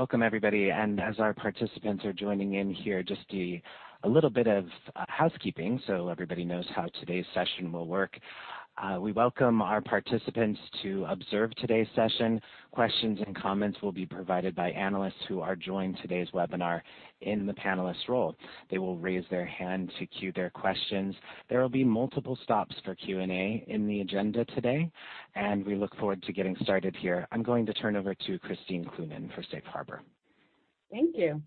Welcome, everybody. And as our participants are joining in here, just a little bit of housekeeping so everybody knows how today's session will work. We welcome our participants to observe today's session. Questions and comments will be provided by analysts who are joined today's webinar in the panelist role. They will raise their hand to queue their questions. There will be multiple stops for Q&A in the agenda today, and we look forward to getting started here. I'm going to turn over to Christine Cloonan for Safe Harbor. Thank you.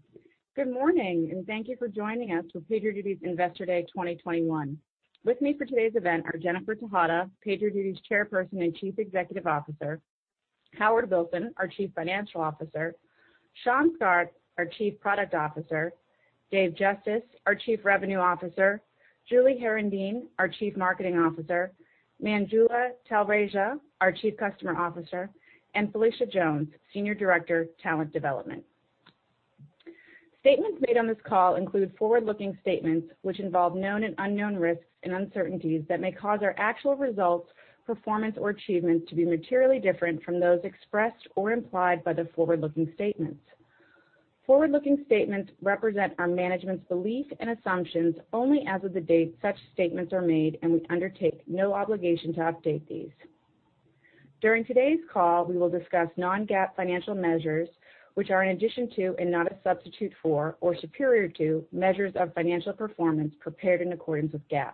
Good morning, and thank you for joining us for PagerDuty's Investor Day 2021. With me for today's event are Jennifer Tejada, PagerDuty's Chairperson and Chief Executive Officer, Howard Wilson, our Chief Financial Officer, Sean Scott, our Chief Product Officer, Dave Justice, our Chief Revenue Officer, Julie Herendeen, our Chief Marketing Officer, Manjula Talreja, our Chief Customer Officer, and Phylicia Jones, Senior Director, Talent Development. Statements made on this call include forward-looking statements which involve known and unknown risks and uncertainties that may cause our actual results, performance, or achievements to be materially different from those expressed or implied by the forward-looking statements. Forward-looking statements represent our management's belief and assumptions only as of the date such statements are made, and we undertake no obligation to update these. During today's call, we will discuss non-GAAP financial measures, which are in addition to, and not a substitute for, or superior to, measures of financial performance prepared in accordance with GAAP.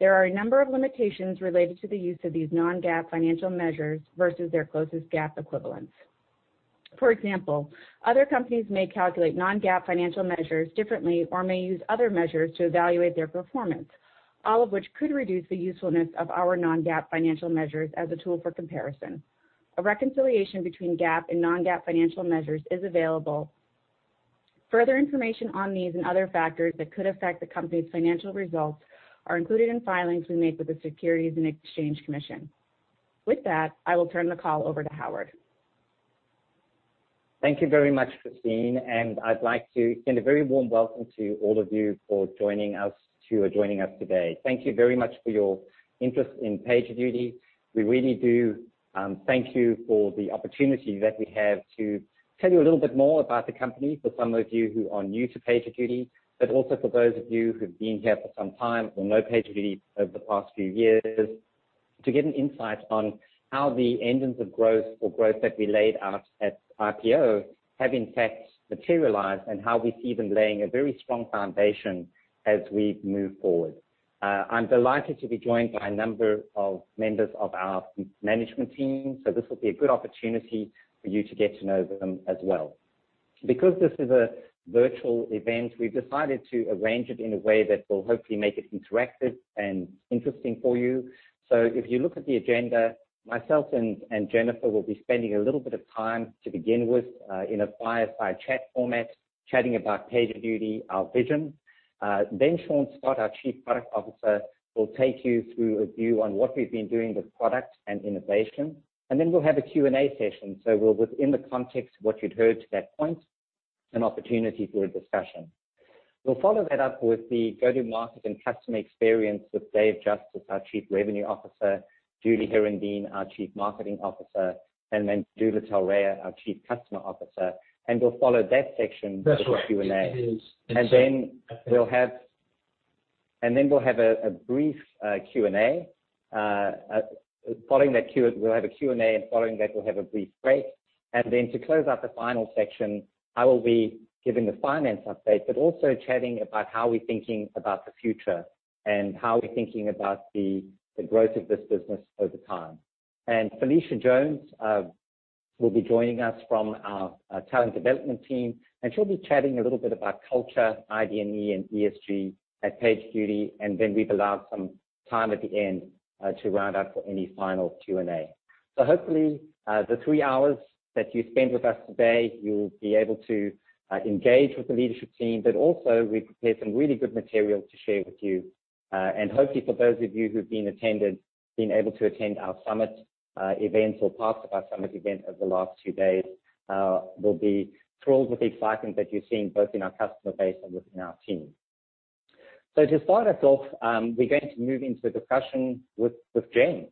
There are a number of limitations related to the use of these non-GAAP financial measures versus their closest GAAP equivalents. For example, other companies may calculate non-GAAP financial measures differently or may use other measures to evaluate their performance, all of which could reduce the usefulness of our non-GAAP financial measures as a tool for comparison. A reconciliation between GAAP and non-GAAP financial measures is available. Further information on these and other factors that could affect the company's financial results are included in filings we make with the Securities and Exchange Commission. With that, I will turn the call over to Howard. Thank you very much, Christine, and I'd like to extend a very warm welcome to all of you for joining us today. Thank you very much for your interest in PagerDuty. We really do thank you for the opportunity that we have to tell you a little bit more about the company for some of you who are new to PagerDuty, but also for those of you who've been here for some time or know PagerDuty over the past few years, to get an insight on how the engines of growth or growth that we laid out at IPO have, in fact, materialized and how we see them laying a very strong foundation as we move forward. I'm delighted to be joined by a number of members of our management team, so this will be a good opportunity for you to get to know them as well. Because this is a virtual event, we've decided to arrange it in a way that will hopefully make it interactive and interesting for you, so if you look at the agenda, myself and Jennifer will be spending a little bit of time to begin with in a fireside chat format chatting about PagerDuty, our vision, then Sean Scott, our Chief Product Officer, will take you through a view on what we've been doing with product and innovation, and then we'll have a Q&A session, so we'll, within the context of what you'd heard to that point, an opportunity for a discussion. We'll follow that up with the go-to-market and customer experience with Dave Justice, our Chief Revenue Officer, Julie Herendeen, our Chief Marketing Officer, and Manjula Talreja, our Chief Customer Officer, and we'll follow that section with a Q&A. And then we'll have a brief Q&A. Following that, we'll have a Q&A, and following that, we'll have a brief break. And then to close out the final section, I will be giving the finance update, but also chatting about how we're thinking about the future and how we're thinking about the growth of this business over time. And Phylicia Jones will be joining us from our Talent Development team, and she'll be chatting a little bit about culture, ID&E, and ESG at PagerDuty, and then we've allowed some time at the end to round up for any final Q&A. So hopefully, the three hours that you spend with us today, you'll be able to engage with the leadership team, but also we've prepared some really good material to share with you. Hopefully, for those of you who've been able to attend our Summit events or parts of our Summit event over the last few days, will be thrilled with the excitement that you're seeing both in our customer base and within our team. To start us off, we're going to move into a discussion with Jen.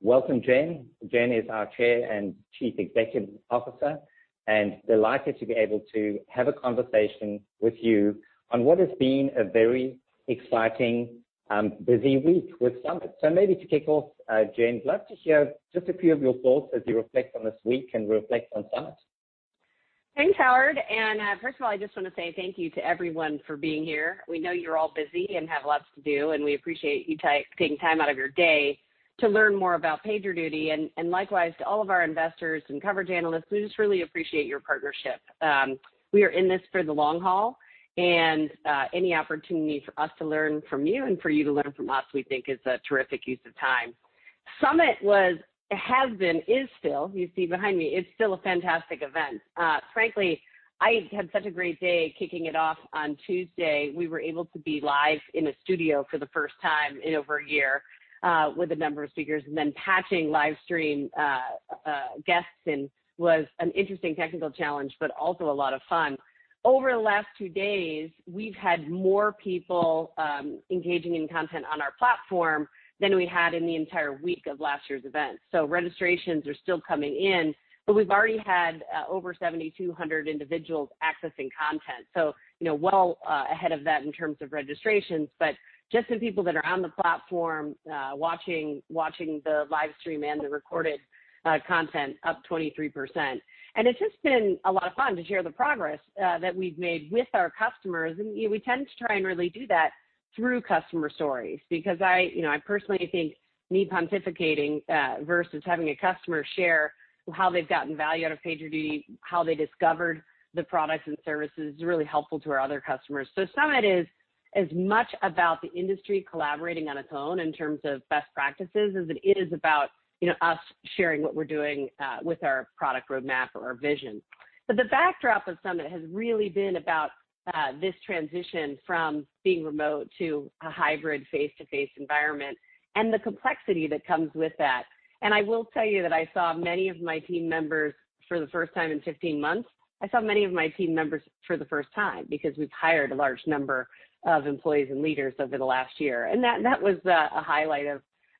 Welcome, Jen. Jen is our Chair and Chief Executive Officer, and delighted to be able to have a conversation with you on what has been a very exciting, busy week with Summit. Maybe to kick off, Jen, I'd love to hear just a few of your thoughts as you reflect on this week and reflect on Summit. Thanks, Howard, and first of all, I just want to say thank you to everyone for being here. We know you're all busy and have lots to do, and we appreciate you taking time out of your day to learn more about PagerDuty, and likewise, to all of our investors and coverage analysts, we just really appreciate your partnership. We are in this for the long haul, and any opportunity for us to learn from you and for you to learn from us, we think, is a terrific use of time. Summit has been, is still, you see behind me, it's still a fantastic event. Frankly, I had such a great day kicking it off on Tuesday. We were able to be live in a studio for the first time in over a year with a number of speakers and then patching livestream guests in. Was an interesting technical challenge, but also a lot of fun. Over the last two days, we've had more people engaging in content on our platform than we had in the entire week of last year's event, so registrations are still coming in, but we've already had over 7,200 individuals accessing content, so well ahead of that in terms of registrations, but just the people that are on the platform watching the livestream and the recorded content, up 23%, and it's just been a lot of fun to share the progress that we've made with our customers, and we tend to try and really do that through customer stories because I personally think me pontificating versus having a customer share how they've gotten value out of PagerDuty, how they discovered the products and services, is really helpful to our other customers. Summit is as much about the industry collaborating on its own in terms of best practices as it is about us sharing what we're doing with our product roadmap or our vision. But the backdrop of Summit has really been about this transition from being remote to a hybrid face-to-face environment and the complexity that comes with that. And I will tell you that I saw many of my team members for the first time in 15 months. I saw many of my team members for the first time because we've hired a large number of employees and leaders over the last year. And that was a highlight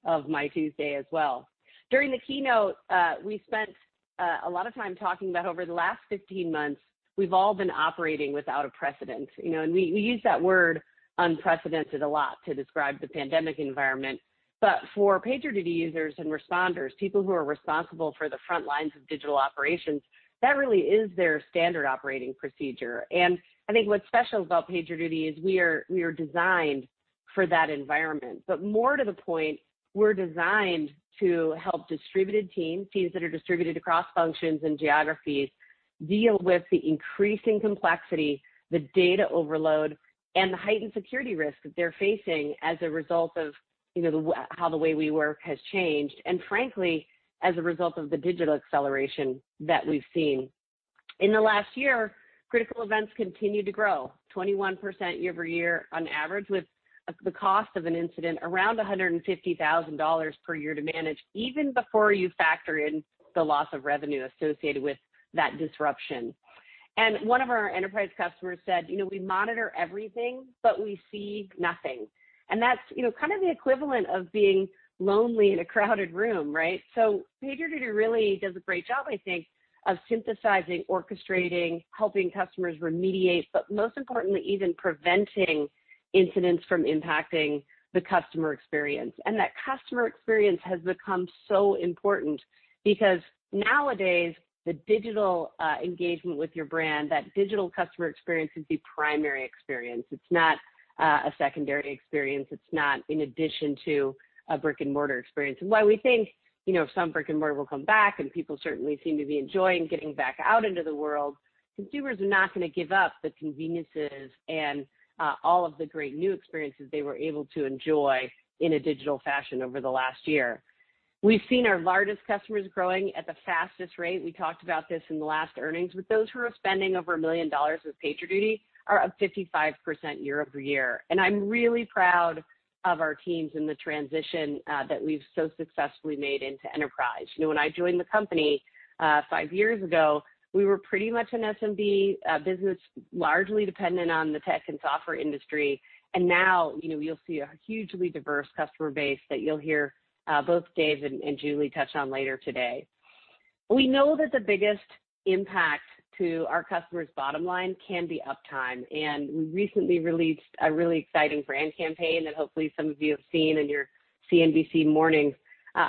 of my Tuesday as well. During the keynote, we spent a lot of time talking about, over the last 15 months, we've all been operating without a precedent. And we use that word unprecedented a lot to describe the pandemic environment. But for PagerDuty users and responders, people who are responsible for the front lines of digital operations, that really is their standard operating procedure, and I think what's special about PagerDuty is we are designed for that environment, but more to the point, we're designed to help distributed teams, teams that are distributed across functions and geographies, deal with the increasing complexity, the data overload, and the heightened security risk that they're facing as a result of how the way we work has changed and, frankly, as a result of the digital acceleration that we've seen. In the last year, critical events continued to grow, 21% year over year on average, with the cost of an incident around $150,000 per year to manage, even before you factor in the loss of revenue associated with that disruption. And one of our enterprise customers said, "We monitor everything, but we see nothing." And that's kind of the equivalent of being lonely in a crowded room, right? So PagerDuty really does a great job, I think, of synthesizing, orchestrating, helping customers remediate, but most importantly, even preventing incidents from impacting the customer experience. And that customer experience has become so important because nowadays, the digital engagement with your brand, that digital customer experience is the primary experience. It's not a secondary experience. It's not in addition to a brick-and-mortar experience. And while we think some brick-and-mortar will come back and people certainly seem to be enjoying getting back out into the world, consumers are not going to give up the conveniences and all of the great new experiences they were able to enjoy in a digital fashion over the last year. We've seen our largest customers growing at the fastest rate. We talked about this in the last earnings, but those who are spending over $1 million with PagerDuty are up 55% year over year, and I'm really proud of our teams and the transition that we've so successfully made into enterprise. When I joined the company five years ago, we were pretty much an SMB business, largely dependent on the tech and software industry, and now you'll see a hugely diverse customer base that you'll hear both Dave and Julie touch on later today. We know that the biggest impact to our customers' bottom line can be uptime, and we recently released a really exciting brand campaign that hopefully some of you have seen in your CNBC morning.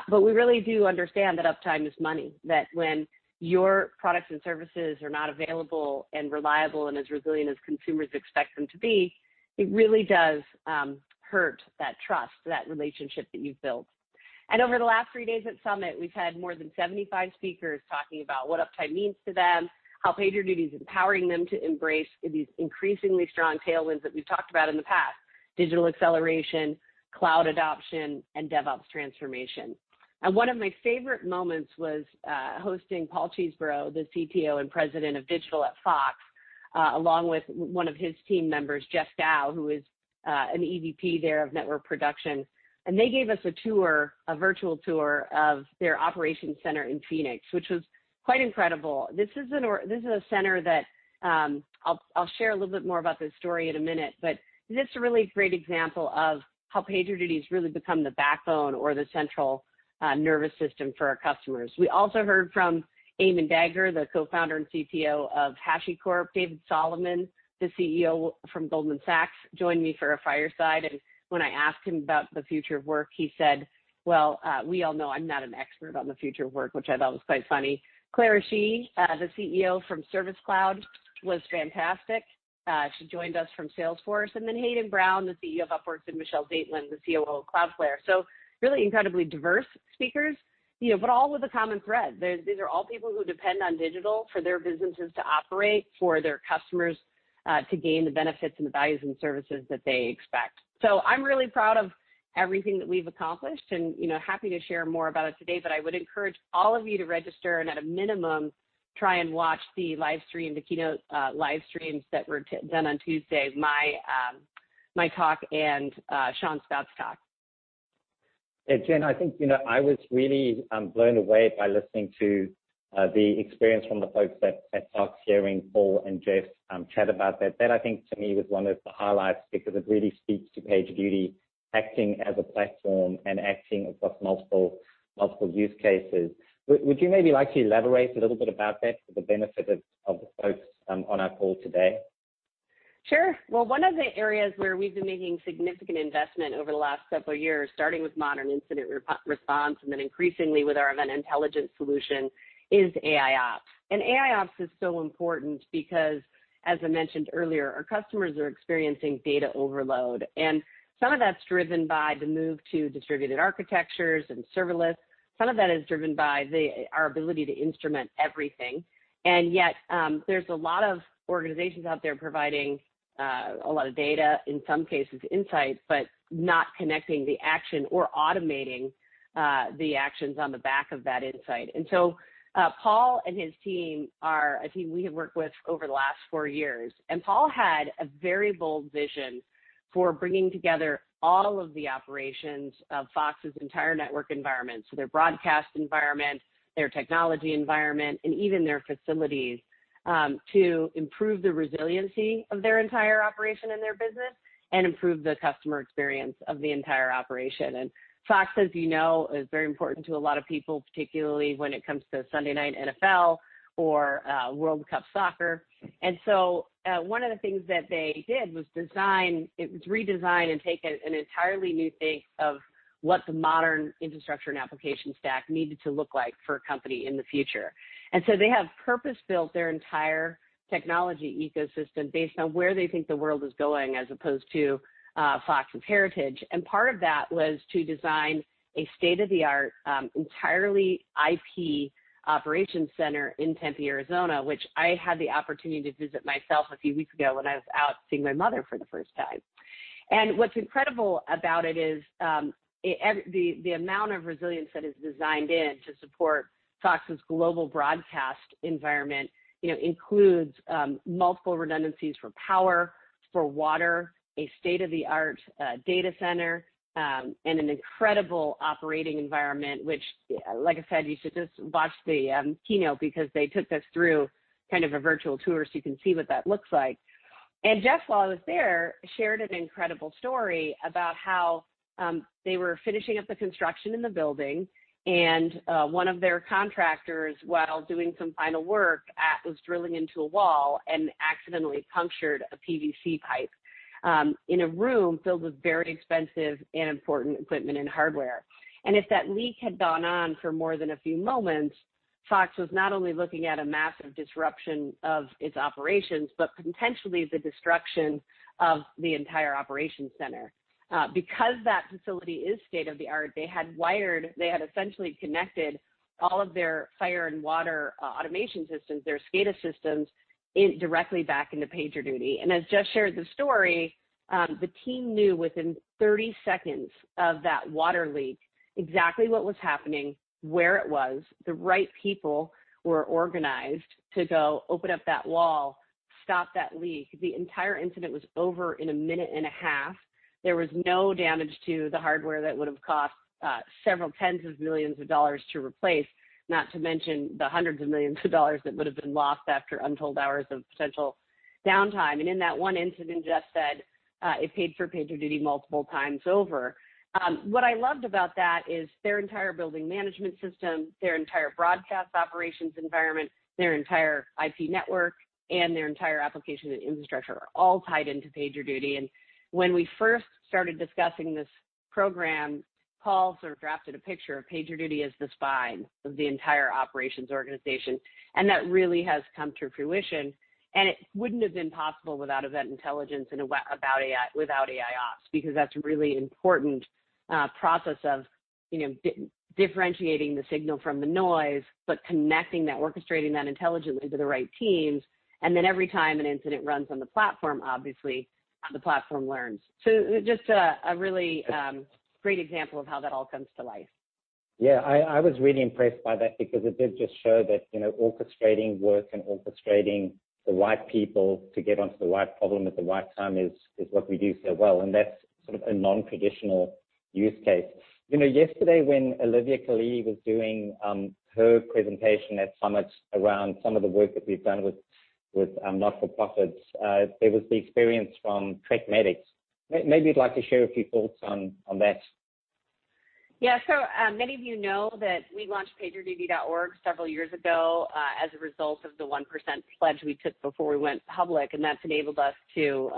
But we really do understand that uptime is money, that when your products and services are not available and reliable and as resilient as consumers expect them to be, it really does hurt that trust, that relationship that you've built. And over the last three days at Summit, we've had more than 75 speakers talking about what uptime means to them, how PagerDuty is empowering them to embrace these increasingly strong tailwinds that we've talked about in the past: digital acceleration, cloud adoption, and DevOps transformation. And one of my favorite moments was hosting Paul Cheesbrough, the CTO and President of Digital at Fox, along with one of his team members, Jeff Dow, who is an EVP there of Network Production. And they gave us a tour, a virtual tour of their operations center in Phoenix, which was quite incredible. This is a center that I'll share a little bit more about this story in a minute, but this is a really great example of how PagerDuty has really become the backbone or the central nervous system for our customers. We also heard from Armon Dadgar, the Co-founder and CTO of HashiCorp, David Solomon, the CEO from Goldman Sachs, joined me for a fireside, and when I asked him about the future of work, he said, "Well, we all know I'm not an expert on the future of work," which I thought was quite funny. Clara Shih, the CEO from Service Cloud, was fantastic. She joined us from Salesforce, and then Hayden Brown, the CEO of Upwork, and Michelle Zatlyn, the COO of Cloudflare, so really incredibly diverse speakers, but all with a common thread. These are all people who depend on digital for their businesses to operate, for their customers to gain the benefits and the values and services that they expect. So I'm really proud of everything that we've accomplished and happy to share more about it today. But I would encourage all of you to register and, at a minimum, try and watch the livestream, the keynote livestreams that were done on Tuesday, my talk and Sean Scott's talk. And Jen, I think I was really blown away by listening to the experience from the folks at Fox, hearing Paul and Jeff chat about that. That, I think, to me, was one of the highlights because it really speaks to PagerDuty acting as a platform and acting across multiple use cases. Would you maybe like to elaborate a little bit about that for the benefit of the folks on our call today? Sure. Well, one of the areas where we've been making significant investment over the last several years, starting with modern incident response and then increasingly with our event intelligence solution, is AIOps. And AIOps is so important because, as I mentioned earlier, our customers are experiencing data overload. And some of that's driven by the move to distributed architectures and serverless. Some of that is driven by our ability to instrument everything. And yet, there's a lot of organizations out there providing a lot of data, in some cases insight, but not connecting the action or automating the actions on the back of that insight. And so Paul and his team are a team we have worked with over the last four years. Paul had a very bold vision for bringing together all of the operations of Fox's entire network environment, so their broadcast environment, their technology environment, and even their facilities to improve the resiliency of their entire operation and their business and improve the customer experience of the entire operation. Fox, as you know, is very important to a lot of people, particularly when it comes to Sunday night NFL or World Cup soccer. One of the things that they did was design, redesign, and take an entirely new think of what the modern infrastructure and application stack needed to look like for a company in the future. They have purpose-built their entire technology ecosystem based on where they think the world is going as opposed to Fox's heritage. And part of that was to design a state-of-the-art, entirely IP operations center in Tempe, Arizona, which I had the opportunity to visit myself a few weeks ago when I was out seeing my mother for the first time. And what's incredible about it is the amount of resilience that is designed in to support Fox's global broadcast environment includes multiple redundancies for power, for water, a state-of-the-art data center, and an incredible operating environment, which, like I said, you should just watch the keynote because they took us through kind of a virtual tour so you can see what that looks like. And Jeff, while I was there, shared an incredible story about how they were finishing up the construction in the building. And one of their contractors, while doing some final work, was drilling into a wall and accidentally punctured a PVC pipe in a room filled with very expensive and important equipment and hardware. And if that leak had gone on for more than a few moments, Fox was not only looking at a massive disruption of its operations, but potentially the destruction of the entire operations center. Because that facility is state-of-the-art, they had wired, they had essentially connected all of their fire and water automation systems, their SCADA systems, directly back into PagerDuty. And as Jeff shared the story, the team knew within 30 seconds of that water leak exactly what was happening, where it was. The right people were organized to go open up that wall, stop that leak. The entire incident was over in a minute and a half. There was no damage to the hardware that would have cost $several tens of millions of dollars to replace, not to mention the $hundreds of millions of dollars that would have been lost after untold hours of potential downtime. And in that one incident, Jeff said, it paid for PagerDuty multiple times over. What I loved about that is their entire building management system, their entire broadcast operations environment, their entire IP network, and their entire application and infrastructure are all tied into PagerDuty. And when we first started discussing this program, Paul sort of drafted a picture of PagerDuty as the spine of the entire operations organization. And that really has come to fruition. And it wouldn't have been possible without event intelligence and without AIOps because that's a really important process of differentiating the signal from the noise, but connecting that, orchestrating that intelligently to the right teams. And then every time an incident runs on the platform, obviously, the platform learns. So just a really great example of how that all comes to life. Yeah. I was really impressed by that because it did just show that orchestrating work and orchestrating the right people to get onto the right problem at the right time is what we do so well, and that's sort of a non-traditional use case. Yesterday, when Olivia Khalidi was doing her presentation at Summit around some of the work that we've done with not-for-profits, there was the experience from Trek Medics. Maybe you'd like to share a few thoughts on that. Yeah, so many of you know that we launched PagerDuty.org several years ago as a result of the 1% pledge we took before we went public, and that's enabled us to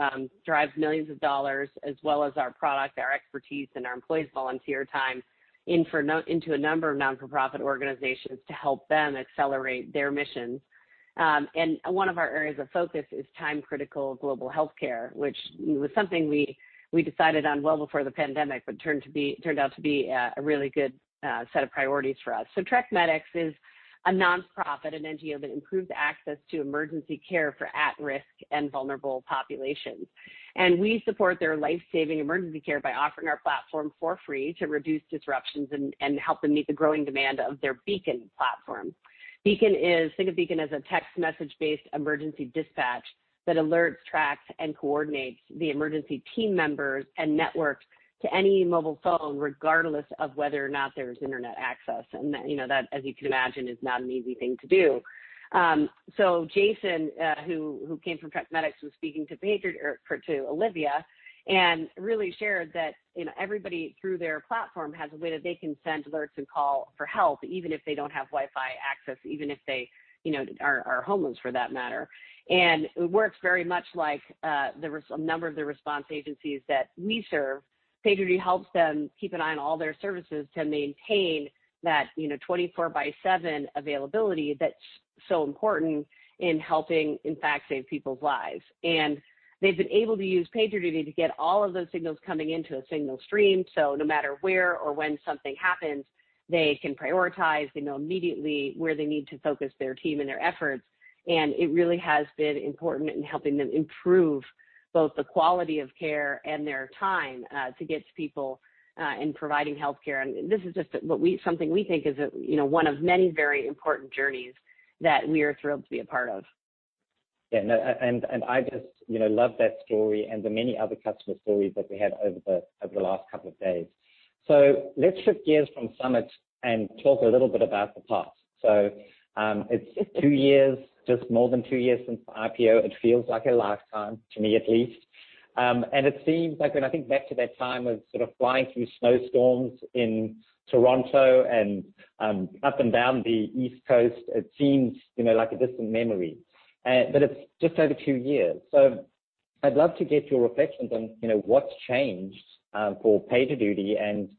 drive millions of dollars as well as our product, our expertise, and our employees' volunteer time into a number of not-for-profit organizations to help them accelerate their missions, and one of our areas of focus is time-critical global healthcare, which was something we decided on well before the pandemic, but turned out to be a really good set of priorities for us, so Trek Medics is a nonprofit, an NGO that improves access to emergency care for at-risk and vulnerable populations, and we support their lifesaving emergency care by offering our platform for free to reduce disruptions and help them meet the growing demand of their Beacon platform. Beacon. Think of Beacon as a text message-based emergency dispatch that alerts, tracks, and coordinates the emergency team members and networks to any mobile phone, regardless of whether or not there is internet access. And that, as you can imagine, is not an easy thing to do. So Jason, who came from Trek Medics, was speaking to Olivia and really shared that everybody through their platform has a way that they can send alerts and call for help, even if they don't have Wi-Fi access, even if they are homeless for that matter. And it works very much like a number of the response agencies that we serve. PagerDuty helps them keep an eye on all their services to maintain that 24x7 availability that's so important in helping, in fact, save people's lives. And they've been able to use PagerDuty to get all of those signals coming into a single stream. So no matter where or when something happens, they can prioritize. They know immediately where they need to focus their team and their efforts. And it really has been important in helping them improve both the quality of care and their time to get to people and providing healthcare. And this is just something we think is one of many very important journeys that we are thrilled to be a part of. Yeah. And I just love that story and the many other customer stories that we had over the last couple of days. So let's shift gears from Summit and talk a little bit about the past. So it's two years, just more than two years since the IPO. It feels like a lifetime to me, at least. And it seems like when I think back to that time of sort of flying through snowstorms in Toronto and up and down the East Coast, it seems like a distant memory. But it's just over two years. So I'd love to get your reflections on what's changed for PagerDuty and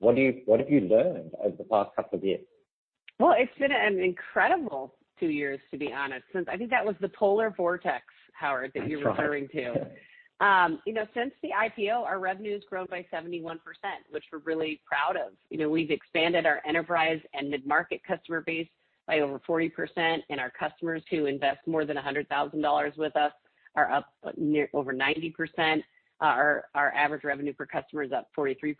what have you learned over the past couple of years? It's been an incredible two years, to be honest, since I think that was the polar vortex, Howard, that you were referring to. That's right. Since the IPO, our revenue has grown by 71%, which we're really proud of. We've expanded our enterprise and mid-market customer base by over 40%, and our customers who invest more than $100,000 with us are up over 90%. Our average revenue per customer is up 43%,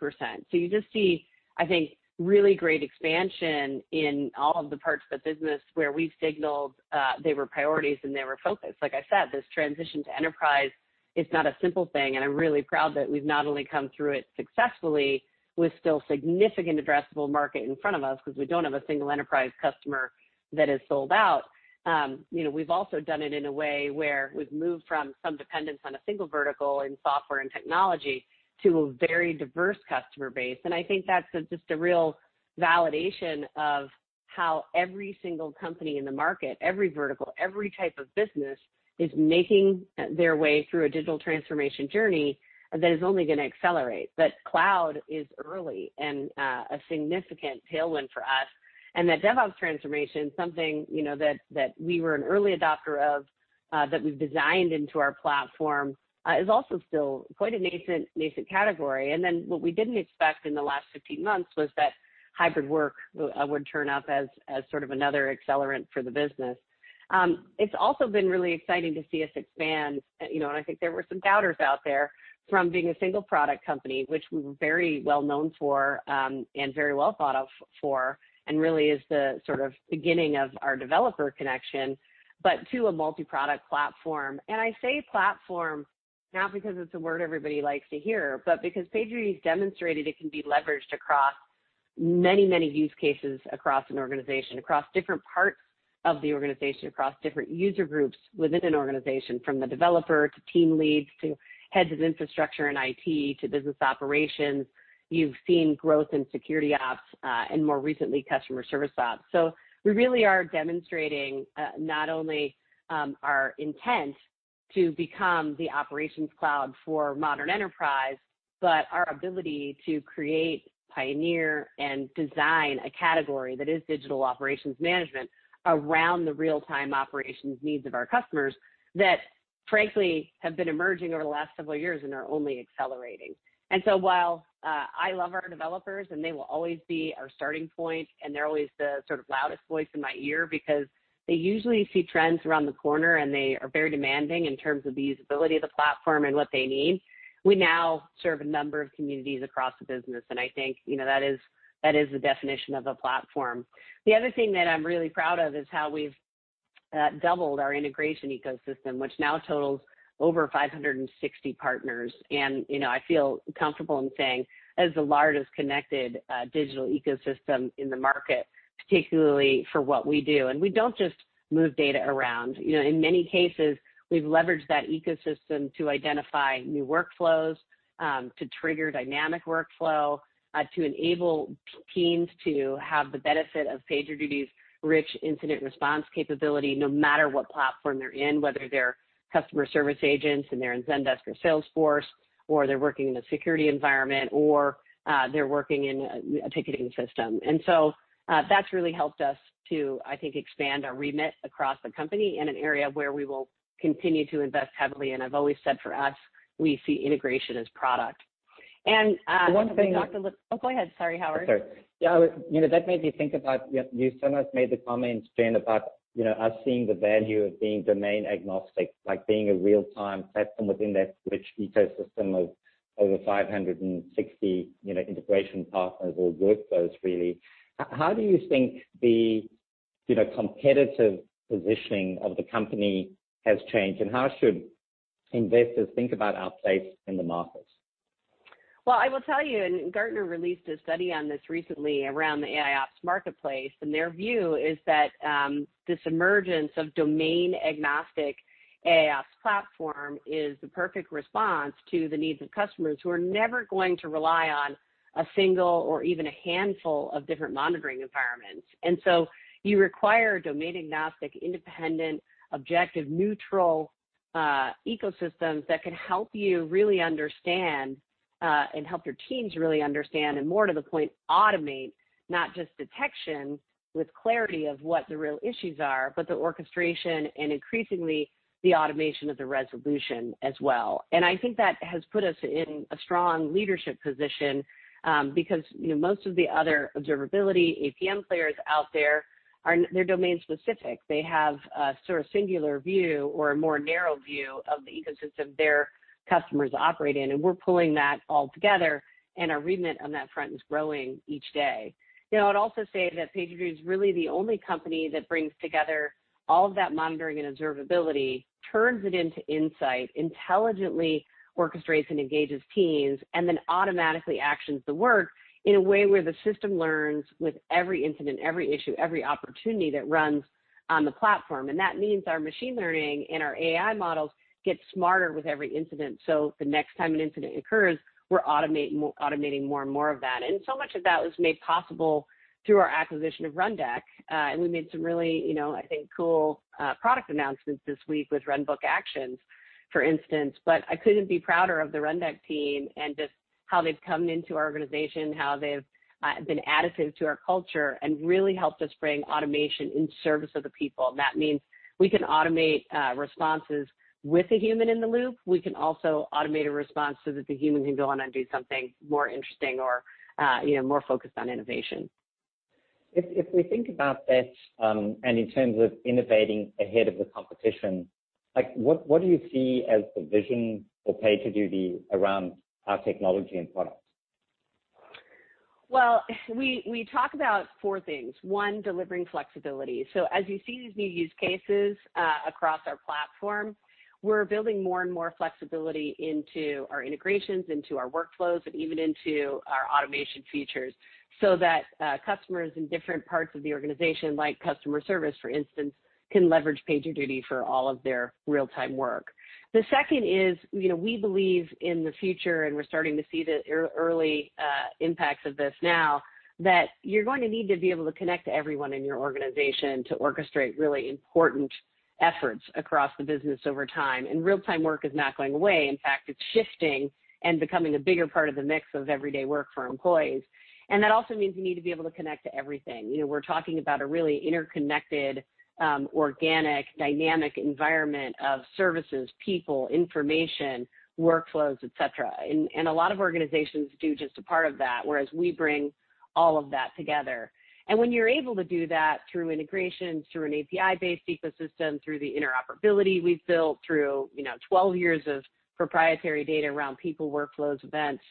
so you just see, I think, really great expansion in all of the parts of the business where we've signaled they were priorities and they were focused. Like I said, this transition to enterprise is not a simple thing, and I'm really proud that we've not only come through it successfully with still significant addressable market in front of us because we don't have a single enterprise customer that is sold out. We've also done it in a way where we've moved from some dependence on a single vertical in software and technology to a very diverse customer base. And I think that's just a real validation of how every single company in the market, every vertical, every type of business is making their way through a digital transformation journey that is only going to accelerate. But cloud is early and a significant tailwind for us. And that DevOps transformation, something that we were an early adopter of, that we've designed into our platform, is also still quite a nascent category. And then what we didn't expect in the last 15 months was that hybrid work would turn up as sort of another accelerant for the business. It's also been really exciting to see us expand. And I think there were some doubters out there from being a single product company, which we were very well known for and very well thought of for, and really is the sort of beginning of our developer connection, but to a multi-product platform. And I say platform now because it's a word everybody likes to hear, but because PagerDuty has demonstrated it can be leveraged across many, many use cases across an organization, across different parts of the organization, across different user groups within an organization, from the developer to team leads to heads of infrastructure and IT to business operations. You've seen growth in security ops and more recently customer service ops. So we really are demonstrating not only our intent to become the Operations Cloud for modern enterprise, but our ability to create, pioneer, and design a category that is digital operations management around the real-time operations needs of our customers that, frankly, have been emerging over the last several years and are only accelerating. And so while I love our developers and they will always be our starting point, and they're always the sort of loudest voice in my ear because they usually see trends around the corner and they are very demanding in terms of the usability of the platform and what they need, we now serve a number of communities across the business. And I think that is the definition of a platform. The other thing that I'm really proud of is how we've doubled our integration ecosystem, which now totals over 560 partners. And I feel comfortable in saying that is the largest connected digital ecosystem in the market, particularly for what we do. And we don't just move data around. In many cases, we've leveraged that ecosystem to identify new workflows, to trigger dynamic workflow, to enable teams to have the benefit of PagerDuty's rich incident response capability no matter what platform they're in, whether they're customer service agents and they're in Zendesk or Salesforce, or they're working in a security environment, or they're working in a ticketing system. And so that's really helped us to, I think, expand our remit across the company in an area where we will continue to invest heavily. And I've always said for us, we see integration as product. And. One thing. Oh, go ahead. Sorry, Howard. Sorry. Yeah. That made me think about you sometimes made the comment, Jen, about us seeing the value of being domain agnostic, like being a real-time platform within that rich ecosystem of over 560 integration partners or workflows, really. How do you think the competitive positioning of the company has changed, and how should investors think about our place in the market? Well, I will tell you, and Gartner released a study on this recently around the AIOps marketplace. And their view is that this emergence of domain-agnostic AIOps platform is the perfect response to the needs of customers who are never going to rely on a single or even a handful of different monitoring environments. And so you require domain-agnostic, independent, objective, neutral ecosystems that can help you really understand and help your teams really understand, and more to the point, automate not just detection with clarity of what the real issues are, but the orchestration and increasingly the automation of the resolution as well. And I think that has put us in a strong leadership position because most of the other observability APM players out there, they're domain-specific. They have a sort of singular view or a more narrow view of the ecosystem their customers operate in. And we're pulling that all together. And our remit on that front is growing each day. I'd also say that PagerDuty is really the only company that brings together all of that monitoring and observability, turns it into insight, intelligently orchestrates and engages teams, and then automatically actions the work in a way where the system learns with every incident, every issue, every opportunity that runs on the platform. And that means our machine learning and our AI models get smarter with every incident. So the next time an incident occurs, we're automating more and more of that. And so much of that was made possible through our acquisition of Rundeck. And we made some really, I think, cool product announcements this week with Runbook Actions, for instance. But I couldn't be prouder of the Rundeck team and just how they've come into our organization, how they've been additive to our culture, and really helped us bring automation in service of the people. And that means we can automate responses with a human in the loop. We can also automate a response so that the human can go on and do something more interesting or more focused on innovation. If we think about this and in terms of innovating ahead of the competition, what do you see as the vision for PagerDuty around our technology and product? We talk about four things. One, delivering flexibility, so as you see these new use cases across our platform, we're building more and more flexibility into our integrations, into our workflows, and even into our automation features so that customers in different parts of the organization, like customer service, for instance, can leverage PagerDuty for all of their real-time work. The second is, we believe in the future, and we're starting to see the early impacts of this now, that you're going to need to be able to connect to everyone in your organization to orchestrate really important efforts across the business over time, and real-time work is not going away. In fact, it's shifting and becoming a bigger part of the mix of everyday work for employees, and that also means you need to be able to connect to everything. We're talking about a really interconnected, organic, dynamic environment of services, people, information, workflows, etc., and a lot of organizations do just a part of that, whereas we bring all of that together, and when you're able to do that through integrations, through an API-based ecosystem, through the interoperability we've built, through 12 years of proprietary data around people, workflows, events,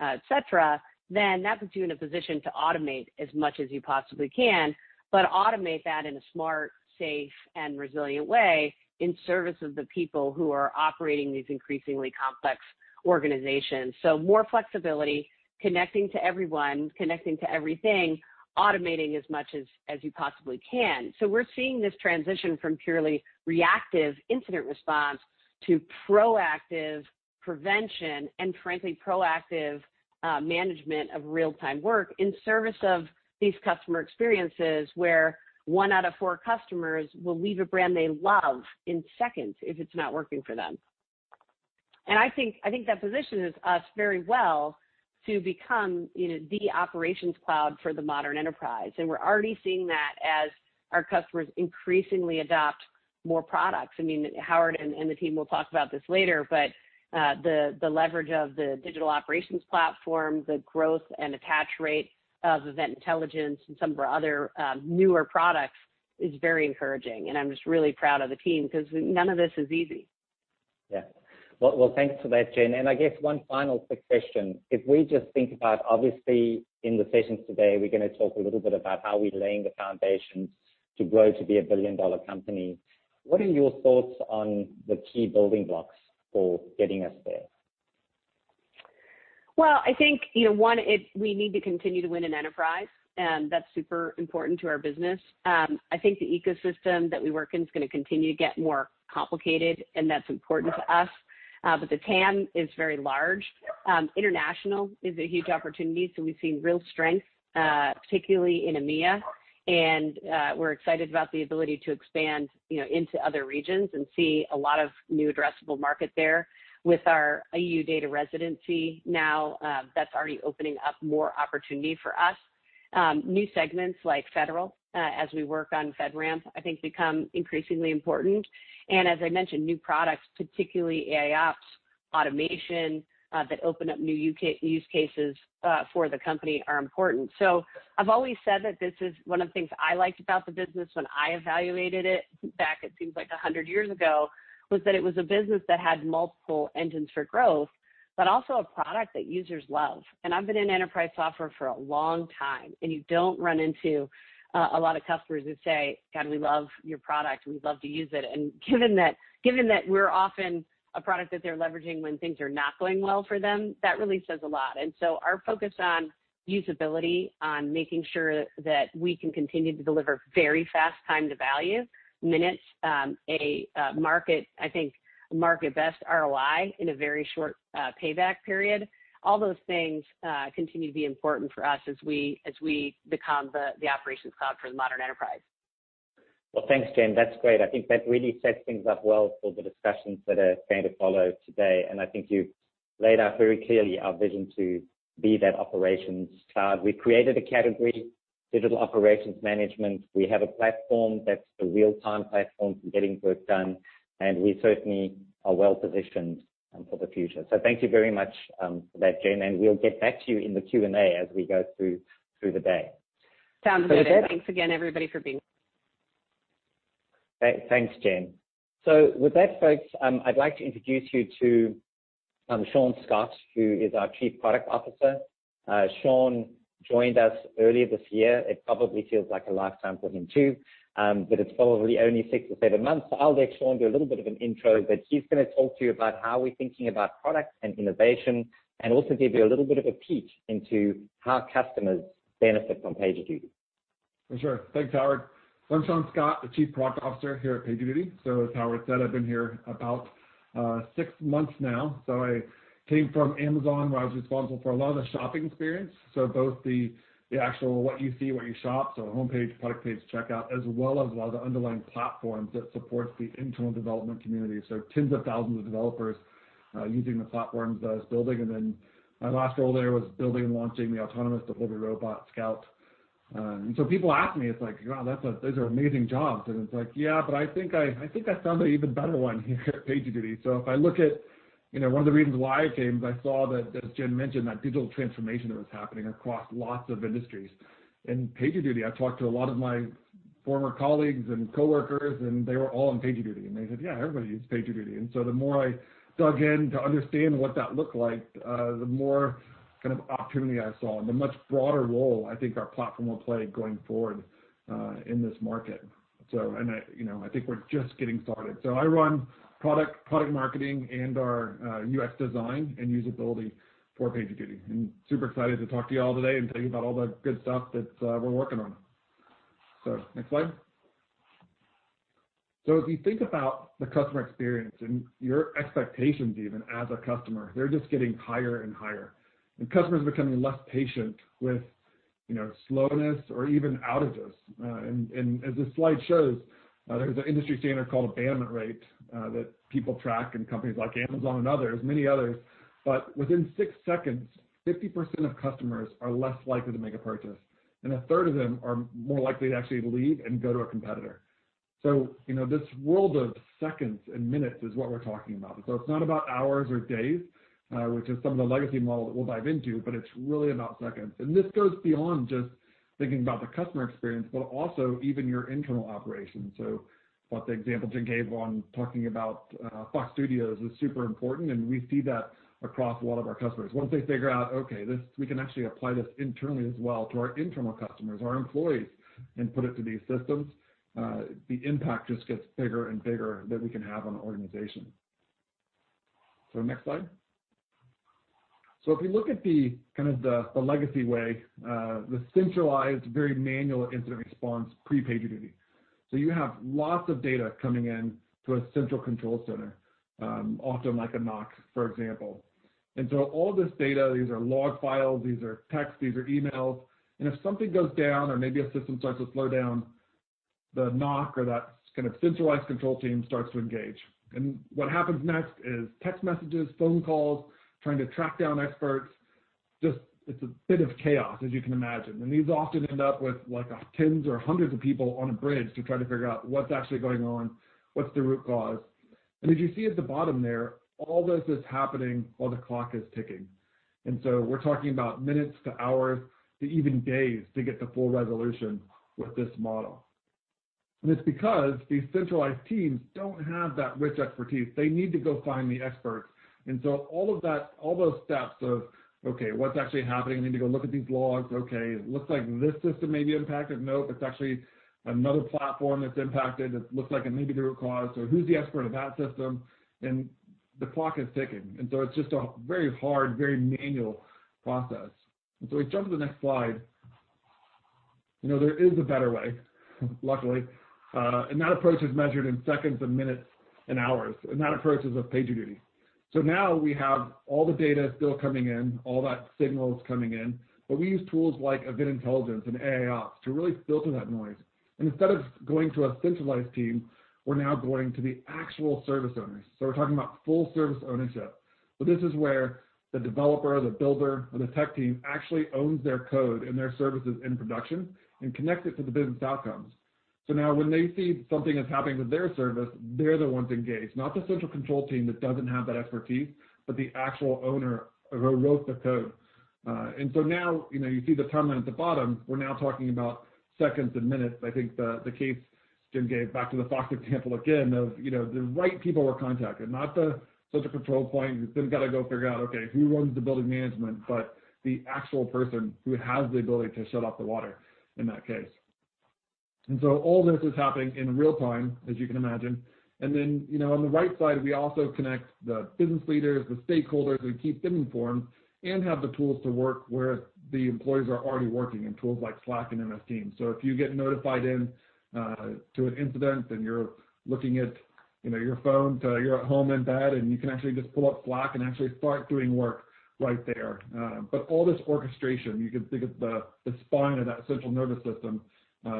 etc., then that puts you in a position to automate as much as you possibly can, but automate that in a smart, safe, and resilient way in service of the people who are operating these increasingly complex organizations, so more flexibility, connecting to everyone, connecting to everything, automating as much as you possibly can. So we're seeing this transition from purely reactive incident response to proactive prevention and, frankly, proactive management of real-time work in service of these customer experiences where one out of four customers will leave a brand they love in seconds if it's not working for them. And I think that positions us very well to become the Operations Cloud for the modern enterprise. And we're already seeing that as our customers increasingly adopt more products. I mean, Howard and the team will talk about this later, but the leverage of the digital operations platform, the growth and attach rate of event intelligence and some of our other newer products is very encouraging. And I'm just really proud of the team because none of this is easy. Yeah, well, thanks for that, Jen, and I guess one final quick question: if we just think about, obviously, in the sessions today, we're going to talk a little bit about how we're laying the foundations to grow to be a billion-dollar company, what are your thoughts on the key building blocks for getting us there? Well, I think one, we need to continue to win in enterprise. And that's super important to our business. I think the ecosystem that we work in is going to continue to get more complicated, and that's important to us. But the TAM is very large. International is a huge opportunity. So we've seen real strength, particularly in EMEA. And we're excited about the ability to expand into other regions and see a lot of new addressable market there. With our EU data residency now, that's already opening up more opportunity for us. New segments like federal, as we work on FedRAMP, I think become increasingly important. And as I mentioned, new products, particularly AIOps, automation that open up new use cases for the company are important. So I've always said that this is one of the things I liked about the business when I evaluated it back, it seems like 100 years ago, was that it was a business that had multiple engines for growth, but also a product that users love. And I've been in enterprise software for a long time. And you don't run into a lot of customers who say, "God, we love your product. We'd love to use it." And given that we're often a product that they're leveraging when things are not going well for them, that really says a lot. And so our focus on usability, on making sure that we can continue to deliver very fast time to value, minutes to market, I think, market-best ROI in a very short payback period, all those things continue to be important for us as we become the Operations Cloud for the modern enterprise. Well, thanks, Jen. That's great. I think that really sets things up well for the discussions that are going to follow today. And I think you've laid out very clearly our vision to be that Operations Cloud. We created a category, digital operations management. We have a platform that's a real-time platform for getting work done. And we certainly are well positioned for the future. So thank you very much for that, Jen. And we'll get back to you in the Q&A as we go through the day. Sounds good. Thanks again, everybody, for being here. Thanks, Jen. So with that, folks, I'd like to introduce you to Sean Scott, who is our Chief Product Officer. Sean joined us earlier this year. It probably feels like a lifetime for him too, but it's probably only six or seven months. So I'll let Sean do a little bit of an intro, but he's going to talk to you about how we're thinking about product and innovation and also give you a little bit of a peek into how customers benefit from PagerDuty. For sure. Thanks, Howard. I'm Sean Scott, the Chief Product Officer here at PagerDuty, so as Howard said, I've been here about six months now, so I came from Amazon, where I was responsible for a lot of the shopping experience, so both the actual what you see, what you shop, so homepage, product page, checkout, as well as a lot of the underlying platforms that support the internal development community, so tens of thousands of developers using the platforms that I was building, and then my last role there was building and launching the autonomous delivery robot, Scout. And so people ask me, it's like, "Wow, those are amazing jobs." And it's like, "Yeah, but I think I found an even better one here at PagerDuty." So if I look at one of the reasons why I came, I saw that, as Jen mentioned, that digital transformation that was happening across lots of industries. In PagerDuty, I talked to a lot of my former colleagues and coworkers, and they were all in PagerDuty. And they said, "Yeah, everybody uses PagerDuty." And so the more I dug in to understand what that looked like, the more kind of opportunity I saw and the much broader role I think our platform will play going forward in this market. And I think we're just getting started. So I run product marketing and our UX design and usability for PagerDuty. And super excited to talk to you all today and tell you about all the good stuff that we're working on. So next slide. So if you think about the customer experience and your expectations even as a customer, they're just getting higher and higher. And customers are becoming less patient with slowness or even outages. And as this slide shows, there's an industry standard called abandonment rate that people track and companies like Amazon and many others. But within six seconds, 50% of customers are less likely to make a purchase. And a third of them are more likely to actually leave and go to a competitor. So this world of seconds and minutes is what we're talking about. So it's not about hours or days, which is some of the legacy model that we'll dive into, but it's really about seconds. This goes beyond just thinking about the customer experience, but also even your internal operations. So I thought the example Jen gave on talking about Fox Studios is super important. And we see that across a lot of our customers. Once they figure out, "Okay, we can actually apply this internally as well to our internal customers, our employees, and put it to these systems," the impact just gets bigger and bigger that we can have on the organization. So next slide. So if you look at kind of the legacy way, the centralized, very manual incident response pre-PagerDuty, so you have lots of data coming in to a central control center, often like a NOC, for example. And so all this data, these are log files, these are texts, these are emails. And if something goes down or maybe a system starts to slow down, the NOC or that kind of centralized control team starts to engage. And what happens next is text messages, phone calls, trying to track down experts. Just, it's a bit of chaos, as you can imagine. And these often end up with tens or hundreds of people on a bridge to try to figure out what's actually going on, what's the root cause. And as you see at the bottom there, all this is happening while the clock is ticking. And so we're talking about minutes to hours to even days to get the full resolution with this model. And it's because these centralized teams don't have that rich expertise. They need to go find the experts. And so all those steps of, "Okay, what's actually happening? I need to go look at these logs. Okay, it looks like this system may be impacted. No, but it's actually another platform that's impacted. It looks like it may be the root cause. So who's the expert of that system? And the clock is ticking. And so it's just a very hard, very manual process. And so we jump to the next slide. There is a better way, luckily. And that approach is measured in seconds and minutes and hours. And that approach is with PagerDuty. So now we have all the data still coming in, all that signal is coming in. But we use tools like event intelligence and AIOps to really filter that noise. And instead of going to a centralized team, we're now going to the actual service owners. So we're talking about full service ownership. So this is where the developer, the builder, or the tech team actually owns their code and their services in production and connects it to the business outcomes. So now when they see something is happening with their service, they're the ones engaged, not the central control team that doesn't have that expertise, but the actual owner who wrote the code. And so now you see the timeline at the bottom. We're now talking about seconds and minutes. I think the case Jen gave, back to the Fox example again, of the right people were contacted, not the central control point. It's then got to go figure out, "Okay, who runs the building management?" But the actual person who has the ability to shut off the water in that case. And so all this is happening in real time, as you can imagine. And then on the right side, we also connect the business leaders, the stakeholders, and keep them informed and have the tools to work where the employees are already working in tools like Slack and MS Teams. So if you get notified into an incident and you're looking at your phone, you're at home in bed, and you can actually just pull up Slack and actually start doing work right there. But all this orchestration, you can think of the spine of that central nervous system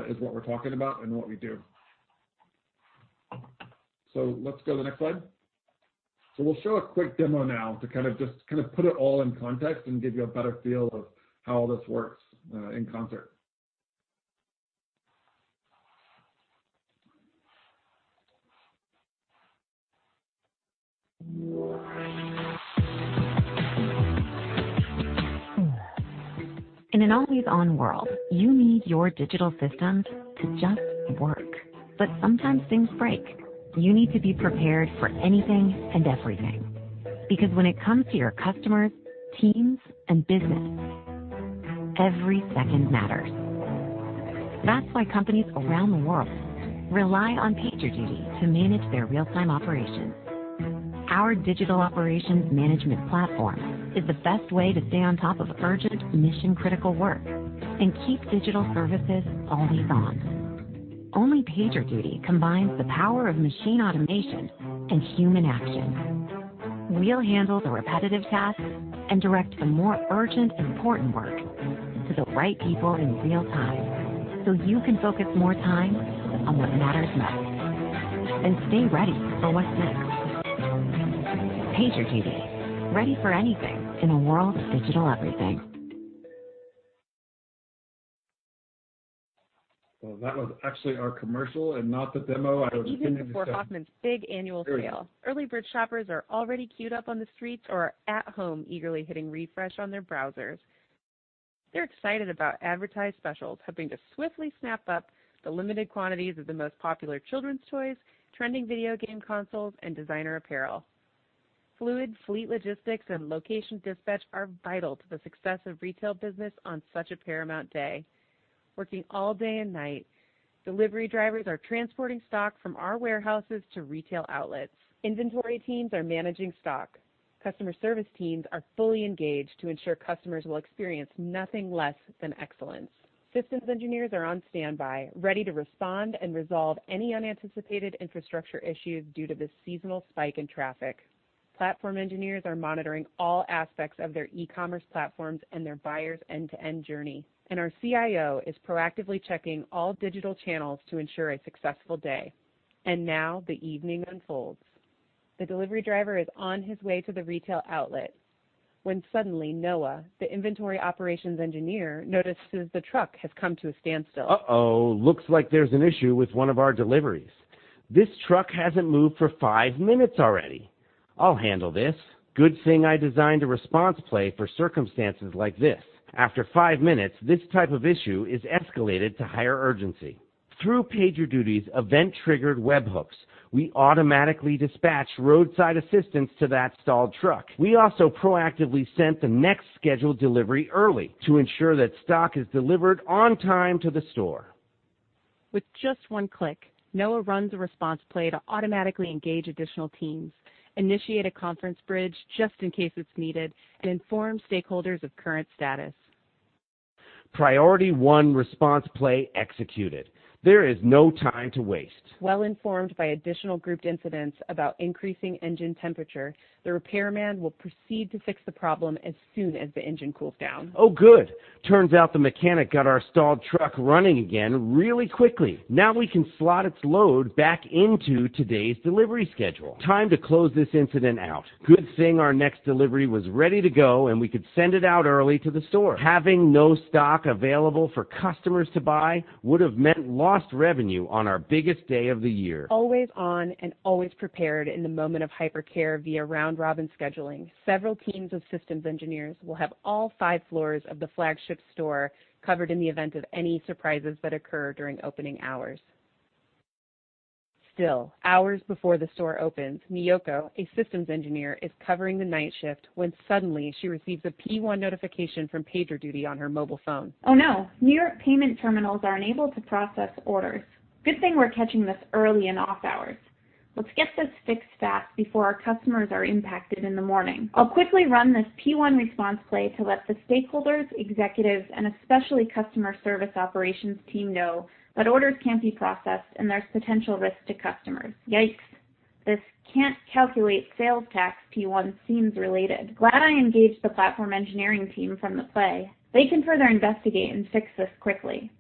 is what we're talking about and what we do. So let's go to the next slide. So we'll show a quick demo now to kind of just put it all in context and give you a better feel of how all this works in concert. In an always-on world, you need your digital systems to just work. But sometimes things break. You need to be prepared for anything and everything. Because when it comes to your customers, teams, and business, every second matters. That's why companies around the world rely on PagerDuty to manage their real-time operations. Our digital operations management platform is the best way to stay on top of urgent, mission-critical work and keep digital services always on. Only PagerDuty combines the power of machine automation and human action. We'll handle the repetitive tasks and direct the more urgent, important work to the right people in real time so you can focus more time on what matters most and stay ready for what's next. PagerDuty, ready for anything in a world of digital everything. That was actually our commercial and not the demo. I was. Even before Hoffman's big annual sale, early bird shoppers are already queued up on the streets or at home eagerly hitting refresh on their browsers. They're excited about advertised specials helping to swiftly snap up the limited quantities of the most popular children's toys, trending video game consoles, and designer apparel. Fluid fleet logistics and location dispatch are vital to the success of retail business on such a paramount day. Working all day and night, delivery drivers are transporting stock from our warehouses to retail outlets. Inventory teams are managing stock. Customer service teams are fully engaged to ensure customers will experience nothing less than excellence. Systems engineers are on standby, ready to respond and resolve any unanticipated infrastructure issues due to the seasonal spike in traffic. Platform engineers are monitoring all aspects of their e-commerce platforms and their buyer's end-to-end journey. Our CIO is proactively checking all digital channels to ensure a successful day. Now the evening unfolds. The delivery driver is on his way to the retail outlet when suddenly Noah, the inventory operations engineer, notices the truck has come to a standstill. Uh-oh. Looks like there's an issue with one of our deliveries. This truck hasn't moved for five minutes already. I'll handle this. Good thing I designed a response play for circumstances like this. After five minutes, this type of issue is escalated to higher urgency. Through PagerDuty's event-triggered webhooks, we automatically dispatch roadside assistance to that stalled truck. We also proactively sent the next scheduled delivery early to ensure that stock is delivered on time to the store. With just one click, Noah runs a response play to automatically engage additional teams, initiate a conference bridge just in case it's needed, and inform stakeholders of current status. Priority one response play executed. There is no time to waste. Well-informed by additional grouped incidents about increasing engine temperature, the repairman will proceed to fix the problem as soon as the engine cools down. Oh, good. Turns out the mechanic got our stalled truck running again really quickly. Now we can slot its load back into today's delivery schedule. Time to close this incident out. Good thing our next delivery was ready to go and we could send it out early to the store. Having no stock available for customers to buy would have meant lost revenue on our biggest day of the year. Always on and always prepared in the moment of hypercare via round-robin scheduling, several teams of systems engineers will have all five floors of the flagship store covered in the event of any surprises that occur during opening hours. Still, hours before the store opens, Miyoko, a systems engineer, is covering the night shift when suddenly she receives a P1 notification from PagerDuty on her mobile phone. Oh, no. New York payment terminals are unable to process orders. Good thing we're catching this early and off hours. Let's get this fixed fast before our customers are impacted in the morning. I'll quickly run this P1 response play to let the stakeholders, executives, and especially customer service operations team know that orders can't be processed and there's potential risk to customers. Yikes. This can't calculate sales tax. P1 seems related. Glad I engaged the platform engineering team from the play. They can further investigate and fix this quickly.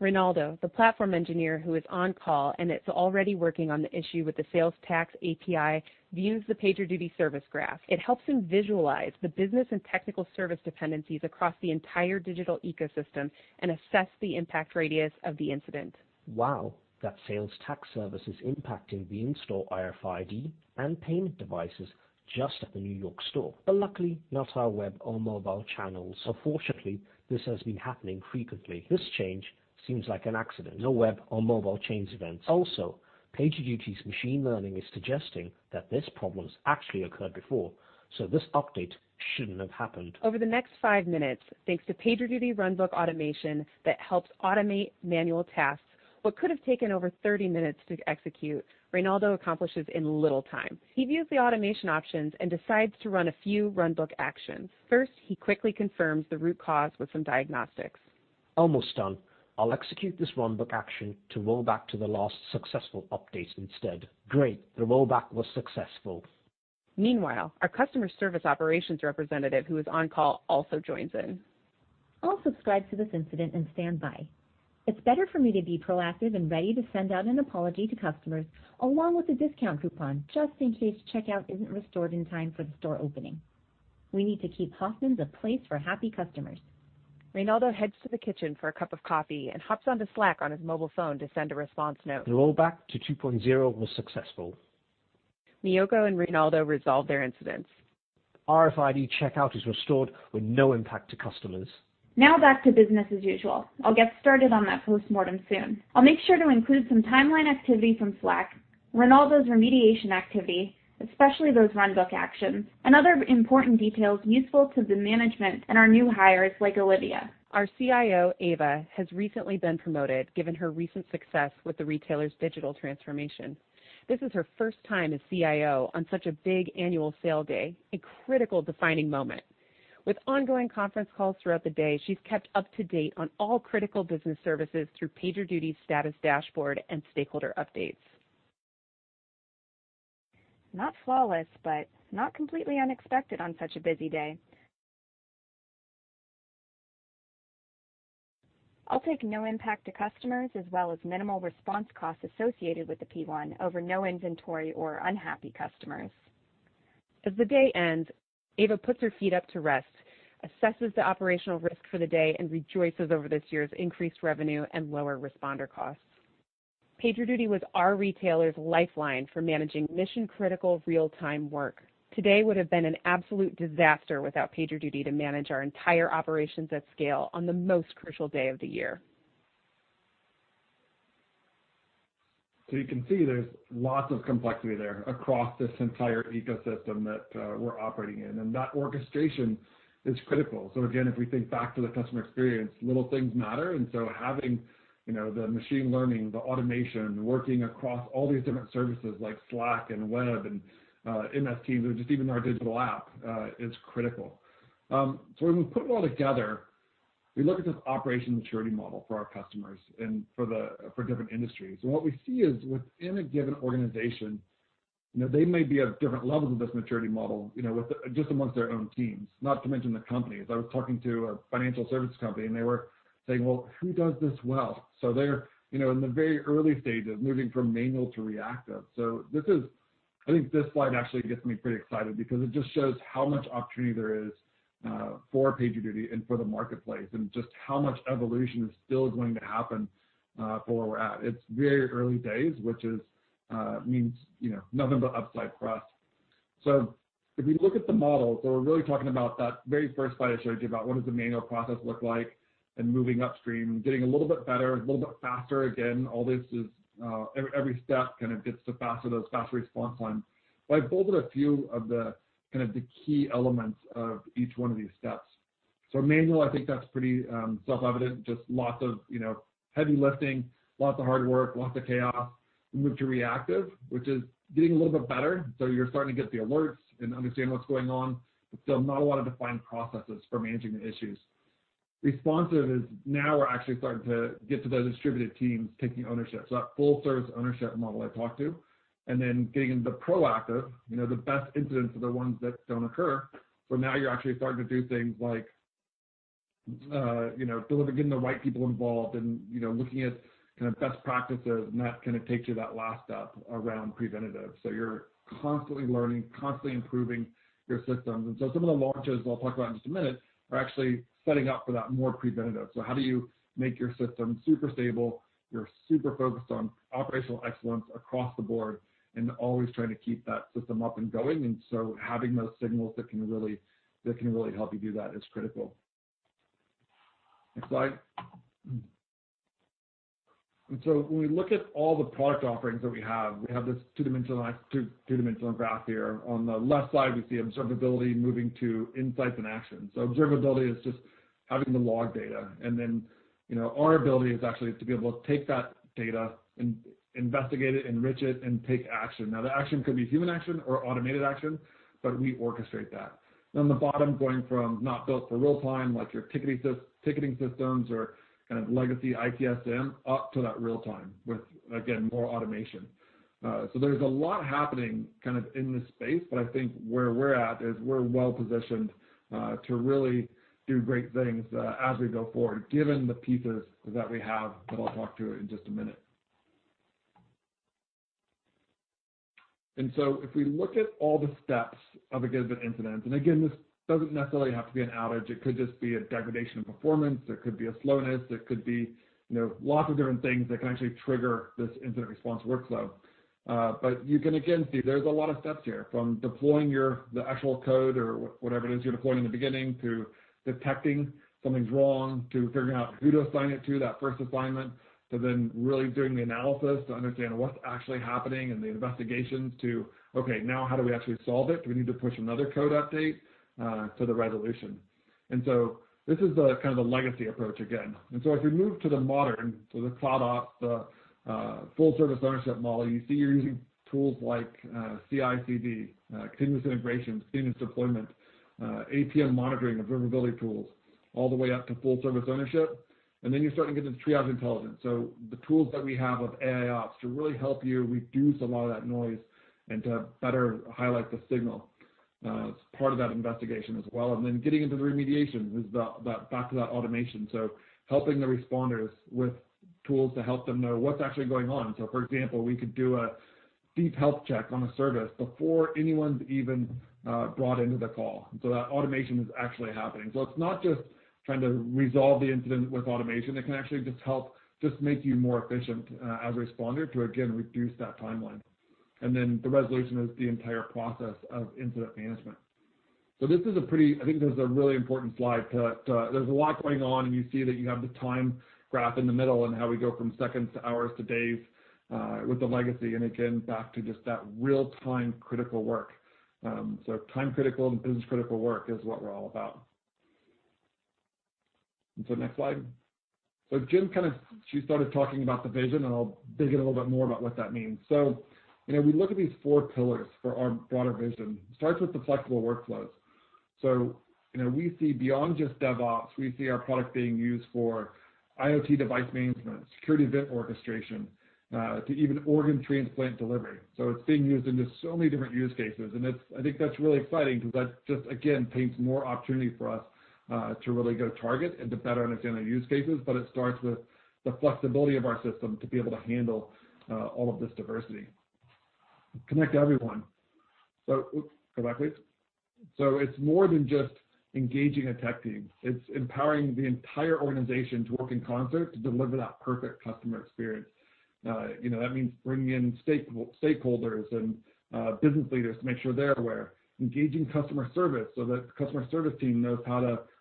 Ronaldo, the platform engineer who is on call and is already working on the issue with the sales tax API, views the PagerDuty service graph. It helps him visualize the business and technical service dependencies across the entire digital ecosystem and assess the impact radius of the incident. Wow. That sales tax service is impacting the in-store RFID and payment devices just at the New York store. But luckily, not our web or mobile channels. Unfortunately, this has been happening frequently. This change seems like an accident. No web or mobile change events. Also, PagerDuty's machine learning is suggesting that this problem has actually occurred before, so this update shouldn't have happened. Over the next five minutes, thanks to PagerDuty Runbook Automation that helps automate manual tasks, what could have taken over 30 minutes to execute, Ronaldo accomplishes in little time. He views the automation options and decides to run a few Runbook actions. First, he quickly confirms the root cause with some diagnostics. Almost done. I'll execute this Runbook action to roll back to the last successful update instead. Great. The rollback was successful. Meanwhile, our customer service operations representative who is on call also joins in. I'll subscribe to this incident and stand by. It's better for me to be proactive and ready to send out an apology to customers along with a discount coupon just in case checkout isn't restored in time for the store opening. We need to keep Hoffman's a place for happy customers. Ronaldo heads to the kitchen for a cup of coffee and hops onto Slack on his mobile phone to send a response note. The rollback to 2.0 was successful. Miyoko and Ronaldo resolve their incidents. RFID checkout is restored with no impact to customers. Now back to business as usual. I'll get started on that postmortem soon. I'll make sure to include some timeline activity from Slack, Ronaldo's remediation activity, especially those Runbook actions, and other important details useful to the management and our new hires like Olivia. Our CIO, Ava, has recently been promoted given her recent success with the retailer's digital transformation. This is her first time as CIO on such a big annual sale day, a critical defining moment. With ongoing conference calls throughout the day, she's kept up to date on all critical business services through PagerDuty's status dashboard and stakeholder updates. Not flawless, but not completely unexpected on such a busy day. I'll take no impact to customers as well as minimal response costs associated with the P1 over no inventory or unhappy customers. As the day ends, Ava puts her feet up to rest, assesses the operational risk for the day, and rejoices over this year's increased revenue and lower responder costs. PagerDuty was our retailer's lifeline for managing mission-critical real-time work. Today would have been an absolute disaster without PagerDuty to manage our entire operations at scale on the most crucial day of the year. So you can see there's lots of complexity there across this entire ecosystem that we're operating in, and that orchestration is critical, so again, if we think back to the customer experience, little things matter, and so having the machine learning, the automation, working across all these different services like Slack and Webex and MS Teams or just even our digital app is critical, so when we put it all together, we look at this operational maturity model for our customers and for different industries, and what we see is within a given organization, they may be at different levels of this maturity model just amongst their own teams, not to mention the company. As I was talking to a financial services company, and they were saying, "Well, who does this well?", so they're in the very early stages moving from manual to reactive. So I think this slide actually gets me pretty excited because it just shows how much opportunity there is for PagerDuty and for the marketplace and just how much evolution is still going to happen for where we're at. It's very early days, which means nothing but upside for us. So if we look at the model, so we're really talking about that very first slide I showed you about what does the manual process look like and moving upstream, getting a little bit better, a little bit faster. Again, every step kind of gets to faster response time. But I've bolded a few of the key elements of each one of these steps. So manual, I think that's pretty self-evident, just lots of heavy lifting, lots of hard work, lots of chaos. We moved to reactive, which is getting a little bit better. So you're starting to get the alerts and understand what's going on, but still not a lot of defined processes for managing the issues. Responsive is now we're actually starting to get to the distributed teams taking ownership, so that full-service ownership model I talked to, and then getting into the proactive, the best incidents are the ones that don't occur, so now you're actually starting to do things like getting the right people involved and looking at kind of best practices, and that kind of takes you that last step around preventative, so you're constantly learning, constantly improving your systems, and so some of the launches I'll talk about in just a minute are actually setting up for that more preventative, so how do you make your system super stable? You're super focused on operational excellence across the board and always trying to keep that system up and going. Having those signals that can really help you do that is critical. Next slide. When we look at all the product offerings that we have, we have this two-dimensional graph here. On the left side, we see observability moving to insights and actions. Observability is just having the log data. Our ability is actually to be able to take that data, investigate it, enrich it, and take action. The action could be human action or automated action, but we orchestrate that. On the bottom, going from not built for real-time, like your ticketing systems or kind of legacy ITSM, up to that real-time with, again, more automation. So there's a lot happening kind of in this space, but I think where we're at is we're well-positioned to really do great things as we go forward, given the pieces that we have that I'll talk to in just a minute, and so if we look at all the steps of a given incident, and again, this doesn't necessarily have to be an outage. It could just be a degradation of performance. There could be a slowness. There could be lots of different things that can actually trigger this incident response workflow. But you can, again, see there's a lot of steps here from deploying the actual code or whatever it is you're deploying in the beginning to detecting something's wrong to figuring out who to assign it to, that first assignment, to then really doing the analysis to understand what's actually happening and the investigations to, "Okay, now how do we actually solve it? Do we need to push another code update to the resolution?" and so this is kind of the legacy approach again. and so if we move to the modern, to the CloudOps, the full-service ownership model, you see you're using tools like CI/CD, continuous integration, continuous deployment, APM monitoring, observability tools, all the way up to full-service ownership. and then you're starting to get into triage intelligence. So the tools that we have with AIOps to really help you reduce a lot of that noise and to better highlight the signal is part of that investigation as well. And then getting into the remediation is back to that automation. So helping the responders with tools to help them know what's actually going on. So for example, we could do a deep health check on a service before anyone's even brought into the call. And so that automation is actually happening. So it's not just trying to resolve the incident with automation. It can actually just help make you more efficient as a responder to, again, reduce that timeline. And then the resolution is the entire process of incident management. So this is a pretty, I think this is a really important slide. There's a lot going on, and you see that you have the time graph in the middle and how we go from seconds to hours to days with the legacy and, again, back to just that real-time critical work. So time-critical and business-critical work is what we're all about. And so next slide. So Jim kind of, she started talking about the vision, and I'll dig in a little bit more about what that means. So we look at these four pillars for our broader vision. It starts with the flexible workflows. So we see beyond just DevOps, we see our product being used for IoT device management, security event orchestration, to even organ transplant delivery. So it's being used in just so many different use cases. And I think that's really exciting because that just, again, paints more opportunity for us to really go target and to better understand the use cases. But it starts with the flexibility of our system to be able to handle all of this diversity. Connect to everyone. So go back, please. So it's more than just engaging a tech team. It's empowering the entire organization to work in concert to deliver that perfect customer experience. That means bringing in stakeholders and business leaders to make sure they're aware, engaging customer service so that the customer service team knows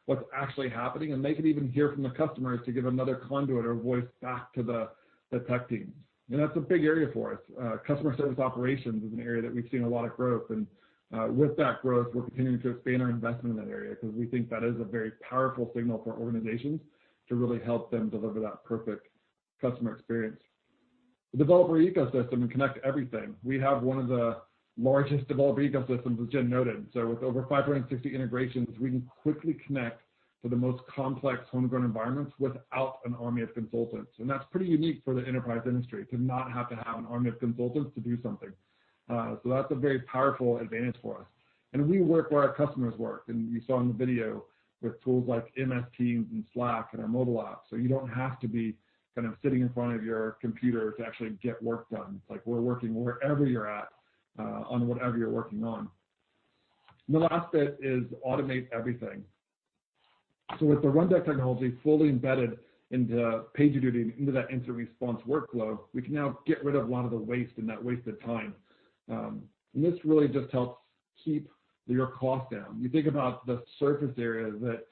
what's actually happening, and they can even hear from the customers to give another conduit or voice back to the tech team. And that's a big area for us. Customer service operations is an area that we've seen a lot of growth. And with that growth, we're continuing to expand our investment in that area because we think that is a very powerful signal for organizations to really help them deliver that perfect customer experience. The developer ecosystem and connect everything. We have one of the largest developer ecosystems, as Jim noted. So with over 560 integrations, we can quickly connect to the most complex homegrown environments without an army of consultants. And that's pretty unique for the enterprise industry to not have to have an army of consultants to do something. So that's a very powerful advantage for us. And we work where our customers work. And you saw in the video with tools like MS Teams and Slack and our mobile app. So you don't have to be kind of sitting in front of your computer to actually get work done. It's like we're working wherever you're at on whatever you're working on. The last bit is automate everything, so with the Runbook technology fully embedded into PagerDuty and into that incident response workflow, we can now get rid of a lot of the waste and that wasted time, and this really just helps keep your cost down. You think about the surface area that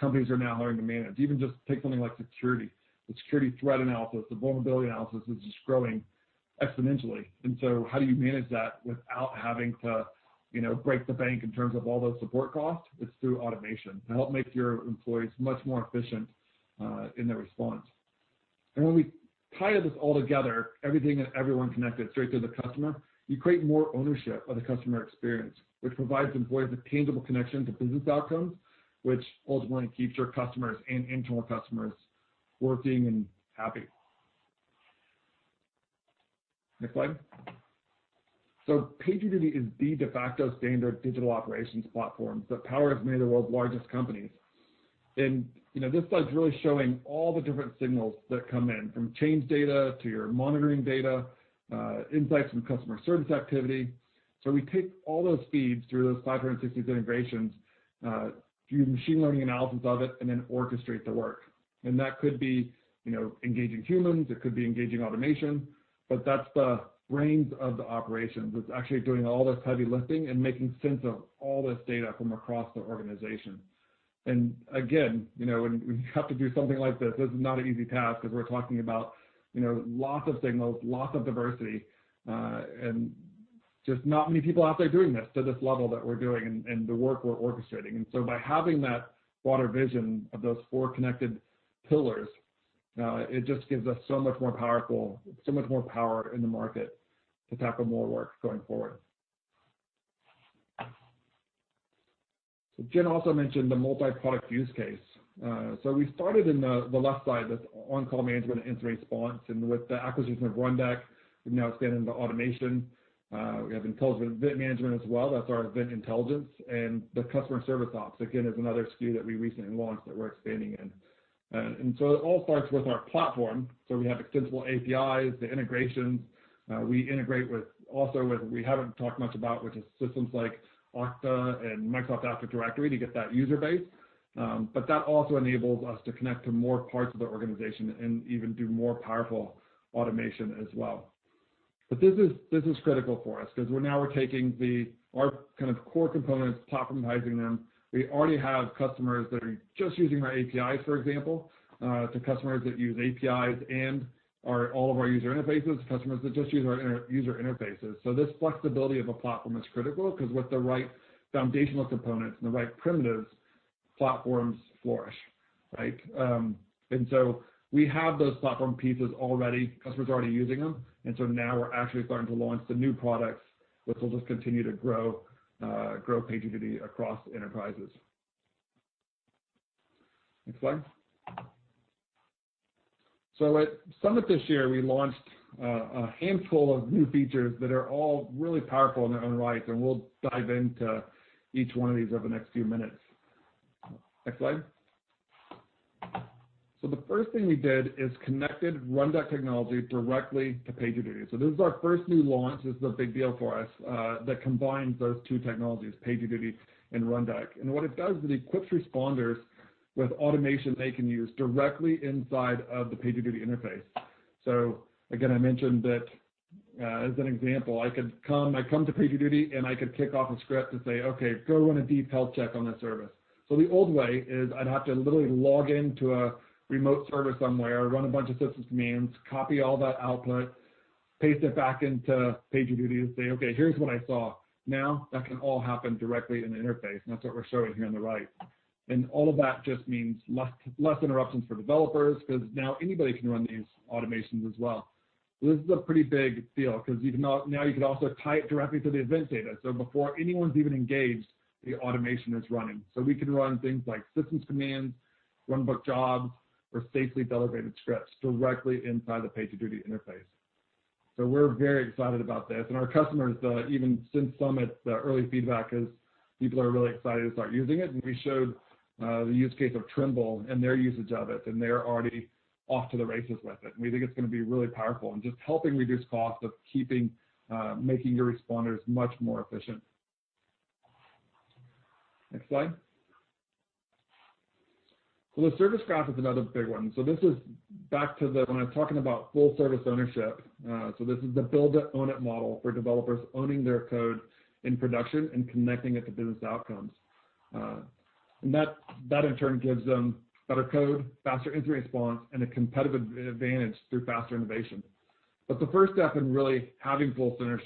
companies are now having to manage. Even just take something like security. The security threat analysis, the vulnerability analysis is just growing exponentially, and so how do you manage that without having to break the bank in terms of all those support costs? It's through automation to help make your employees much more efficient in their response. And when we tie this all together, everything and everyone connected straight to the customer, you create more ownership of the customer experience, which provides employees a tangible connection to business outcomes, which ultimately keeps your customers and internal customers working and happy. Next slide. So PagerDuty is the de facto standard digital operations platform that powers many of the world's largest companies. And this slide's really showing all the different signals that come in from change data to your monitoring data, insights from customer service activity. So we take all those feeds through those 560 integrations, do machine learning analysis of it, and then orchestrate the work. And that could be engaging humans. It could be engaging automation. But that's the brains of the operations that's actually doing all this heavy lifting and making sense of all this data from across the organization. And again, when you have to do something like this, this is not an easy task because we're talking about lots of signals, lots of diversity, and just not many people out there doing this to this level that we're doing and the work we're orchestrating. And so by having that broader vision of those four connected pillars, it just gives us so much more powerful, so much more power in the market to tackle more work going forward. So Jim also mentioned the multi-product use case. So we started in the left side that's on-call management and incident response. And with the acquisition of Runbook, we've now expanded into automation. We have intelligent event management as well. That's our event intelligence. And the customer service ops, again, is another SKU that we recently launched that we're expanding in. And so it all starts with our platform. So we have extensible APIs, the integrations. We integrate with also with we haven't talked much about, which is systems like Okta and Microsoft Active Directory to get that user base, but that also enables us to connect to more parts of the organization and even do more powerful automation as well, but this is critical for us because now we're taking our kind of core components, platformizing them. We already have customers that are just using our APIs, for example, to customers that use APIs and all of our user interfaces, customers that just use our user interfaces, so this flexibility of a platform is critical because with the right foundational components and the right primitives, platforms flourish, right, and so we have those platform pieces already. Customers are already using them. And so now we're actually starting to launch the new products, which will just continue to grow PagerDuty across enterprises. Next slide. so at Summit this year, we launched a handful of new features that are all really powerful in their own right. and we'll dive into each one of these over the next few minutes. Next slide. so the first thing we did is connected Runbook technology directly to PagerDuty. so this is our first new launch. This is a big deal for us that combines those two technologies, PagerDuty and Runbook. and what it does is it equips responders with automation they can use directly inside of the PagerDuty interface. So again, I mentioned that as an example. I come to PagerDuty, and I could kick off a script to say, "Okay, go run a deep health check on this service." So the old way is I'd have to literally log into a remote service somewhere, run a bunch of systems commands, copy all that output, paste it back into PagerDuty to say, "Okay, here's what I saw." Now that can all happen directly in the interface. And that's what we're showing here on the right. And all of that just means less interruptions for developers because now anybody can run these automations as well. This is a pretty big deal because now you can also tie it directly to the event data. So before anyone's even engaged, the automation is running. So we can run things like systems commands, Runbook jobs, or safely delegated scripts directly inside the PagerDuty interface. So we're very excited about this. And our customers, even since Summit, the early feedback is people are really excited to start using it. And we showed the use case of Trimble and their usage of it. And they're already off to the races with it. And we think it's going to be really powerful in just helping reduce costs of making your responders much more efficient. Next slide. So the service graph is another big one. So this is back to when I was talking about full-service ownership. So this is the build-to-own-it model for developers owning their code in production and connecting it to business outcomes. And that, in turn, gives them better code, faster incident response, and a competitive advantage through faster innovation. But the first step in really having full-service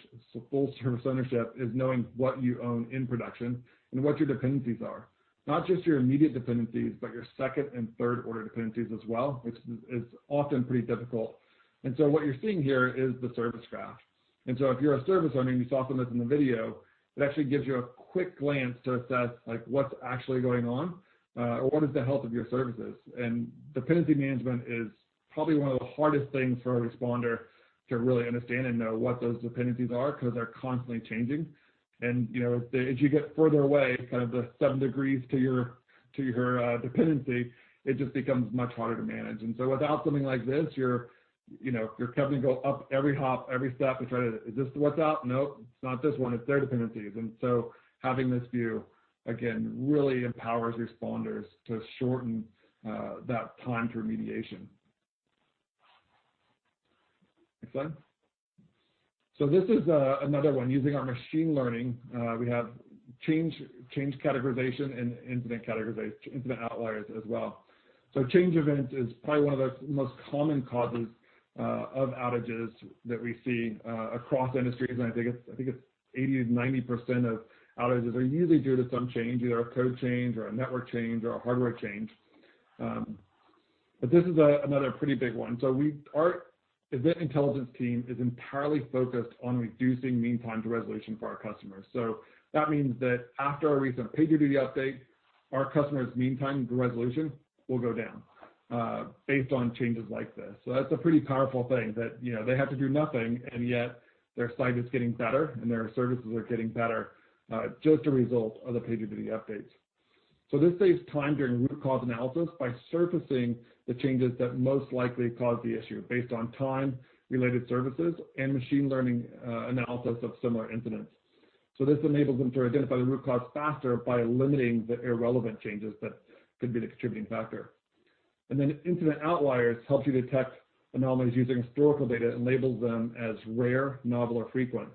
ownership is knowing what you own in production and what your dependencies are, not just your immediate dependencies, but your second and third-order dependencies as well, which is often pretty difficult. And so what you're seeing here is the service graph. And so if you're a service owner, you saw some of this in the video, it actually gives you a quick glance to assess what's actually going on or what is the health of your services. And dependency management is probably one of the hardest things for a responder to really understand and know what those dependencies are because they're constantly changing. And as you get further away, kind of the seven degrees to your dependency, it just becomes much harder to manage. And so without something like this, your company goes up every hop, every step to try to, "Is this what's out?" Nope, it's not this one. It's their dependencies. And so having this view, again, really empowers responders to shorten that time to remediation. Next slide. So this is another one. Using our machine learning, we have change categorization and incident outliers as well. So change events is probably one of the most common causes of outages that we see across industries. And I think it's 80%-90% of outages are usually due to some change, either a code change or a network change or a hardware change. But this is another pretty big one. So our event intelligence team is entirely focused on reducing mean time to resolution for our customers. So that means that after a recent PagerDuty update, our customers' mean time to resolution will go down based on changes like this. So that's a pretty powerful thing that they have to do nothing, and yet their site is getting better and their services are getting better just as a result of the PagerDuty updates. So this saves time during root cause analysis by surfacing the changes that most likely caused the issue based on time-related services and machine learning analysis of similar incidents. So this enables them to identify the root cause faster by eliminating the irrelevant changes that could be the contributing factor. And then incident outliers help you detect anomalies using historical data and label them ams rare, novel, or frequent.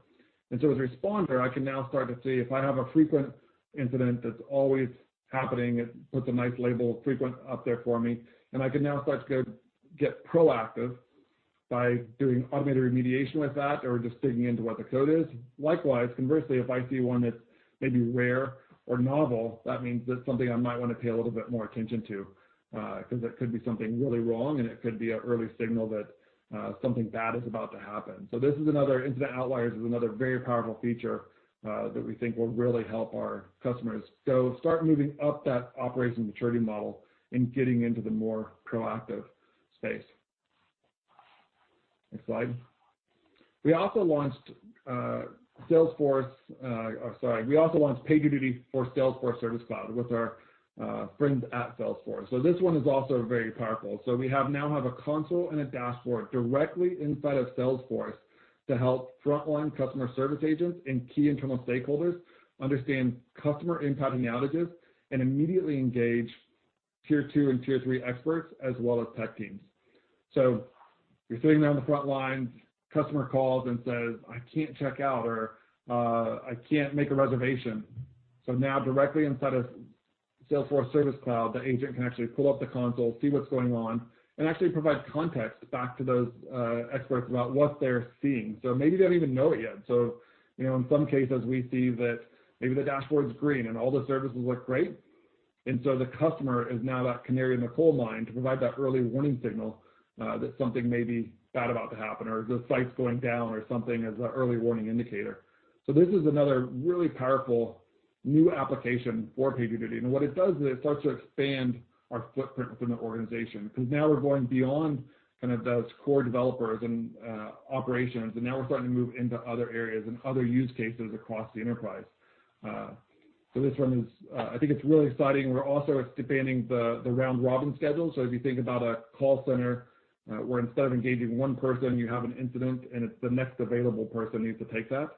And so as a responder, I can now start to see if I have a frequent incident that's always happening. It puts a nice label of frequent up there for me. And I can now start to get proactive by doing automated remediation with that or just digging into what the code is. Likewise, conversely, if I see one that's maybe rare or novel, that means that's something I might want to pay a little bit more attention to because it could be something really wrong, and it could be an early signal that something bad is about to happen. So this is another incident outliers is another very powerful feature that we think will really help our customers. So start moving up that operational maturity model and getting into the more proactive space. Next slide. We also launched Salesforce sorry, we also launched PagerDuty for Salesforce Service Cloud with our friends at Salesforce. So this one is also very powerful. So we now have a console and a dashboard directly inside of Salesforce to help frontline customer service agents and key internal stakeholders understand customer impacting outages and immediately engage tier two and tier three experts as well as tech teams. So you're sitting there on the front line, customer calls and says, "I can't check out," or, "I can't make a reservation." So now directly inside of Salesforce Service Cloud, the agent can actually pull up the console, see what's going on, and actually provide context back to those experts about what they're seeing. So maybe they don't even know it yet. So in some cases, we see that maybe the dashboard's green and all the services look great. The customer is now that canary in the coal mine to provide that early warning signal that something may be bad about to happen or the site's going down or something as an early warning indicator. This is another really powerful new application for PagerDuty. What it does is it starts to expand our footprint within the organization because now we're going beyond kind of those core developers and operations. Now we're starting to move into other areas and other use cases across the enterprise. This one is, I think, it's really exciting. We're also expanding the round-robin schedule. If you think about a call center where instead of engaging one person, you have an incident, and it's the next available person who needs to take that.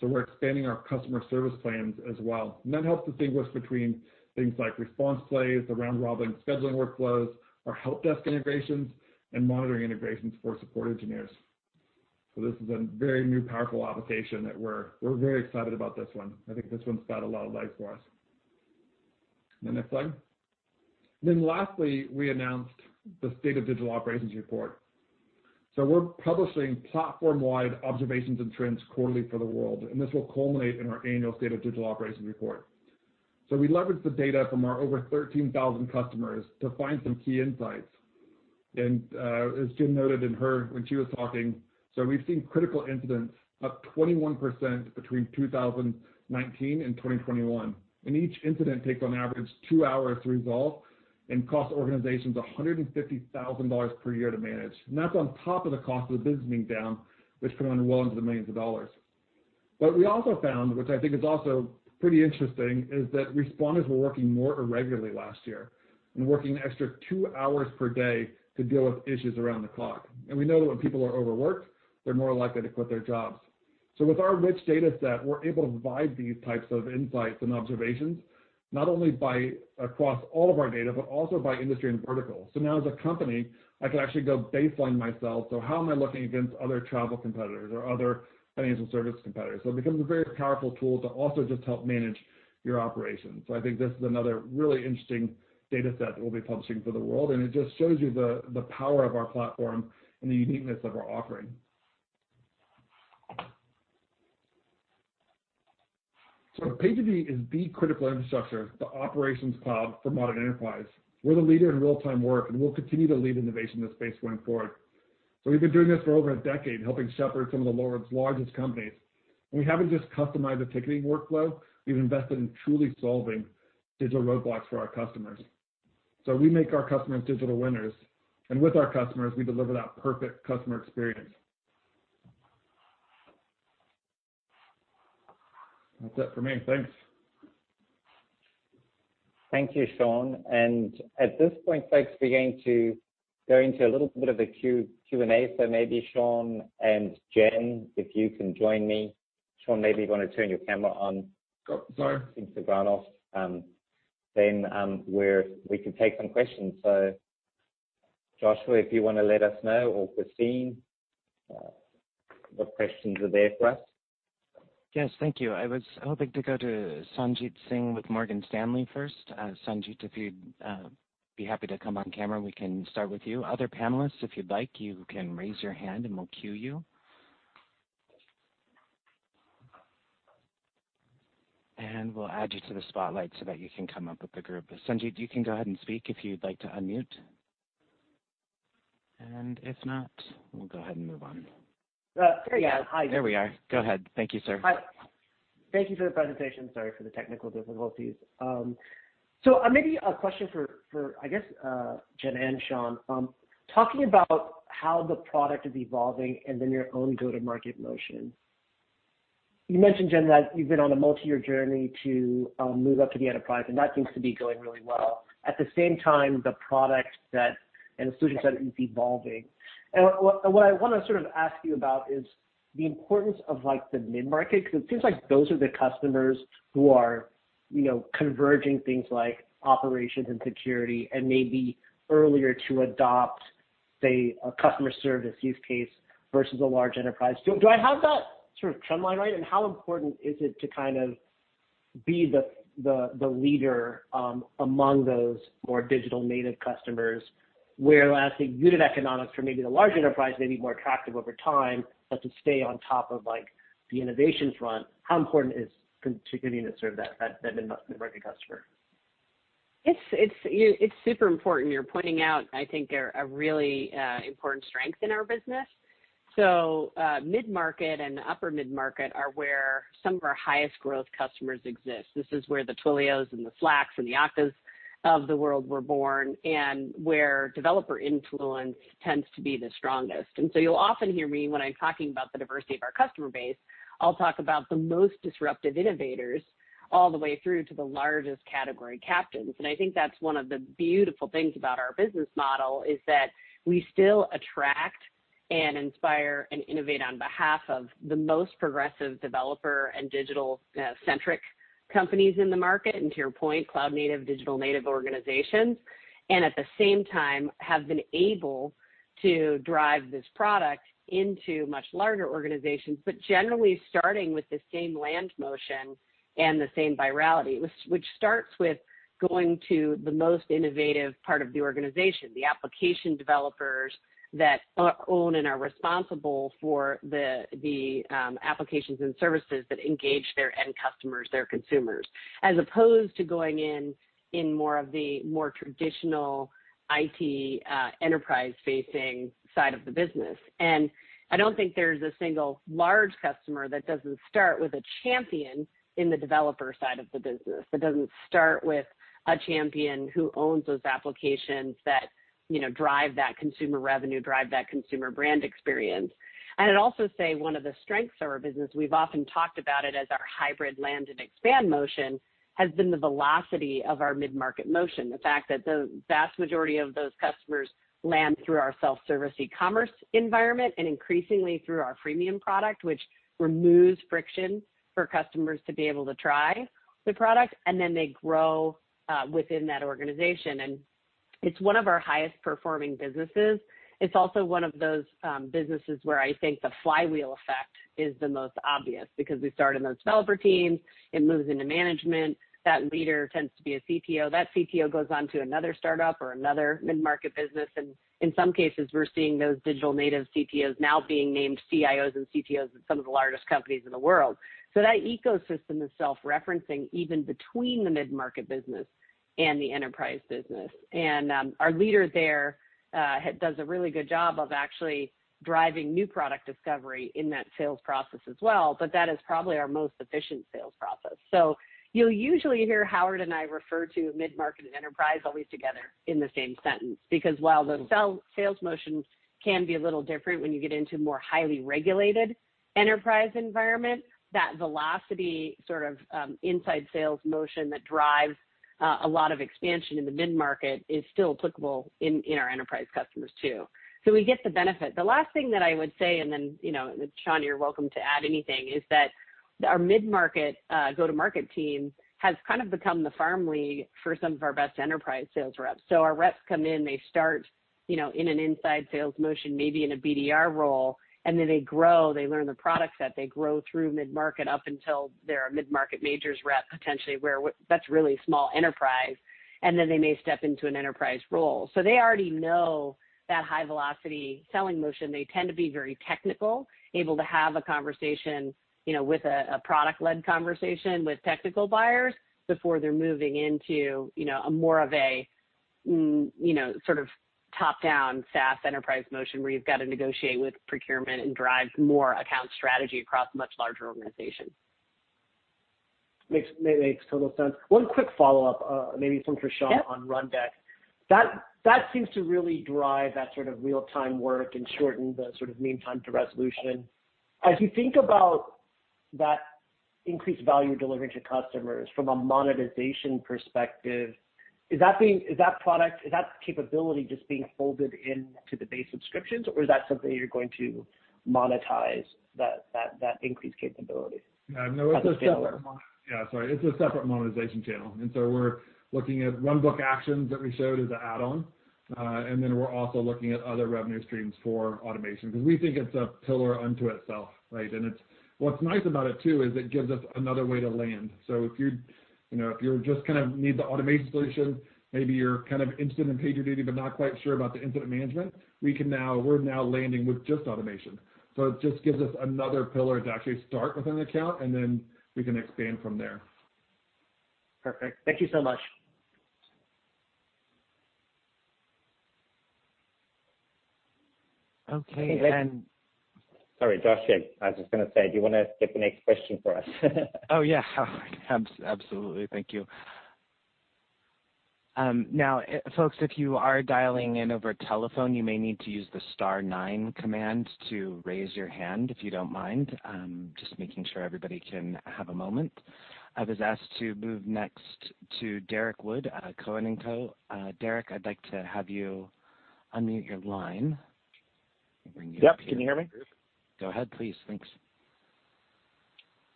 We're expanding our customer service plans as well. And that helps distinguish between things like response plays, the round-robin scheduling workflows, our help desk integrations, and monitoring integrations for support engineers. So this is a very new, powerful application that we're very excited about this one. I think this one's got a lot of legs for us. And then next slide. Then lastly, we announced the State of Digital Operations Report. So we're publishing platform-wide observations and trends quarterly for the world. And this will culminate in our annual State of Digital Operations Report. So we leveraged the data from our over 13,000 customers to find some key insights. And as Jen noted when she was talking, so we've seen critical incidents up 21% between 2019 and 2021. And each incident takes, on average, two hours to resolve and costs organizations $150,000 per year to manage. And that's on top of the cost of the business being down, which can run well into the millions of dollars. But we also found, which I think is also pretty interesting, is that responders were working more irregularly last year and working extra two hours per day to deal with issues around the clock. And we know that when people are overworked, they're more likely to quit their jobs. So with our rich data set, we're able to provide these types of insights and observations not only across all of our data but also by industry and vertical. So now as a company, I can actually go baseline myself. So how am I looking against other travel competitors or other financial service competitors? So it becomes a very powerful tool to also just help manage your operations. So I think this is another really interesting data set that we'll be publishing for the world. And it just shows you the power of our platform and the uniqueness of our offering. So PagerDuty is the critical infrastructure, the Operations Cloud for modern enterprise. We're the leader in real-time work, and we'll continue to lead innovation in this space going forward. So we've been doing this for over a decade, helping shepherd some of the world's largest companies. And we haven't just customized the ticketing workflow. We've invested in truly solving digital roadblocks for our customers. So we make our customers digital winners. And with our customers, we deliver that perfect customer experience. That's it for me. Thanks. Thank you, Sean, and at this point, folks, we're going to go into a little bit of a Q&A, so maybe Sean and Jen, if you can join me. Sean, maybe you want to turn your camera on. Sorry. Seems to have gone off. Then we can take some questions. So Joshua, if you want to let us know or Christine, what questions are there for us? Yes, thank you. I was hoping to go to Sanjit Singh with Morgan Stanley first. Sanjit, if you'd be happy to come on camera, we can start with you. Other panelists, if you'd like, you can raise your hand, and we'll cue you. And we'll add you to the spotlight so that you can come up with the group. Sanjit, you can go ahead and speak if you'd like to unmute. And if not, we'll go ahead and move on. There you go. Hi. There we are. Go ahead. Thank you, sir. Thank you for the presentation. Sorry for the technical difficulties, so maybe a question for, I guess, Jen and Sean, talking about how the product is evolving and then your own go-to-market motion. You mentioned, Jen, that you've been on a multi-year journey to move up to the enterprise, and that seems to be going really well. At the same time, the product and the solution set is evolving, and what I want to sort of ask you about is the importance of the mid-market because it seems like those are the customers who are converging things like operations and security and maybe earlier to adopt, say, a customer service use case versus a large enterprise. Do I have that sort of trend line right? How important is it to kind of be the leader among those more digital native customers where I think unit economics for maybe the large enterprise may be more attractive over time, but to stay on top of the innovation front, how important is contributing to serve that mid-market customer? It's super important. You're pointing out, I think, a really important strength in our business. So mid-market and upper mid-market are where some of our highest-growth customers exist. This is where the Twilios and the Slacks and the Okta's of the world were born and where developer influence tends to be the strongest. And so you'll often hear me when I'm talking about the diversity of our customer base, I'll talk about the most disruptive innovators all the way through to the largest category captains. And I think that's one of the beautiful things about our business model is that we still attract and inspire and innovate on behalf of the most progressive developer and digital-centric companies in the market and, to your point, cloud-native, digital-native organizations, and at the same time have been able to drive this product into much larger organizations, but generally starting with the same land motion and the same virality, which starts with going to the most innovative part of the organization, the application developers that own and are responsible for the applications and services that engage their end customers, their consumers, as opposed to going in more of the traditional IT enterprise-facing side of the business. And I don't think there's a single large customer that doesn't start with a champion in the developer side of the business, that doesn't start with a champion who owns those applications that drive that consumer revenue, drive that consumer brand experience. And I'd also say one of the strengths of our business, we've often talked about it as our hybrid land and expand motion, has been the velocity of our mid-market motion, the fact that the vast majority of those customers land through our self-service e-commerce environment and increasingly through our freemium product, which removes friction for customers to be able to try the product, and then they grow within that organization. And it's one of our highest-performing businesses. It's also one of those businesses where I think the flywheel effect is the most obvious because we start in those developer teams. It moves into management. That leader tends to be a CTO. That CTO goes on to another startup or another mid-market business, and in some cases, we're seeing those digital-native CTOs now being named CIOs and CTOs at some of the largest companies in the world, so that ecosystem is self-referencing even between the mid-market business and the enterprise business, and our leader there does a really good job of actually driving new product discovery in that sales process as well, but that is probably our most efficient sales process, so you'll usually hear Howard and I refer to mid-market and enterprise always together in the same sentence because while the sales motion can be a little different when you get into a more highly regulated enterprise environment, that velocity sort of inside sales motion that drives a lot of expansion in the mid-market is still applicable in our enterprise customers too. So we get the benefit. The last thing that I would say, and then Sean, you're welcome to add anything, is that our mid-market go-to-market team has kind of become the farm league for some of our best enterprise sales reps. So our reps come in. They start in an inside sales motion, maybe in a BDR role, and then they grow. They learn the product set. They grow through mid-market up until they're a mid-market majors rep, potentially, where that's really small enterprise. And then they may step into an enterprise role. So they already know that high-velocity selling motion. They tend to be very technical, able to have a conversation with a product-led conversation with technical buyers before they're moving into more of a sort of top-down SaaS enterprise motion where you've got to negotiate with procurement and drive more account strategy across a much larger organization. Makes total sense. One quick follow-up, maybe for Sean on Rundeck. That seems to really drive that sort of real-time work and shorten the sort of mean time to resolution. As you think about that increased value delivering to customers from a monetization perspective, is that product, is that capability just being folded into the base subscriptions, or is that something you're going to monetize, that increased capability? Yeah, no, it's a separate. Yeah, sorry. It's a separate monetization channel. And so we're looking at runbook actions that we showed as an add-on. And then we're also looking at other revenue streams for automation because we think it's a pillar unto itself, right? And what's nice about it too is it gives us another way to land. So if you're just kind of need the automation solution, maybe you're kind of interested in PagerDuty but not quite sure about the incident management, we're now landing with just automation. So it just gives us another pillar to actually start with an account, and then we can expand from there. Perfect. Thank you so much. Okay. Sorry, Joshua, I was just going to say, do you want to get the next question for us? Oh, yeah. Absolutely. Thank you. Now, folks, if you are dialing in over telephone, you may need to use the star nine command to raise your hand if you don't mind. Just making sure everybody can have a moment. I was asked to move next to Derek Wood, Cowen and Co. Derek, I'd like to have you unmute your line. Yep. Can you hear me? Go ahead, please. Thanks.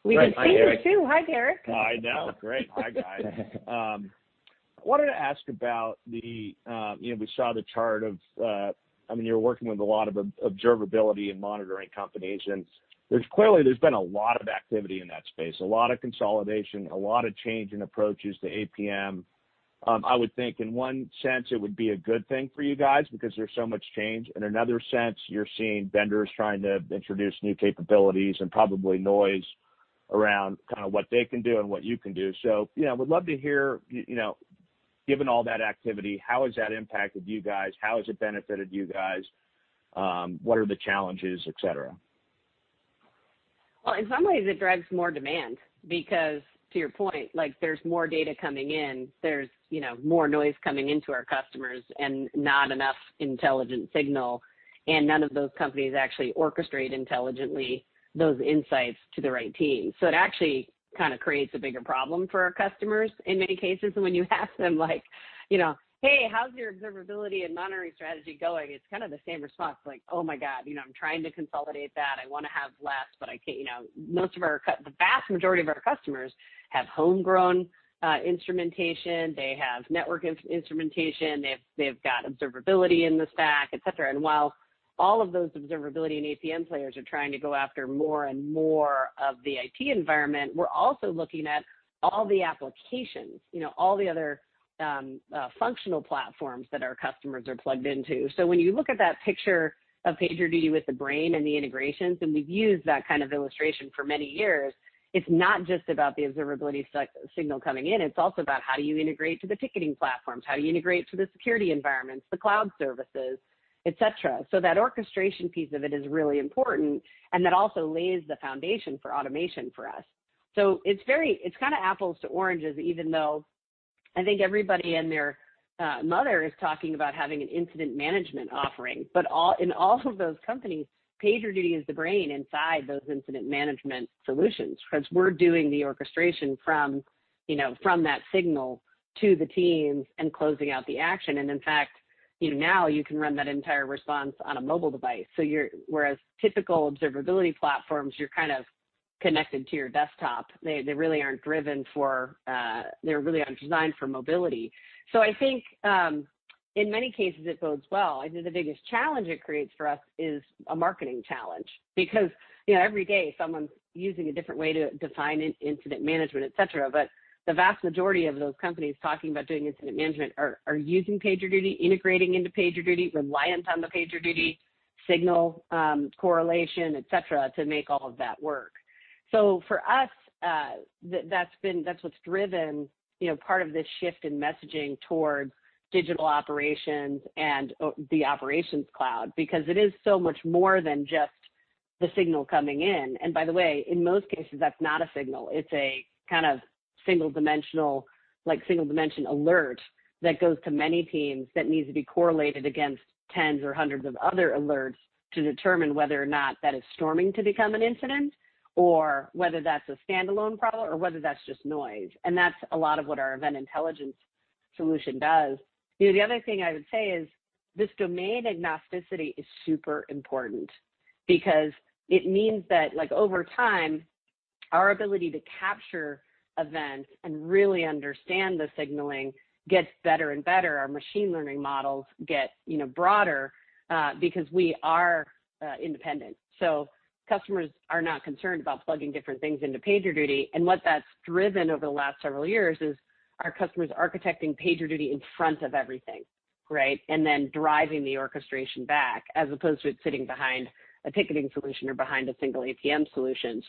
We can see you too. Hi, Derek. Hi. Now, great. Hi, guys. I wanted to ask about, I mean, you're working with a lot of observability and monitoring companies, and clearly, there's been a lot of activity in that space, a lot of consolidation, a lot of change in approaches to APM. I would think in one sense, it would be a good thing for you guys because there's so much change. In another sense, you're seeing vendors trying to introduce new capabilities and probably noise around kind of what they can do and what you can do, so we'd love to hear, given all that activity, how has that impacted you guys? How has it benefited you guys? What are the challenges, etc.? In some ways, it drives more demand because, to your point, there's more data coming in. There's more noise coming into our customers and not enough intelligent signal. None of those companies actually orchestrate intelligently those insights to the right team. It actually kind of creates a bigger problem for our customers in many cases. When you ask them like, "Hey, how's your observability and monitoring strategy going?" It's kind of the same response. It's like, "Oh my God, I'm trying to consolidate that. I want to have less, but I can't." Most of our customers, the vast majority of our customers have homegrown instrumentation. They have network instrumentation. They've got observability in the stack, etc. And while all of those observability and APM players are trying to go after more and more of the IT environment, we're also looking at all the applications, all the other functional platforms that our customers are plugged into. So when you look at that picture of PagerDuty with the brain and the integrations, and we've used that kind of illustration for many years, it's not just about the observability signal coming in. It's also about how do you integrate to the ticketing platforms, how do you integrate to the security environments, the cloud services, etc. So that orchestration piece of it is really important, and that also lays the foundation for automation for us. So it's kind of apples to oranges, even though I think everybody and their mother is talking about having an incident management offering. But in all of those companies, PagerDuty is the brain inside those incident management solutions because we're doing the orchestration from that signal to the teams and closing out the action. And in fact, now you can run that entire response on a mobile device. So whereas typical observability platforms, you're kind of connected to your desktop, they really aren't driven for, they're really not designed for mobility. So I think in many cases, it bodes well. I think the biggest challenge it creates for us is a marketing challenge because every day, someone's using a different way to define incident management, etc. But the vast majority of those companies talking about doing incident management are using PagerDuty, integrating into PagerDuty, reliant on the PagerDuty signal correlation, etc., to make all of that work. So for us, that's what's driven part of this shift in messaging towards digital operations and the Operations Cloud because it is so much more than just the signal coming in. And by the way, in most cases, that's not a signal. It's a kind of single-dimensional alert that goes to many teams that needs to be correlated against tens or hundreds of other alerts to determine whether or not that is storming to become an incident or whether that's a standalone problem or whether that's just noise. And that's a lot of what our event intelligence solution does. The other thing I would say is this domain agnosticity is super important because it means that over time, our ability to capture events and really understand the signaling gets better and better. Our machine learning models get broader because we are independent. Customers are not concerned about plugging different things into PagerDuty. And what that's driven over the last several years is our customers architecting PagerDuty in front of everything, right, and then driving the orchestration back as opposed to it sitting behind a ticketing solution or behind a single APM solution.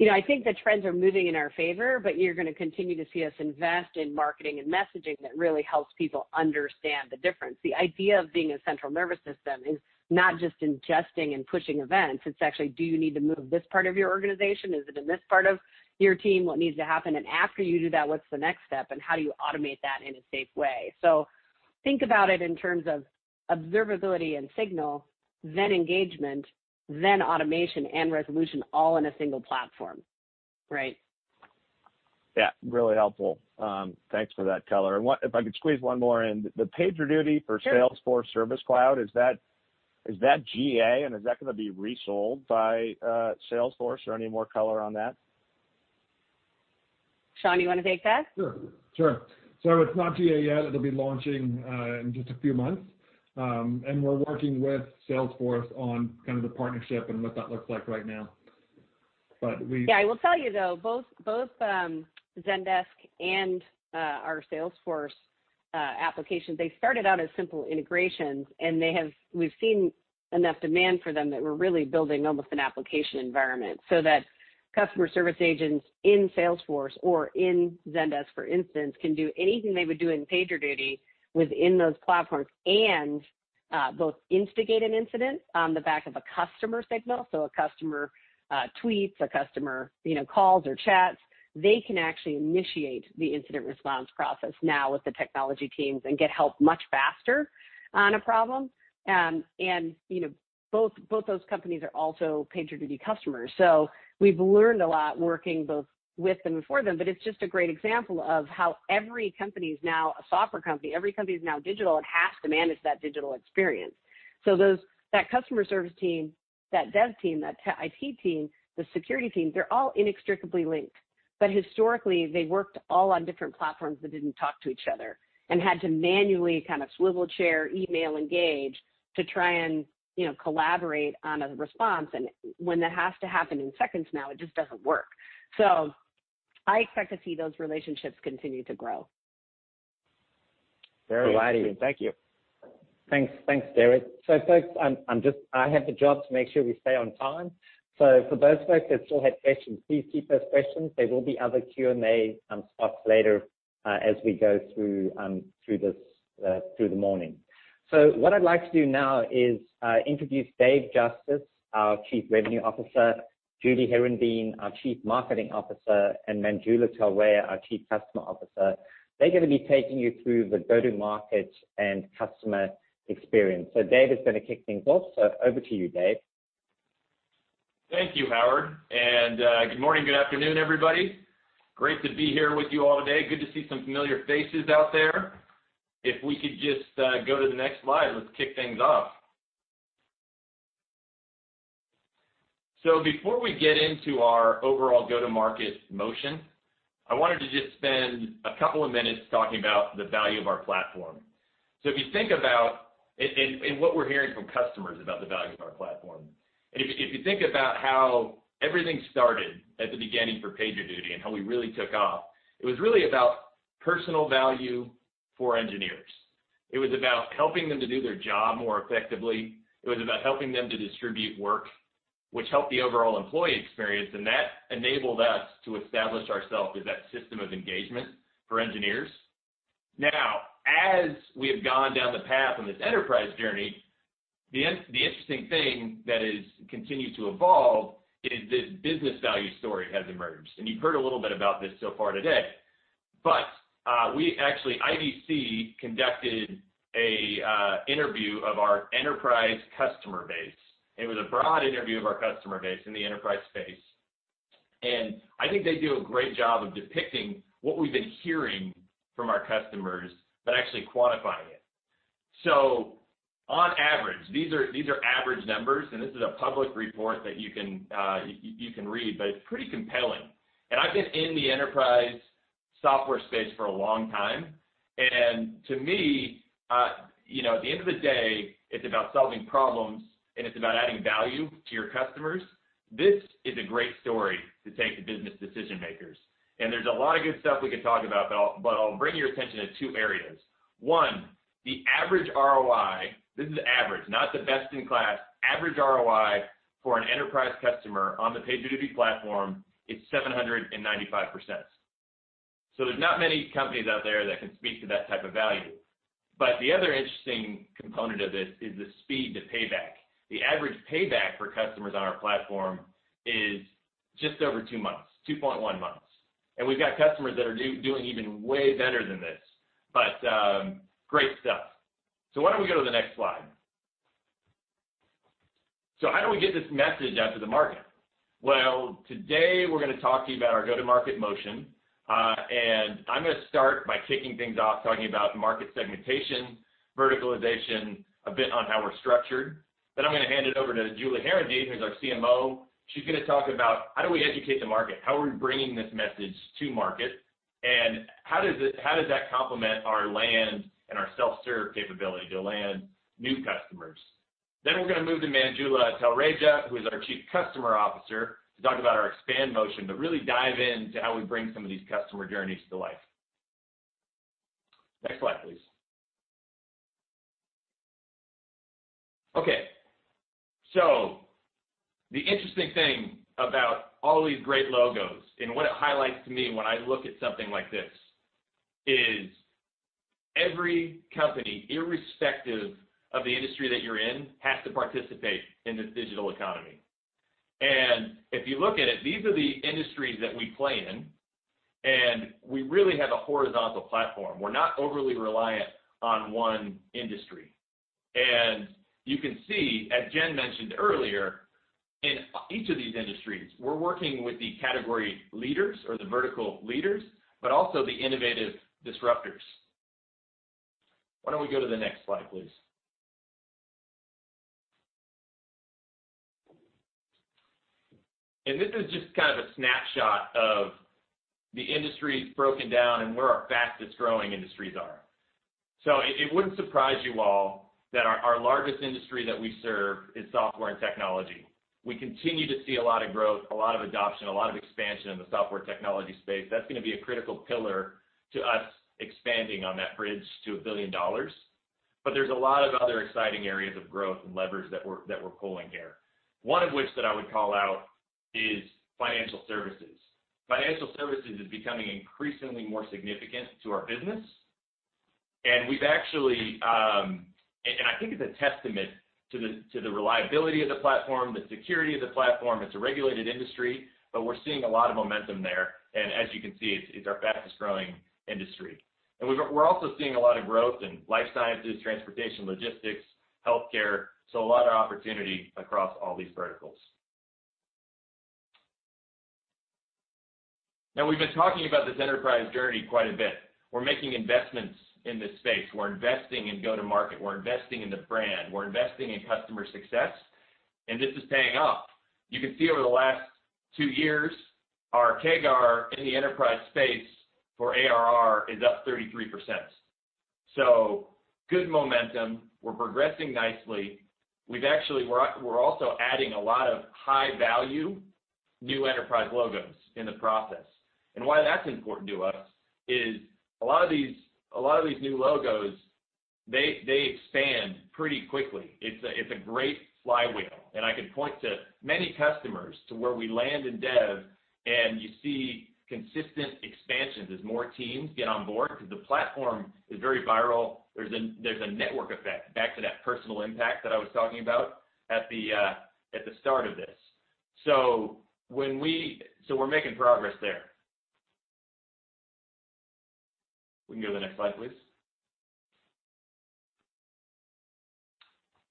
I think the trends are moving in our favor, but you're going to continue to see us invest in marketing and messaging that really helps people understand the difference. The idea of being a central nervous system is not just ingesting and pushing events. It's actually, do you need to move this part of your organization? Is it in this part of your team? What needs to happen? And after you do that, what's the next step? And how do you automate that in a safe way? So think about it in terms of observability and signal, then engagement, then automation and resolution, all in a single platform, right? Yeah. Really helpful. Thanks for that, Jennifer. And if I could squeeze one more in, the PagerDuty for Salesforce Service Cloud, is that GA? And is that going to be resold by Salesforce or any more color on that? Sean, you want to take that? Sure. Sure. So it's not GA yet. It'll be launching in just a few months. And we're working with Salesforce on kind of the partnership and what that looks like right now. But we. Yeah. I will tell you, though, both Zendesk and our Salesforce applications, they started out as simple integrations, and we've seen enough demand for them that we're really building almost an application environment so that customer service agents in Salesforce or in Zendesk, for instance, can do anything they would do in PagerDuty within those platforms and both instigate an incident on the back of a customer signal. So a customer tweets, a customer calls or chats, they can actually initiate the incident response process now with the technology teams and get help much faster on a problem. And both those companies are also PagerDuty customers. So we've learned a lot working both with and before them, but it's just a great example of how every company is now a software company. Every company is now digital and has to manage that digital experience. So that customer service team, that dev team, that IT team, the security team, they're all inextricably linked. But historically, they worked all on different platforms that didn't talk to each other and had to manually kind of swivel chair, email, engage to try and collaborate on a response. And when that has to happen in seconds now, it just doesn't work. So I expect to see those relationships continue to grow. Very good. Thank you. Thanks, Derek. So folks, I have the job to make sure we stay on time. So for those folks that still had questions, please keep those questions. There will be other Q&A spots later as we go through the morning. So what I'd like to do now is introduce Dave Justice, our Chief Revenue Officer, Judy Herrenbein, our Chief Marketing Officer, and Manjula Talwaya, our Chief Customer Officer. They're going to be taking you through the go-to-market and customer experience. So Dave is going to kick things off. So over to you, Dave. Thank you, Howard, and good morning, good afternoon, everybody. Great to be here with you all today. Good to see some familiar faces out there. If we could just go to the next slide, let's kick things off, so before we get into our overall go-to-market motion, I wanted to just spend a couple of minutes talking about the value of our platform, so if you think about, and what we're hearing from customers about the value of our platform, and if you think about how everything started at the beginning for PagerDuty and how we really took off, it was really about personal value for engineers. It was about helping them to do their job more effectively. It was about helping them to distribute work, which helped the overall employee experience, and that enabled us to establish ourselves as that system of engagement for engineers. Now, as we have gone down the path on this enterprise journey, the interesting thing that has continued to evolve is this business value story has emerged, and you've heard a little bit about this so far today, but actually, IDC conducted an interview of our enterprise customer base. It was a broad interview of our customer base in the enterprise space, and I think they do a great job of depicting what we've been hearing from our customers but actually quantifying it, so on average, these are average numbers, and this is a public report that you can read, but it's pretty compelling, and I've been in the enterprise software space for a long time, and to me, at the end of the day, it's about solving problems, and it's about adding value to your customers. This is a great story to take to business decision-makers. There's a lot of good stuff we could talk about, but I'll bring your attention to two areas. One, the average ROI, this is average, not the best in class, average ROI for an enterprise customer on the PagerDuty platform is 795%. So there's not many companies out there that can speak to that type of value. But the other interesting component of this is the speed to payback. The average payback for customers on our platform is just over two months, 2.1 months. And we've got customers that are doing even way better than this, but great stuff. So why don't we go to the next slide? So how do we get this message out to the market? Well, today, we're going to talk to you about our go-to-market motion. And I'm going to start by kicking things off, talking about market segmentation, verticalization, a bit on how we're structured. Then I'm going to hand it over to Julie Herendeen, who's our CMO. She's going to talk about how do we educate the market? How are we bringing this message to market? And how does that complement our land and our self-serve capability to land new customers? Then we're going to move to Manjula Talwaya, who is our Chief Customer Officer, to talk about our expand motion, but really dive into how we bring some of these customer journeys to life. Next slide, please. Okay. So the interesting thing about all these great logos and what it highlights to me when I look at something like this is every company, irrespective of the industry that you're in, has to participate in this digital economy. And if you look at it, these are the industries that we play in, and we really have a horizontal platform. We're not overly reliant on one industry. And you can see, as Jen mentioned earlier, in each of these industries, we're working with the category leaders or the vertical leaders, but also the innovative disruptors. Why don't we go to the next slide, please? And this is just kind of a snapshot of the industries broken down and where our fastest-growing industries are. So it wouldn't surprise you all that our largest industry that we serve is software and technology. We continue to see a lot of growth, a lot of adoption, a lot of expansion in the software technology space. That's going to be a critical pillar to us expanding on that bridge to a billion dollars. But there's a lot of other exciting areas of growth and levers that we're pulling here. One of which that I would call out is financial services. Financial services is becoming increasingly more significant to our business. And we've actually, and I think it's a testament to the reliability of the platform, the security of the platform. It's a regulated industry, but we're seeing a lot of momentum there. And as you can see, it's our fastest-growing industry. And we're also seeing a lot of growth in life sciences, transportation, logistics, healthcare. So a lot of opportunity across all these verticals. Now, we've been talking about this enterprise journey quite a bit. We're making investments in this space. We're investing in go-to-market. We're investing in the brand. We're investing in customer success. And this is paying off. You can see over the last two years, our CAGR in the enterprise space for ARR is up 33%, so good momentum. We're progressing nicely. We're also adding a lot of high-value new enterprise logos in the process, and why that's important to us is a lot of these new logos, they expand pretty quickly. It's a great flywheel, and I could point to many customers to where we land in dev, and you see consistent expansions as more teams get on board because the platform is very viral. There's a network effect back to that personal impact that I was talking about at the start of this, so we're making progress there. We can go to the next slide, please.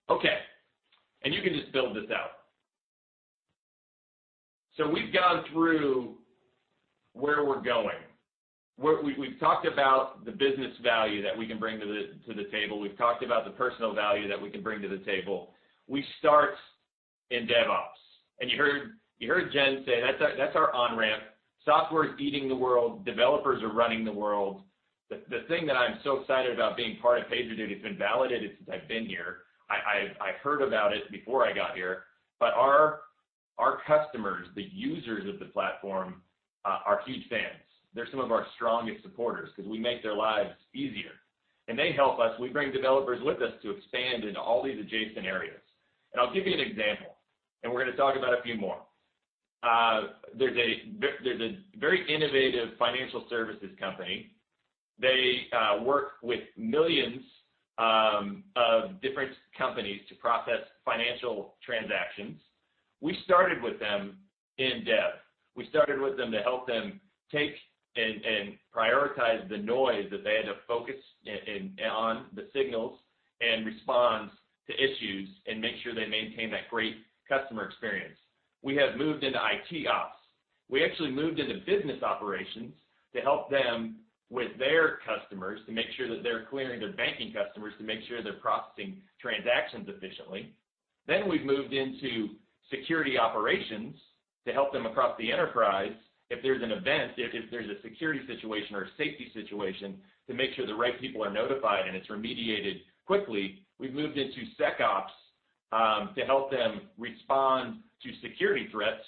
Okay, and you can just build this out, so we've gone through where we're going. We've talked about the business value that we can bring to the table. We've talked about the personal value that we can bring to the table. We start in DevOps, and you heard Jen say that's our on-ramp. Software is eating the world. Developers are running the world. The thing that I'm so excited about being part of PagerDuty has been validated since I've been here. I heard about it before I got here, but our customers, the users of the platform, are huge fans. They're some of our strongest supporters because we make their lives easier, and they help us. We bring developers with us to expand into all these adjacent areas, and I'll give you an example, and we're going to talk about a few more. There's a very innovative financial services company. They work with millions of different companies to process financial transactions. We started with them in dev. We started with them to help them take and prioritize the noise that they had to focus on, the signals and responses to issues, and make sure they maintain that great customer experience. We have moved into IT ops. We actually moved into business operations to help them with their customers to make sure that they're clearing their banking customers to make sure they're processing transactions efficiently. Then we've moved into security operations to help them across the enterprise if there's an event, if there's a security situation or a safety situation to make sure the right people are notified and it's remediated quickly. We've moved into SecOps to help them respond to security threats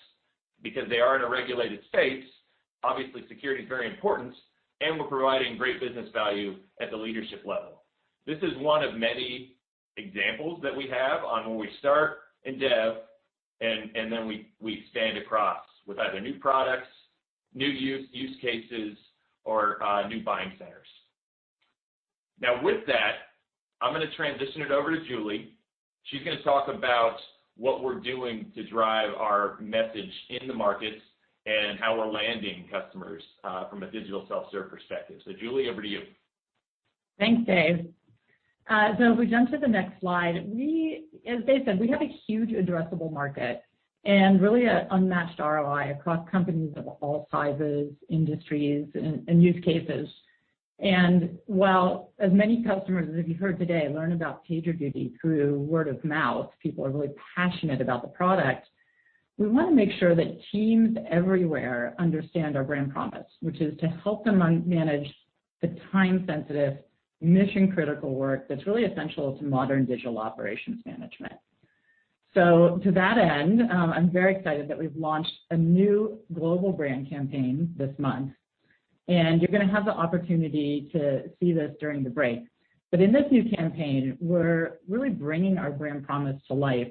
because they are in a regulated space. Obviously, security is very important, and we're providing great business value at the leadership level. This is one of many examples that we have on where we start in dev, and then we expand across with either new products, new use cases, or new buying centers. Now, with that, I'm going to transition it over to Julie. She's going to talk about what we're doing to drive our message in the markets and how we're landing customers from a digital self-serve perspective. So Julie, over to you. Thanks, Dave. So if we jump to the next slide, as Dave said, we have a huge addressable market and really an unmatched ROI across companies of all sizes, industries, and use cases. And while as many customers, as you've heard today, learn about PagerDuty through word of mouth, people are really passionate about the product, we want to make sure that teams everywhere understand our brand promise, which is to help them manage the time-sensitive, mission-critical work that's really essential to modern digital operations management. So to that end, I'm very excited that we've launched a new global brand campaign this month. And you're going to have the opportunity to see this during the break. But in this new campaign, we're really bringing our brand promise to life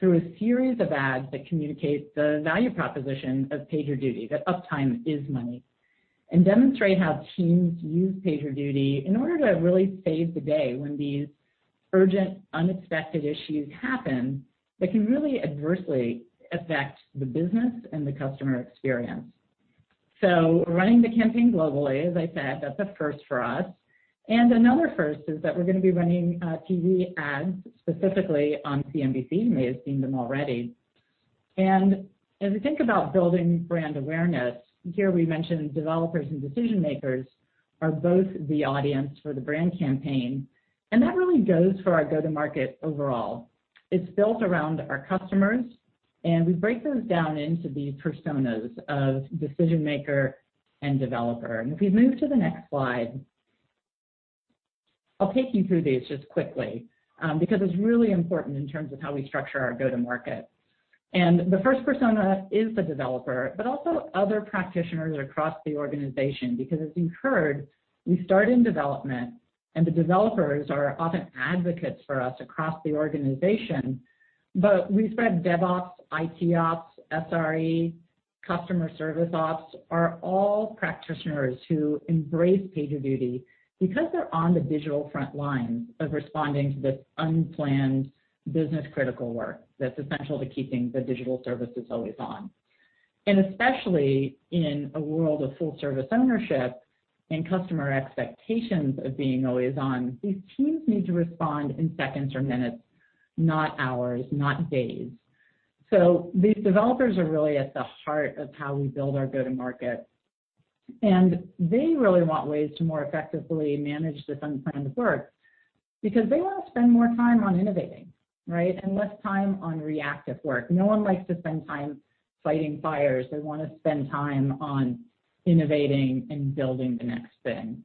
through a series of ads that communicate the value proposition of PagerDuty, that uptime is money, and demonstrate how teams use PagerDuty in order to really save the day when these urgent, unexpected issues happen that can really adversely affect the business and the customer experience. So we're running the campaign globally, as I said. That's a first for us. And another first is that we're going to be running TV ads specifically on CNBC. You may have seen them already. And as we think about building brand awareness, here we mentioned developers and decision-makers are both the audience for the brand campaign. And that really goes for our go-to-market overall. It's built around our customers, and we break those down into these personas of decision-maker and developer. And if we move to the next slide, I'll take you through these just quickly because it's really important in terms of how we structure our go-to-market. And the first persona is the developer, but also other practitioners across the organization because, as you've heard, we start in development, and the developers are often advocates for us across the organization. But we reach DevOps, IT ops, SRE, customer service ops are all practitioners who embrace PagerDuty because they're on the digital front lines of responding to this unplanned business-critical work that's essential to keeping the digital services always on. And especially in a world of full-service ownership and customer expectations of being always on, these teams need to respond in seconds or minutes, not hours, not days. So these developers are really at the heart of how we build our go-to-market. And they really want ways to more effectively manage this unplanned work because they want to spend more time on innovating, right, and less time on reactive work. No one likes to spend time fighting fires. They want to spend time on innovating and building the next thing.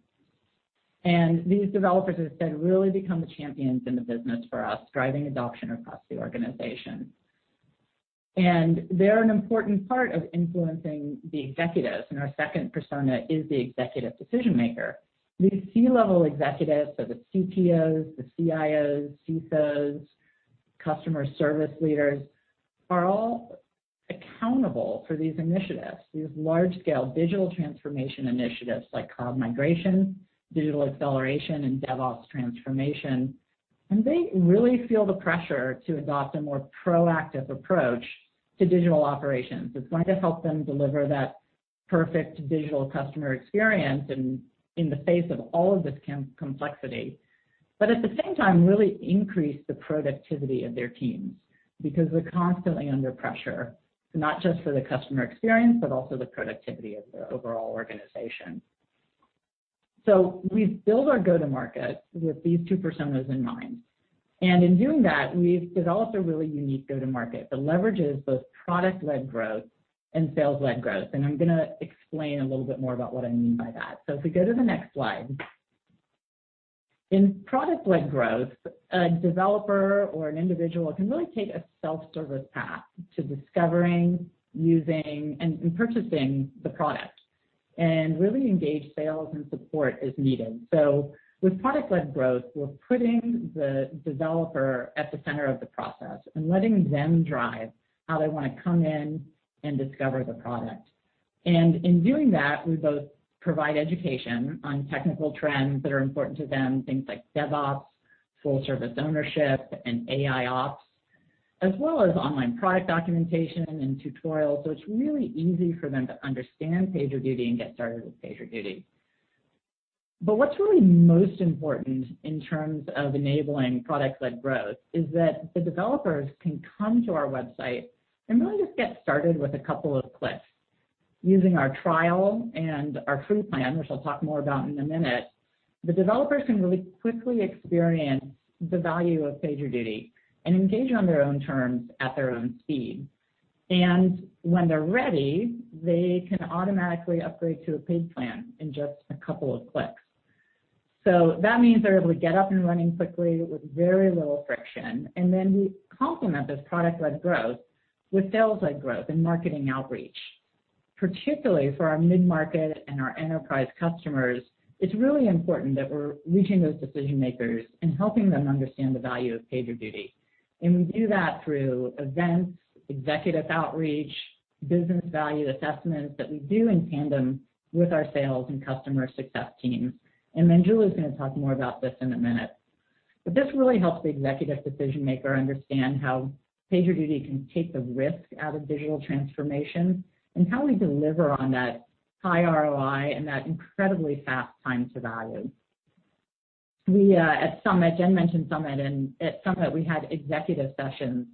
And these developers, as I said, really become the champions in the business for us, driving adoption across the organization. And they're an important part of influencing the executives. And our second persona is the executive decision-maker. These C-level executives, so the CTOs, the CIOs, CISOs, customer service leaders, are all accountable for these initiatives, these large-scale digital transformation initiatives like cloud migration, digital acceleration, and DevOps transformation. And they really feel the pressure to adopt a more proactive approach to digital operations. It's going to help them deliver that perfect digital customer experience in the face of all of this complexity, but at the same time, really increase the productivity of their teams because they're constantly under pressure, not just for the customer experience, but also the productivity of their overall organization, so we've built our go-to-market with these two personas in mind, and in doing that, we've developed a really unique go-to-market that leverages both product-led growth and sales-led growth, and I'm going to explain a little bit more about what I mean by that, so if we go to the next slide, in product-led growth, a developer or an individual can really take a self-service path to discovering, using, and purchasing the product and really engage sales and support as needed. So with product-led growth, we're putting the developer at the center of the process and letting them drive how they want to come in and discover the product. And in doing that, we both provide education on technical trends that are important to them, things like DevOps, full-service ownership, and AIOps, as well as online product documentation and tutorials. So it's really easy for them to understand PagerDuty and get started with PagerDuty. But what's really most important in terms of enabling product-led growth is that the developers can come to our website and really just get started with a couple of clicks. Using our trial and our free plan, which I'll talk more about in a minute, the developers can really quickly experience the value of PagerDuty and engage on their own terms at their own speed. And when they're ready, they can automatically upgrade to a paid plan in just a couple of clicks. So that means they're able to get up and running quickly with very little friction. And then we complement this product-led growth with sales-led growth and marketing outreach. Particularly for our mid-market and our enterprise customers, it's really important that we're reaching those decision-makers and helping them understand the value of PagerDuty. And we do that through events, executive outreach, business value assessments that we do in tandem with our sales and customer success teams. And then Julie is going to talk more about this in a minute. But this really helps the executive decision-maker understand how PagerDuty can take the risk out of digital transformation and how we deliver on that high ROI and that incredibly fast time to value. At Summit, Jen mentioned Summit, and at Summit, we had executive sessions,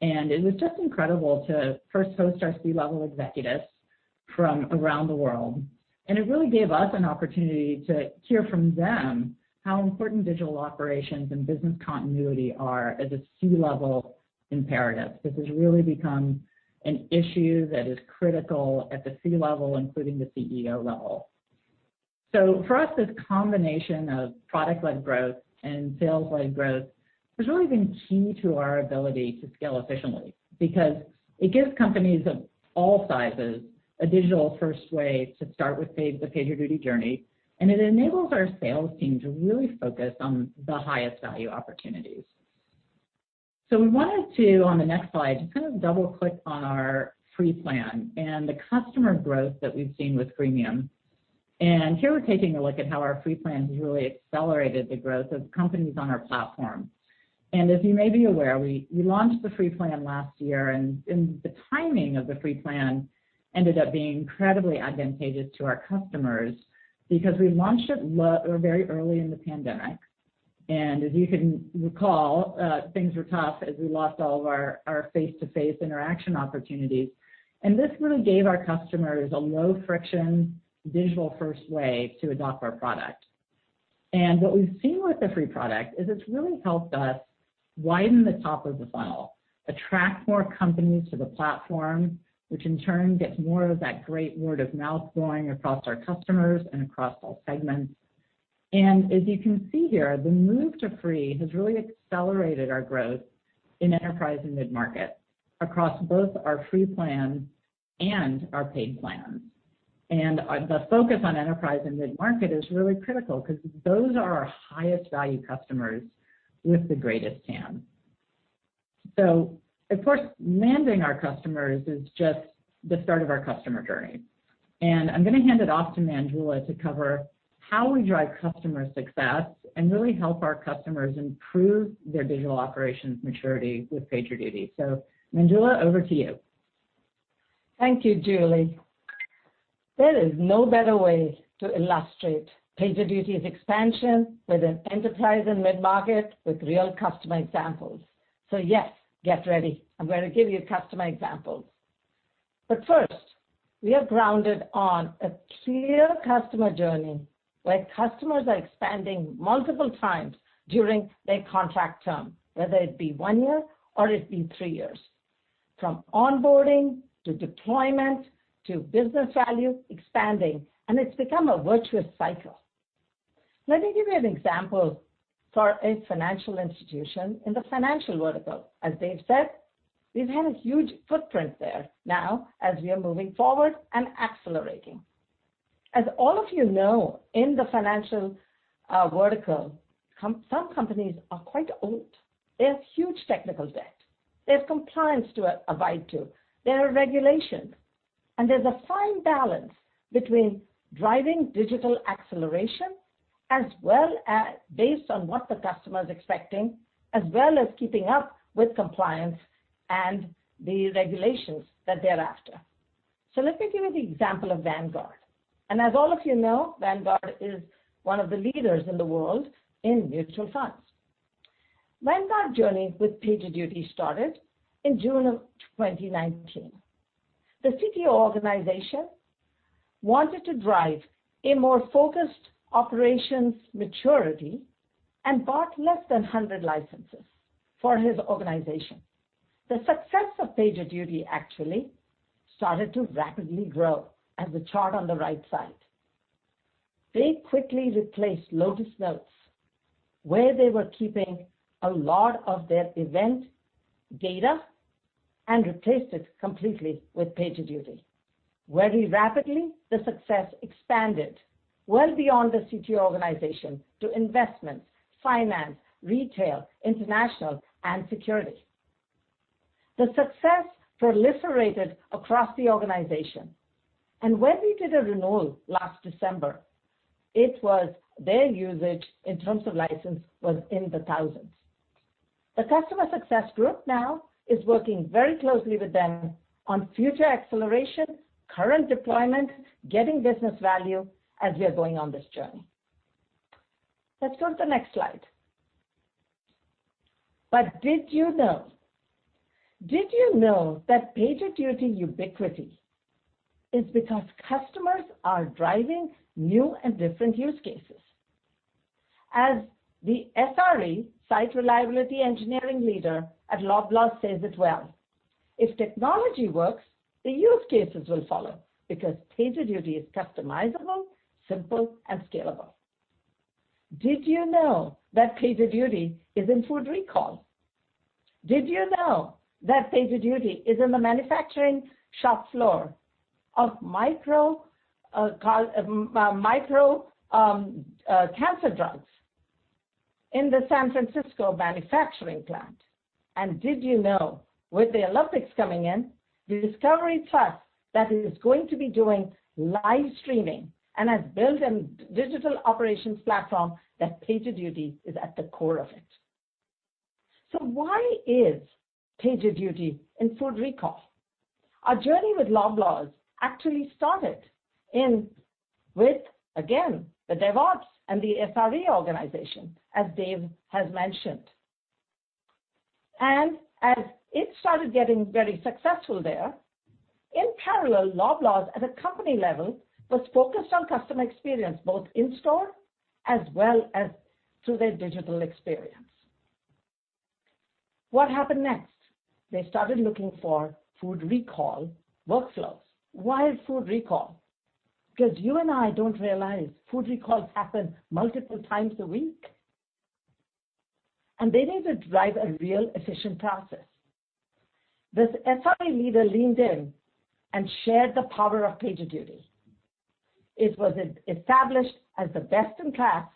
and it was just incredible to first host our C-level executives from around the world, and it really gave us an opportunity to hear from them how important digital operations and business continuity are as a C-level imperative. This has really become an issue that is critical at the C-level, including the CEO level, so for us, this combination of product-led growth and sales-led growth has really been key to our ability to scale efficiently because it gives companies of all sizes a digital first way to start with the PagerDuty journey, and it enables our sales team to really focus on the highest value opportunities, so we wanted to, on the next slide, just kind of double-click on our free plan and the customer growth that we've seen with freemium. And here we're taking a look at how our free plan has really accelerated the growth of companies on our platform. And as you may be aware, we launched the free plan last year. And the timing of the free plan ended up being incredibly advantageous to our customers because we launched it very early in the pandemic. And as you can recall, things were tough as we lost all of our face-to-face interaction opportunities. And this really gave our customers a low-friction digital first way to adopt our product. And what we've seen with the free product is it's really helped us widen the top of the funnel, attract more companies to the platform, which in turn gets more of that great word of mouth going across our customers and across all segments. And as you can see here, the move to free has really accelerated our growth in enterprise and mid-market across both our free plan and our paid plans. And the focus on enterprise and mid-market is really critical because those are our highest value customers with the greatest TAM. So, of course, landing our customers is just the start of our customer journey. And I'm going to hand it off to Manjula to cover how we drive customer success and really help our customers improve their digital operations maturity with PagerDuty. So, Manjula, over to you. Thank you, Julie. There is no better way to illustrate PagerDuty's expansion with an enterprise and mid-market with real customer examples. So yes, get ready. I'm going to give you customer examples. But first, we are grounded on a clear customer journey where customers are expanding multiple times during their contract term, whether it be one year or it be three years, from onboarding to deployment to business value expanding. And it's become a virtuous cycle. Let me give you an example for a financial institution in the financial vertical. As Dave said, we've had a huge footprint there now as we are moving forward and accelerating. As all of you know, in the financial vertical, some companies are quite old. They have huge technical debt. They have compliance to abide to. There are regulations. And there's a fine balance between driving digital acceleration as well as based on what the customer is expecting, as well as keeping up with compliance and the regulations that they're after. So let me give you the example of Vanguard. And as all of you know, Vanguard is one of the leaders in the world in mutual funds. Vanguard's journey with PagerDuty started in June of 2019. The CTO organization wanted to drive a more focused operations maturity and bought less than 100 licenses for his organization. The success of PagerDuty actually started to rapidly grow as the chart on the right side. They quickly replaced Lotus Notes where they were keeping a lot of their event data and replaced it completely with PagerDuty. Very rapidly, the success expanded well beyond the CTO organization to investments, finance, retail, international, and security. The success proliferated across the organization. And when we did a renewal last December, it was their usage in terms of license was in the thousands. The customer success group now is working very closely with them on future acceleration, current deployment, getting business value as we are going on this journey. Let's go to the next slide. But did you know? Did you know that PagerDuty ubiquity is because customers are driving new and different use cases? As the SRE, Site Reliability Engineering Leader at Loblaw says it well, "If technology works, the use cases will follow because PagerDuty is customizable, simple, and scalable." Did you know that PagerDuty is in food recall? Did you know that PagerDuty is in the manufacturing shop floor of maker of cancer drugs in the San Francisco manufacturing plant? And did you know with the Olympics coming in, Discovery+, that is going to be doing live streaming and has built a digital operations platform that PagerDuty is at the core of it? So why is PagerDuty in food recall? Our journey with Loblaw actually started with, again, the DevOps and the SRE organization, as Dave has mentioned. And as it started getting very successful there, in parallel, Loblaw at a company level was focused on customer experience both in store as well as through their digital experience. What happened next? They started looking for food recall workflows. Why food recall? Because you and I don't realize food recalls happen multiple times a week. And they need to drive a real efficient process. This SRE leader leaned in and shared the power of PagerDuty. It was established as the best in class,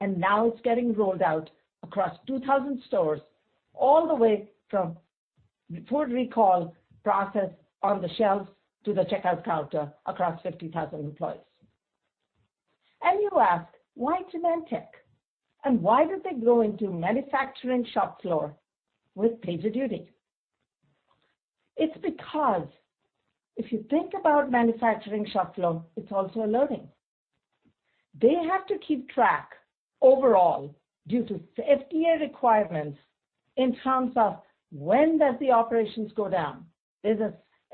and now it's getting rolled out across 2,000 stores, all the way from food recall process on the shelves to the checkout counter across 50,000 employees, and you ask, "Why Genentech? And why did they go into manufacturing shop floor with PagerDuty?" It's because if you think about manufacturing shop floor, it's also a learning. They have to keep track overall due to safety requirements in terms of when does the operations go down.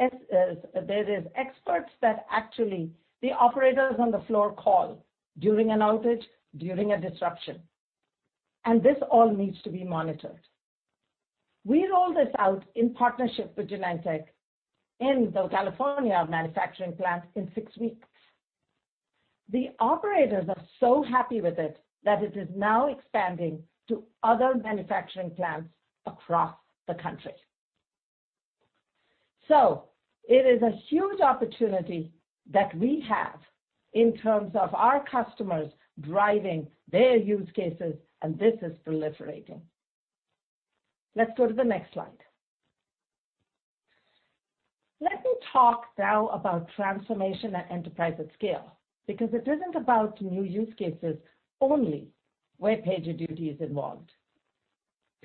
There are experts that actually the operators on the floor call during an outage, during a disruption, and this all needs to be monitored. We rolled this out in partnership with Genentech in the California manufacturing plant in six weeks. The operators are so happy with it that it is now expanding to other manufacturing plants across the country. So it is a huge opportunity that we have in terms of our customers driving their use cases, and this is proliferating. Let's go to the next slide. Let me talk now about transformation at enterprise at scale because it isn't about new use cases only where PagerDuty is involved.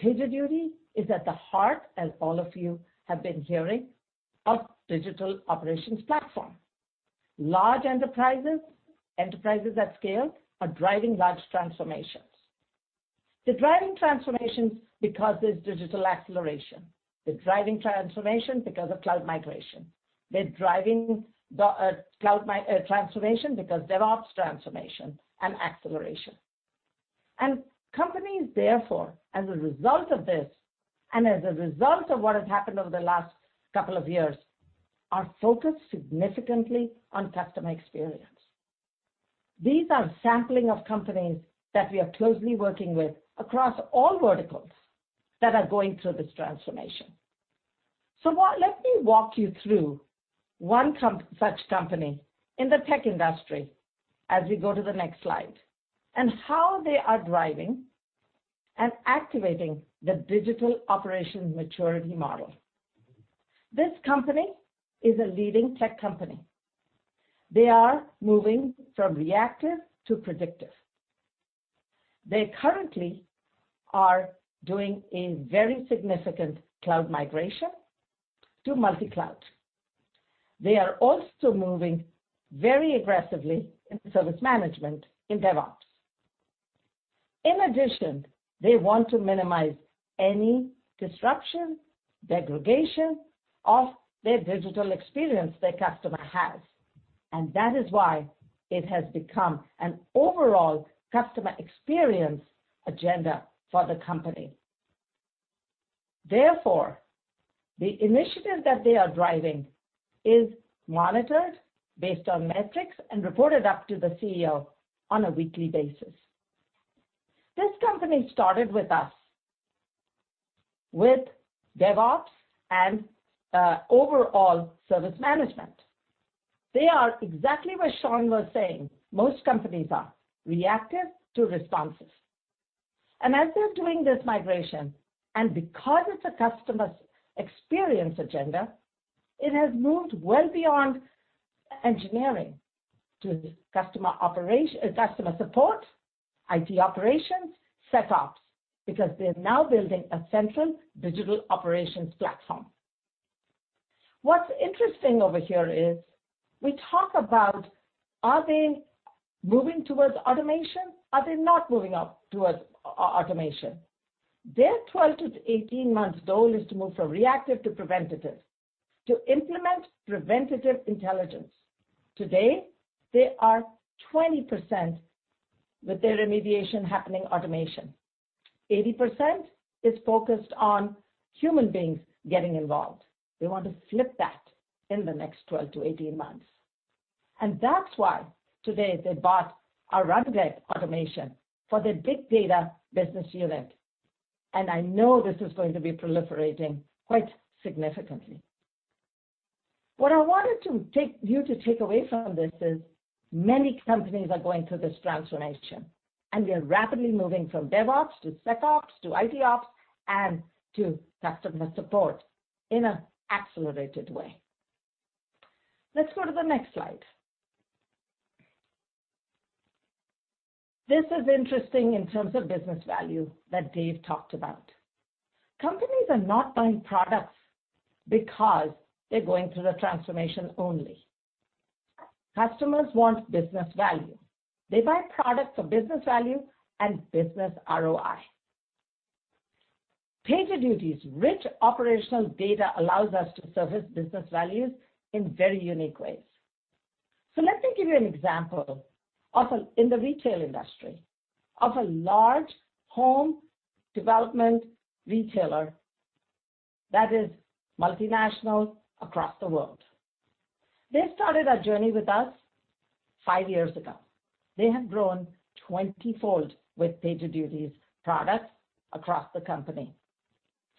PagerDuty is at the heart, as all of you have been hearing, of digital operations platform. Large enterprises, enterprises at scale, are driving large transformations. They're driving transformations because there's digital acceleration. They're driving transformation because of cloud migration. They're driving cloud transformation because DevOps transformation and acceleration. And companies, therefore, as a result of this and as a result of what has happened over the last couple of years, are focused significantly on customer experience. These are sampling of companies that we are closely working with across all verticals that are going through this transformation. So let me walk you through one such company in the tech industry as we go to the next slide and how they are driving and activating the digital operations maturity model. This company is a leading tech company. They are moving from reactive to predictive. They currently are doing a very significant cloud migration to multi-cloud. They are also moving very aggressively in service management in DevOps. In addition, they want to minimize any disruption, degradation of their digital experience their customer has. And that is why it has become an overall customer experience agenda for the company. Therefore, the initiative that they are driving is monitored based on metrics and reported up to the CEO on a weekly basis. This company started with us with DevOps and overall service management. They are exactly where Sean was saying most companies are, reactive to responses. And as they're doing this migration, and because it's a customer experience agenda, it has moved well beyond engineering to customer support, IT operations, SecOps because they're now building a central digital operations platform. What's interesting over here is we talk about are they moving towards automation? Are they not moving towards automation? Their 12-18 months goal is to move from reactive to preventative to implement preventative intelligence. Today, they are 20% with their remediation happening automation. 80% is focused on human beings getting involved. They want to flip that in the next 12-18 months. And that's why today they bought a runway automation for their big data business unit. And I know this is going to be proliferating quite significantly. What I wanted to take you to take away from this is many companies are going through this transformation, and they're rapidly moving from DevOps to SecOps to IT ops and to customer support in an accelerated way. Let's go to the next slide. This is interesting in terms of business value that Dave talked about. Companies are not buying products because they're going through the transformation only. Customers want business value. They buy products for business value and business ROI. PagerDuty's rich operational data allows us to service business values in very unique ways. So let me give you an example in the retail industry of a large home development retailer that is multinational across the world. They started a journey with us five years ago. They have grown 20-fold with PagerDuty's products across the company.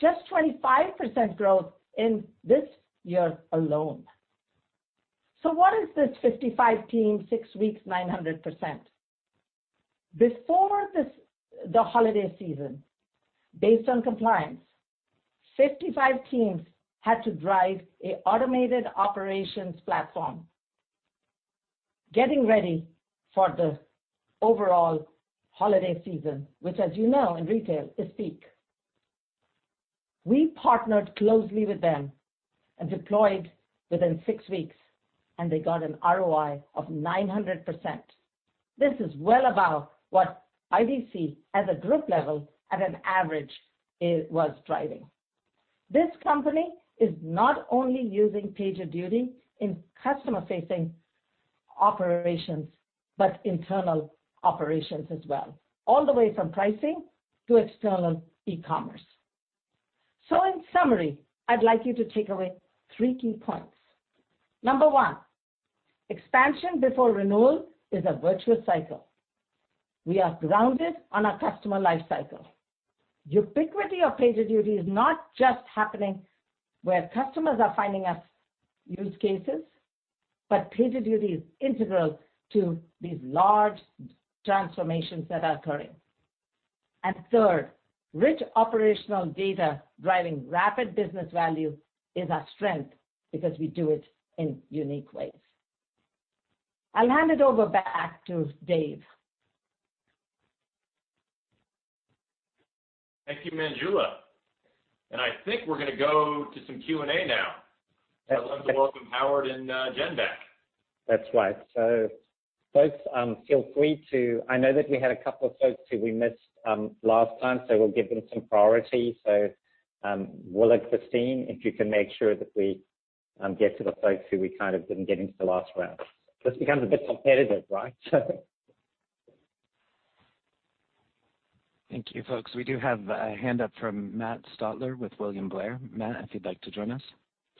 Just 25% growth in this year alone. So what is this 55 teams, six weeks, 900%? Before the holiday season, based on compliance, 55 teams had to drive an automated operations platform, getting ready for the overall holiday season, which, as you know, in retail is peak. We partnered closely with them and deployed within six weeks, and they got an ROI of 900%. This is well above what IDC at a group level at an average was driving. This company is not only using PagerDuty in customer-facing operations but internal operations as well, all the way from pricing to external e-commerce. So in summary, I'd like you to take away three key points. Number one, expansion before renewal is a virtuous cycle. We are grounded on our customer lifecycle. Ubiquity of PagerDuty is not just happening where customers are finding us use cases, but PagerDuty is integral to these large transformations that are occurring. And third, rich operational data driving rapid business value is our strength because we do it in unique ways. I'll hand it over back to Dave. Thank you, Manjula. And I think we're going to go to some Q&A now. I'd love to welcome Howard and Jen back. That's right. So folks, feel free to, I know that we had a couple of folks who we missed last time, so we'll give them some priority. So Will and Christine, if you can make sure that we get to the folks who we kind of didn't get into the last round. This becomes a bit competitive, right? Thank you, folks. We do have a hand up from Matt Stotler with William Blair. Matt, if you'd like to join us.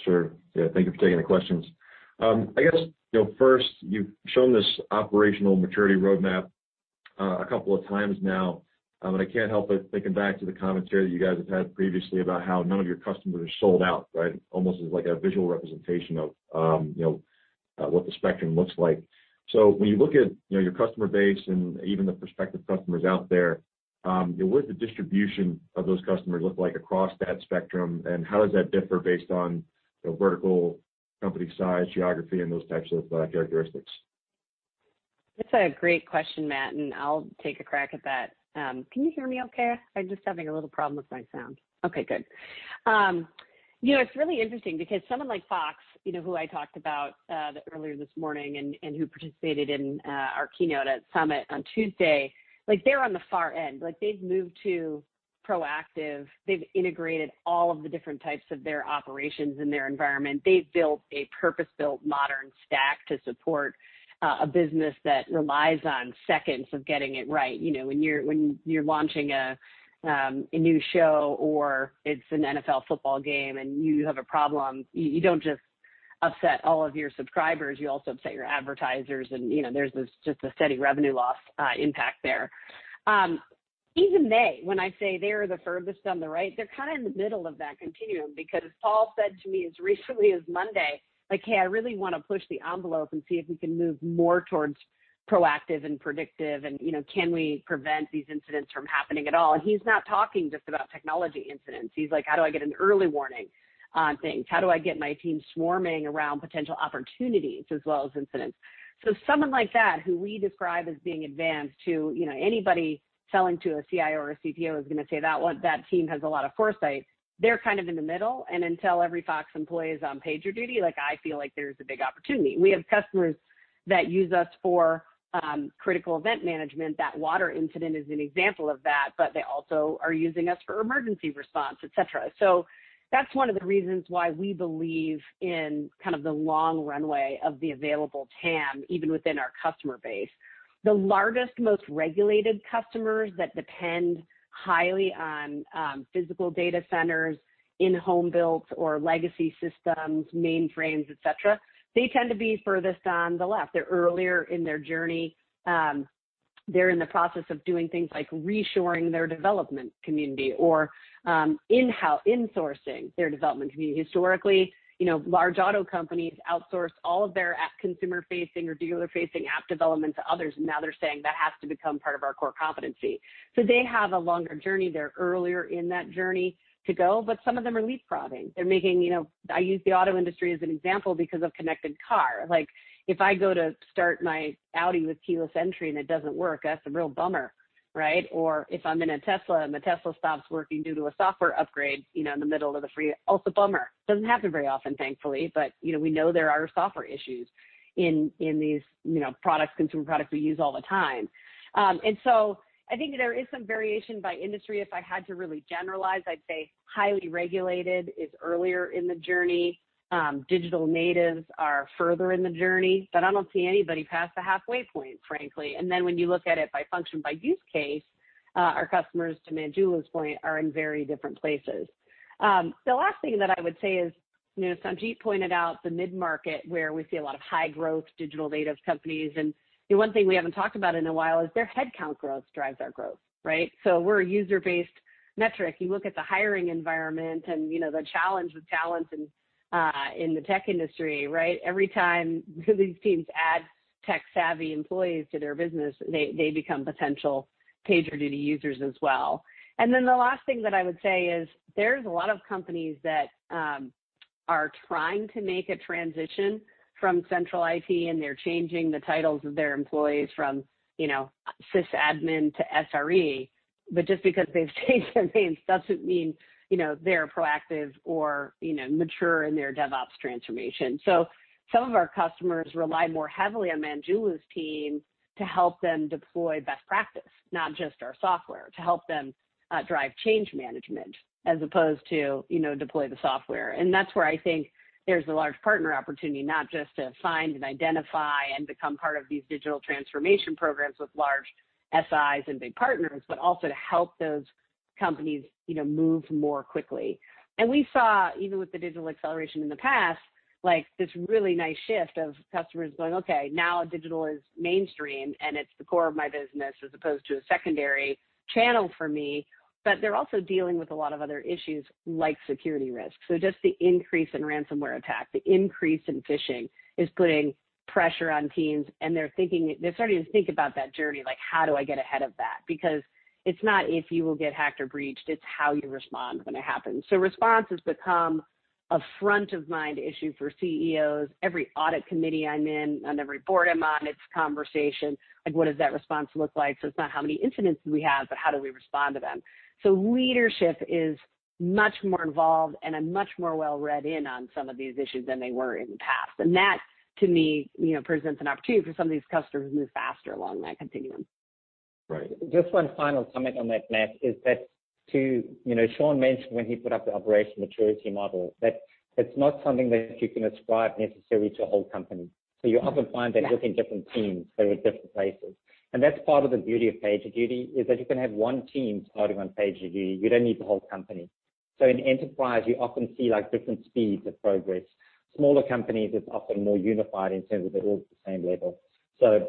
Sure. Yeah. Thank you for taking the questions. I guess first, you've shown this operational maturity roadmap a couple of times now, but I can't help but thinking back to the commentary that you guys have had previously about how none of your customers are sold out, right? Almost as like a visual representation of what the spectrum looks like. So when you look at your customer base and even the prospective customers out there, what does the distribution of those customers look like across that spectrum, and how does that differ based on vertical, company size, geography, and those types of characteristics? That's a great question, Matt, and I'll take a crack at that. Can you hear me okay? I'm just having a little problem with my sound. Okay. Good. It's really interesting because someone like Fox, who I talked about earlier this morning and who participated in our keynote at Summit on Tuesday, they're on the far end. They've moved to proactive. They've integrated all of the different types of their operations in their environment. They've built a purpose-built modern stack to support a business that relies on seconds of getting it right. When you're launching a new show or it's an NFL football game and you have a problem, you don't just upset all of your subscribers. You also upset your advertisers, and there's just a steady revenue loss impact there. Even they, when I say they're the furthest on the right, they're kind of in the middle of that continuum because Paul said to me as recently as Monday, "Hey, I really want to push the envelope and see if we can move more towards proactive and predictive, and can we prevent these incidents from happening at all?" And he's not talking just about technology incidents. He's like, "How do I get an early warning on things? How do I get my team swarming around potential opportunities as well as incidents?" So someone like that, who we describe as being advanced to anybody selling to a CIO or a CTO is going to say that team has a lot of foresight. They're kind of in the middle. And until every Fox employee is on PagerDuty, I feel like there's a big opportunity. We have customers that use us for critical event management. That water incident is an example of that, but they also are using us for emergency response, etc. So that's one of the reasons why we believe in kind of the long runway of the available TAM, even within our customer base. The largest, most regulated customers that depend highly on physical data centers, in-house builds or legacy systems, mainframes, etc., they tend to be furthest on the left. They're earlier in their journey. They're in the process of doing things like reshoring their development community or in-sourcing their development community. Historically, large auto companies outsourced all of their consumer-facing or dealer-facing app development to others, and now they're saying, "That has to become part of our core competency." So they have a longer journey. They're earlier in that journey to go, but some of them are leapfrogging. They're making, I use the auto industry as an example because of connected car. If I go to start my Audi with keyless entry and it doesn't work, that's a real bummer, right? Or if I'm in a Tesla and the Tesla stops working due to a software upgrade in the middle of the fleet, also bummer. Doesn't happen very often, thankfully, but we know there are software issues in these consumer products we use all the time. And so I think there is some variation by industry. If I had to really generalize, I'd say highly regulated is earlier in the journey. Digital natives are further in the journey, but I don't see anybody past the halfway point, frankly. And then when you look at it by function, by use case, our customers, to Manjula's point, are in very different places. The last thing that I would say is Sanjit pointed out the mid-market where we see a lot of high-growth digital native companies. And one thing we haven't talked about in a while is their headcount growth drives our growth, right? So we're a user-based metric. You look at the hiring environment and the challenge with talent in the tech industry, right? Every time these teams add tech-savvy employees to their business, they become potential PagerDuty users as well. And then the last thing that I would say is there's a lot of companies that are trying to make a transition from central IT, and they're changing the titles of their employees from sysadmin to SRE, but just because they've changed their names doesn't mean they're proactive or mature in their DevOps transformation. So some of our customers rely more heavily on Manjula's team to help them deploy best practice, not just our software, to help them drive change management as opposed to deploy the software. And that's where I think there's a large partner opportunity, not just to find and identify and become part of these digital transformation programs with large SIs and big partners, but also to help those companies move more quickly. And we saw, even with the digital acceleration in the past, this really nice shift of customers going, "Okay. Now digital is mainstream, and it's the core of my business as opposed to a secondary channel for me." But they're also dealing with a lot of other issues like security risks. So just the increase in ransomware attacks, the increase in phishing is putting pressure on teams, and they're starting to think about that journey, like, "How do I get ahead of that?" Because it's not if you will get hacked or breached. It's how you respond when it happens. So response has become a front-of-mind issue for CEOs. Every audit committee I'm in, on every board I'm on, it's conversation. What does that response look like? So it's not how many incidents do we have, but how do we respond to them? So leadership is much more involved and much more well-read in on some of these issues than they were in the past. And that, to me, presents an opportunity for some of these customers to move faster along that continuum. Just one final comment on that, Matt, is that Sean mentioned when he put up the operational maturity model that it's not something that you can ascribe necessarily to a whole company. So you often find that within different teams, they're at different places. And that's part of the beauty of PagerDuty is that you can have one team starting on PagerDuty. You don't need the whole company. So in enterprise, you often see different speeds of progress. Smaller companies, it's often more unified in terms of they're all at the same level. So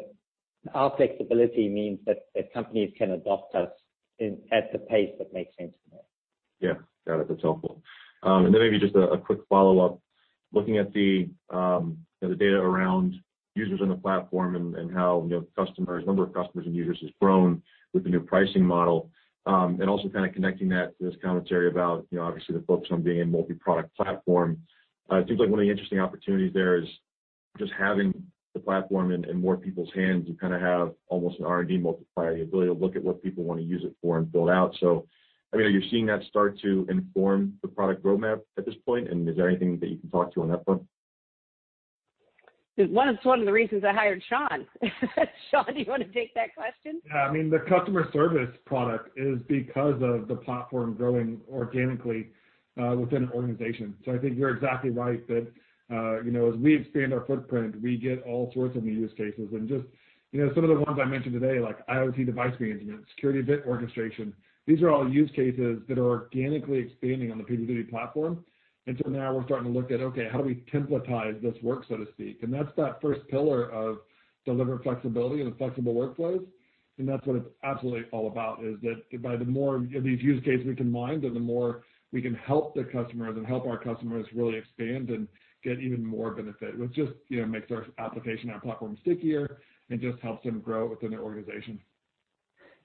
our flexibility means that companies can adopt us at the pace that makes sense to them. Yeah. Got it. That's helpful. And then maybe just a quick follow-up. Looking at the data around users on the platform and how the number of customers and users has grown with the new pricing model, and also kind of connecting that to this commentary about, obviously, the focus on being a multi-product platform, it seems like one of the interesting opportunities there is just having the platform in more people's hands. You kind of have almost an R&D multiplier, the ability to look at what people want to use it for and build out. So I mean, are you seeing that start to inform the product roadmap at this point, and is there anything that you can talk to on that front? It's one of the reasons I hired Sean. Sean, do you want to take that question? Yeah. I mean, the customer service product is because of the platform growing organically within an organization. So I think you're exactly right that as we expand our footprint, we get all sorts of new use cases. And just some of the ones I mentioned today, like IoT device management, security event orchestration, these are all use cases that are organically expanding on the PagerDuty platform. And so now we're starting to look at, "Okay. How do we templatize this work, so to speak?" And that's that first pillar of deliberate flexibility and the flexible workflows. And that's what it's absolutely all about, is that the more of these use cases we can mine, then the more we can help the customers and help our customers really expand and get even more benefit, which just makes our application, our platform stickier and just helps them grow within their organization.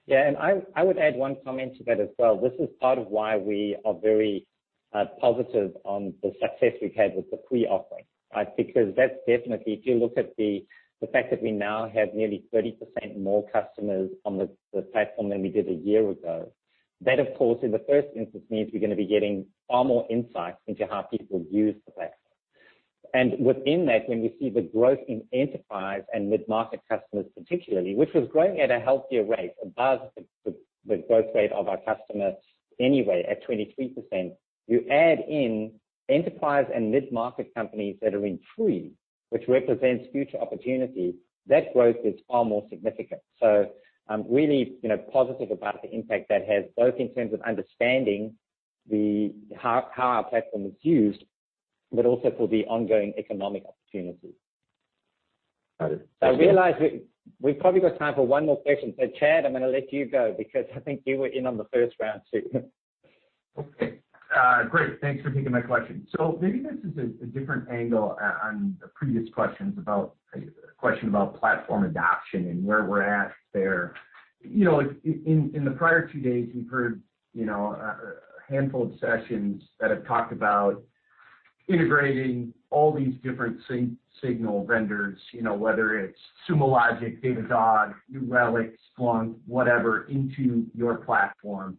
Yeah. And I would add one comment to that as well. This is part of why we are very positive on the success we've had with the pre-offering, right? Because that's definitely, if you look at the fact that we now have nearly 30% more customers on the platform than we did a year ago, that, of course, in the first instance means we're going to be getting far more insights into how people use the platform, and within that, when we see the growth in enterprise and mid-market customers particularly, which was growing at a healthier rate, above the growth rate of our customer anyway at 23%, you add in enterprise and mid-market companies that are in three, which represents future opportunity, that growth is far more significant, so I'm really positive about the impact that has both in terms of understanding how our platform is used, but also for the ongoing economic opportunity. Got it. Thank you. So I realize we've probably got time for one more question. So Chad, I'm going to let you go because I think you were in on the first round too. Great. Thanks for taking my question. So maybe this is a different angle on the previous questions about a question about platform adoption and where we're at there. In the prior two days, we've heard a handful of sessions that have talked about integrating all these different signal vendors, whether it's Sumo Logic, Datadog, New Relic, Splunk, whatever, into your platform.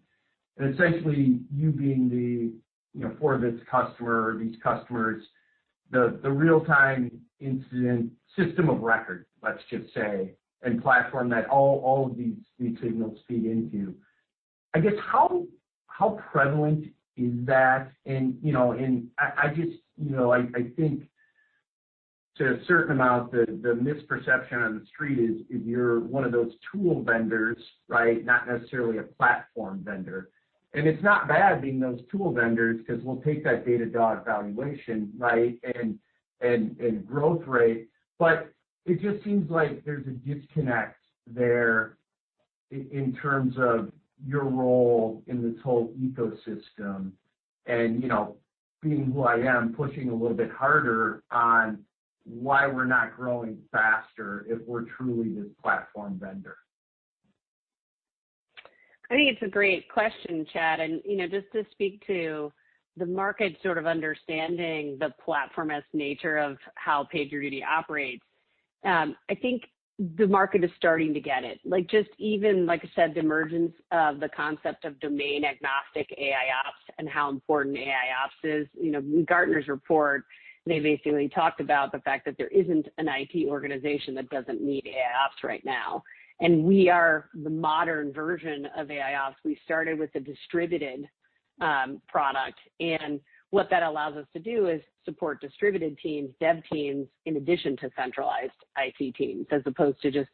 And essentially, you being there for this customer or these customers, the real-time incident system of record, let's just say, and platform that all of these signals feed into. I guess, how prevalent is that? I just think, to a certain amount, the misperception on the street is you're one of those tool vendors, right, not necessarily a platform vendor. It's not bad being those tool vendors because we'll take that Datadog valuation, right, and growth rate. But it just seems like there's a disconnect there in terms of your role in this whole ecosystem and being who I am, pushing a little bit harder on why we're not growing faster if we're truly this platform vendor. I think it's a great question, Chad. Just to speak to the market sort of understanding the platformist nature of how PagerDuty operates, I think the market is starting to get it. Just even, like I said, the emergence of the concept of domain-agnostic AIOps and how important AIOps is. In Gartner's report, they basically talked about the fact that there isn't an IT organization that doesn't need AIOps right now, and we are the modern version of AIOps. We started with a distributed product, and what that allows us to do is support distributed teams, dev teams, in addition to centralized IT teams, as opposed to just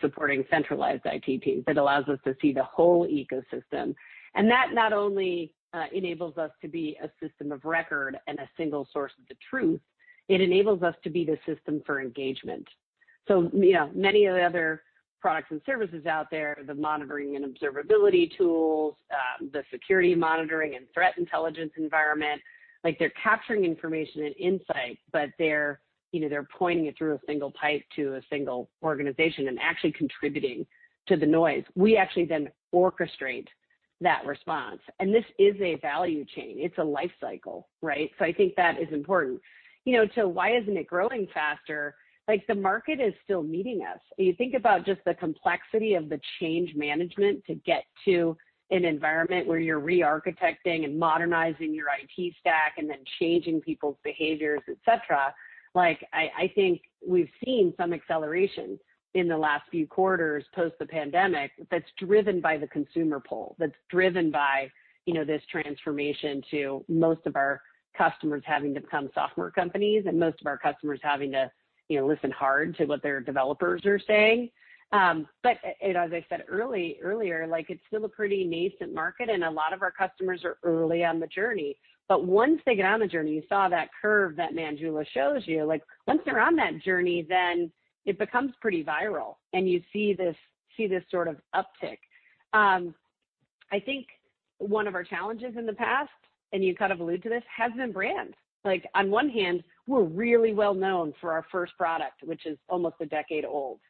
supporting centralized IT teams. It allows us to see the whole ecosystem, and that not only enables us to be a system of record and a single source of the truth, it enables us to be the system for engagement, so many of the other products and services out there, the monitoring and observability tools, the security monitoring and threat intelligence environment, they're capturing information and insight, but they're pointing it through a single pipe to a single organization and actually contributing to the noise. We actually then orchestrate that response. This is a value chain. It's a life cycle, right? I think that is important. Why isn't it growing faster? The market is still meeting us. You think about just the complexity of the change management to get to an environment where you're re-architecting and modernizing your IT stack and then changing people's behaviors, etc. I think we've seen some acceleration in the last few quarters post the pandemic that's driven by the consumer pull, that's driven by this transformation to most of our customers having to become software companies and most of our customers having to listen hard to what their developers are saying. As I said earlier, it's still a pretty nascent market, and a lot of our customers are early on the journey. but once they get on the journey, you saw that curve that Manjula shows you, once they're on that journey, then it becomes pretty viral, and you see this sort of uptick. I think one of our challenges in the past, and you kind of alluded to this, has been brands. On one hand, we're really well-known for our first product, which is almost a decade old.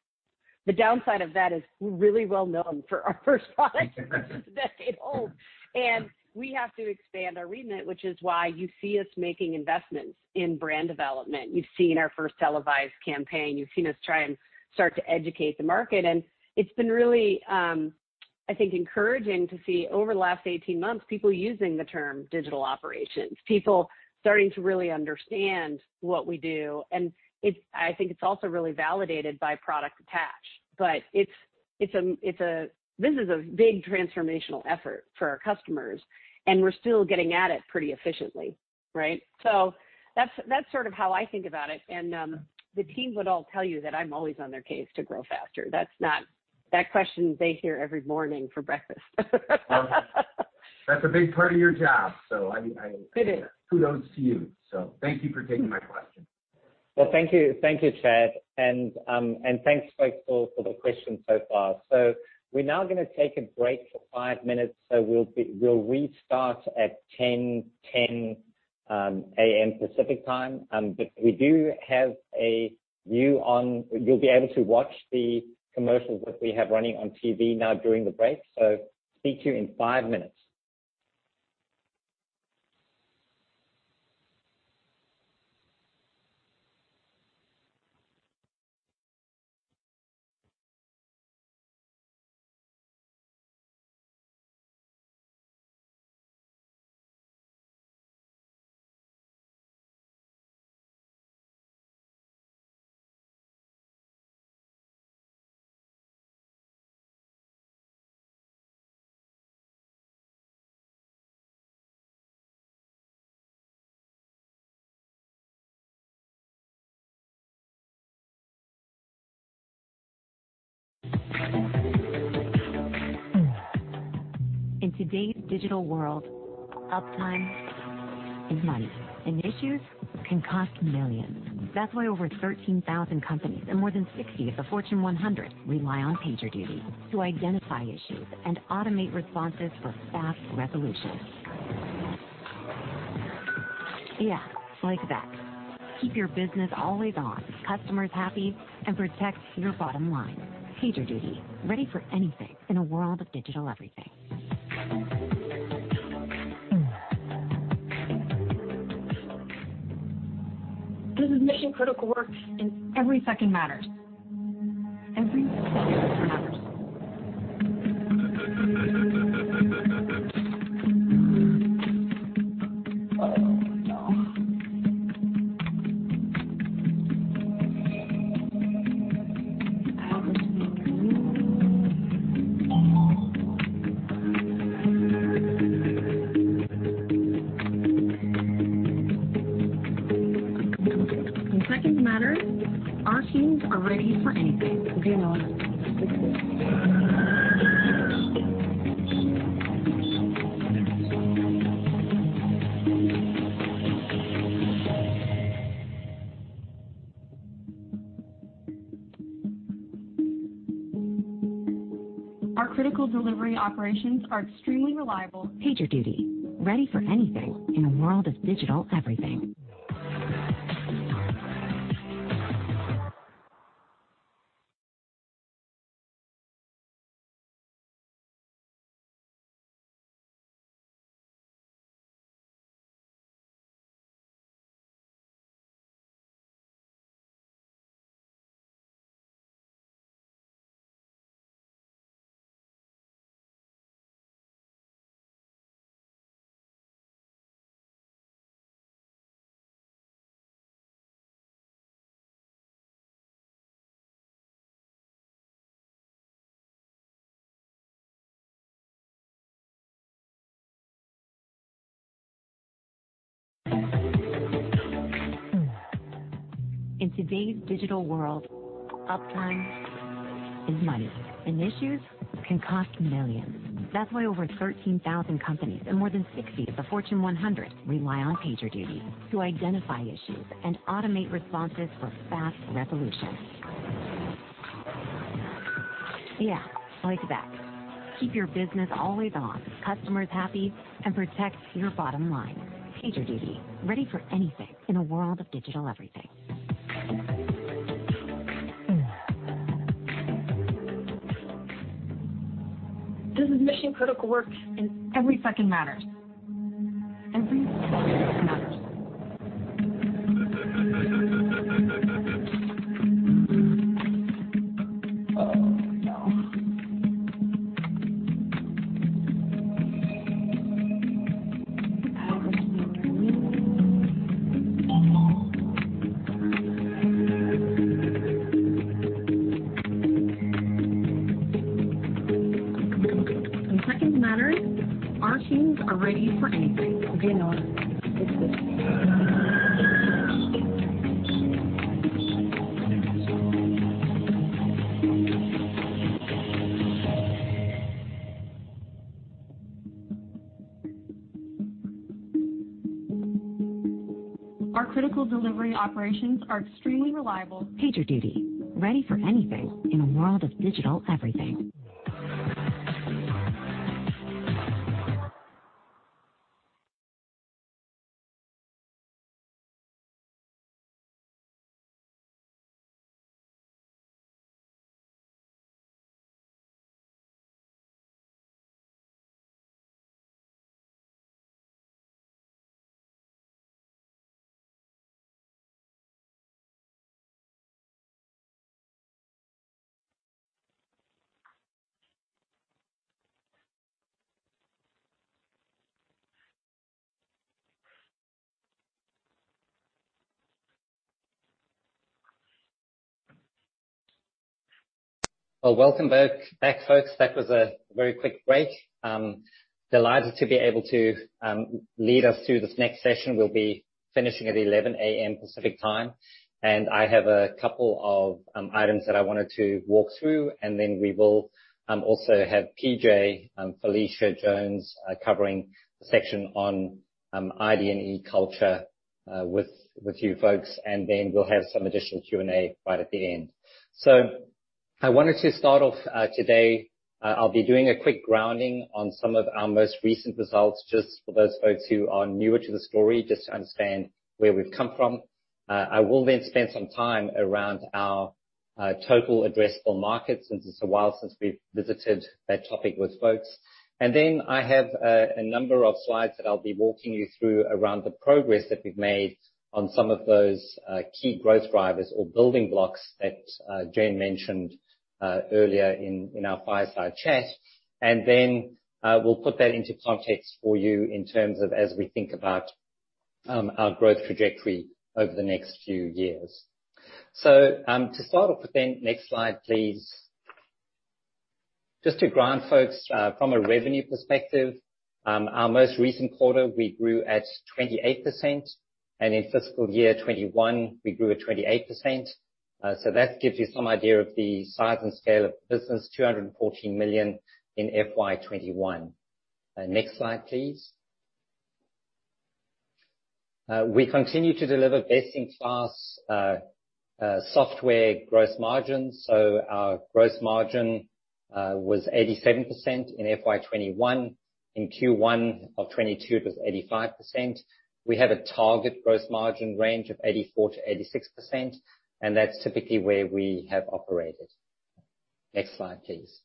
The downside of that is we're really well-known for our first product that's a decade old, and we have to expand our remit, which is why you see us making investments in brand development. You've seen our first televised campaign. You've seen us try and start to educate the market, and it's been really, I think, encouraging to see over the last 18 months, people using the term digital operations, people starting to really understand what we do. And I think it's also really validated by Product Attach. But this is a big transformational effort for our customers, and we're still getting at it pretty efficiently, right? So that's sort of how I think about it. And the team would all tell you that I'm always on their case to grow faster. That question, they hear every morning for breakfast. Perfect. That's a big part of your job, so I kudos to you. So thank you for taking my question. Well, thank you, Chad. And thanks for the questions so far. So we're now going to take a break for five minutes. So we'll restart at 10:10 A.M. Pacific time. But we do have a video. You'll be able to watch the commercials that we have running on TV now during the break. So speak to you in five minutes. In today's digital world, uptime is money. And issues can cost millions. That's why over 13,000 companies and more than 60 of the Fortune 100 rely on PagerDuty to identify issues and automate responses for fast resolution. Yeah, like that. Keep your business always on, customers happy, and protect your bottom line. PagerDuty, ready for anything in a world of digital everything. This is mission-critical work, and every second matters. Every second matters. Oh, no. I always make a move. When seconds matter, our teams are ready for anything. Okay, Noah. Our critical delivery operations are extremely reliable. PagerDuty, ready for anything in a world of digital everything. In today's digital world, uptime is money. And issues can cost millions. That's why over 13,000 companies and more than 60 of the Fortune 100 rely on PagerDuty to identify issues and automate responses for fast resolution. Yeah, like that. Keep your business always on, customers happy, and protect your bottom line. PagerDuty, ready for anything in a world of digital everything. This is mission-critical work, and every second matters. Every second matters. Oh, no. I always make a move. When seconds matter, our teams are ready for anything. Okay, Noah. It's this one. Our critical delivery operations are extremely reliable. PagerDuty, ready for anything in a world of digital everything. Well, welcome back, folks. That was a very quick break. Delighted to be able to lead us through this next session. We'll be finishing at 11:00 A.M. Pacific time. And I have a couple of items that I wanted to walk through. And then we will also have PJ, Phylicia Jones, covering the section on ID&E culture with you folks. And then we'll have some additional Q&A right at the end. So I wanted to start off today. I'll be doing a quick grounding on some of our most recent results just for those folks who are newer to the story, just to understand where we've come from. I will then spend some time around our total addressable markets since it's a while since we've visited that topic with folks. And then I have a number of slides that I'll be walking you through around the progress that we've made on some of those key growth drivers or building blocks that Jen mentioned earlier in our fireside chat. And then we'll put that into context for you in terms of as we think about our growth trajectory over the next few years. So to start off with then, next slide, please. Just to ground folks from a revenue perspective, our most recent quarter, we grew at 28%. And in fiscal year 2021, we grew at 28%. So that gives you some idea of the size and scale of the business, $214 million in FY 2021. Next slide, please. We continue to deliver best-in-class software gross margins. So our gross margin was 87% in FY 2021. In Q1 of 2022, it was 85%. We have a target gross margin range of 84%-86%. And that's typically where we have operated. Next slide, please.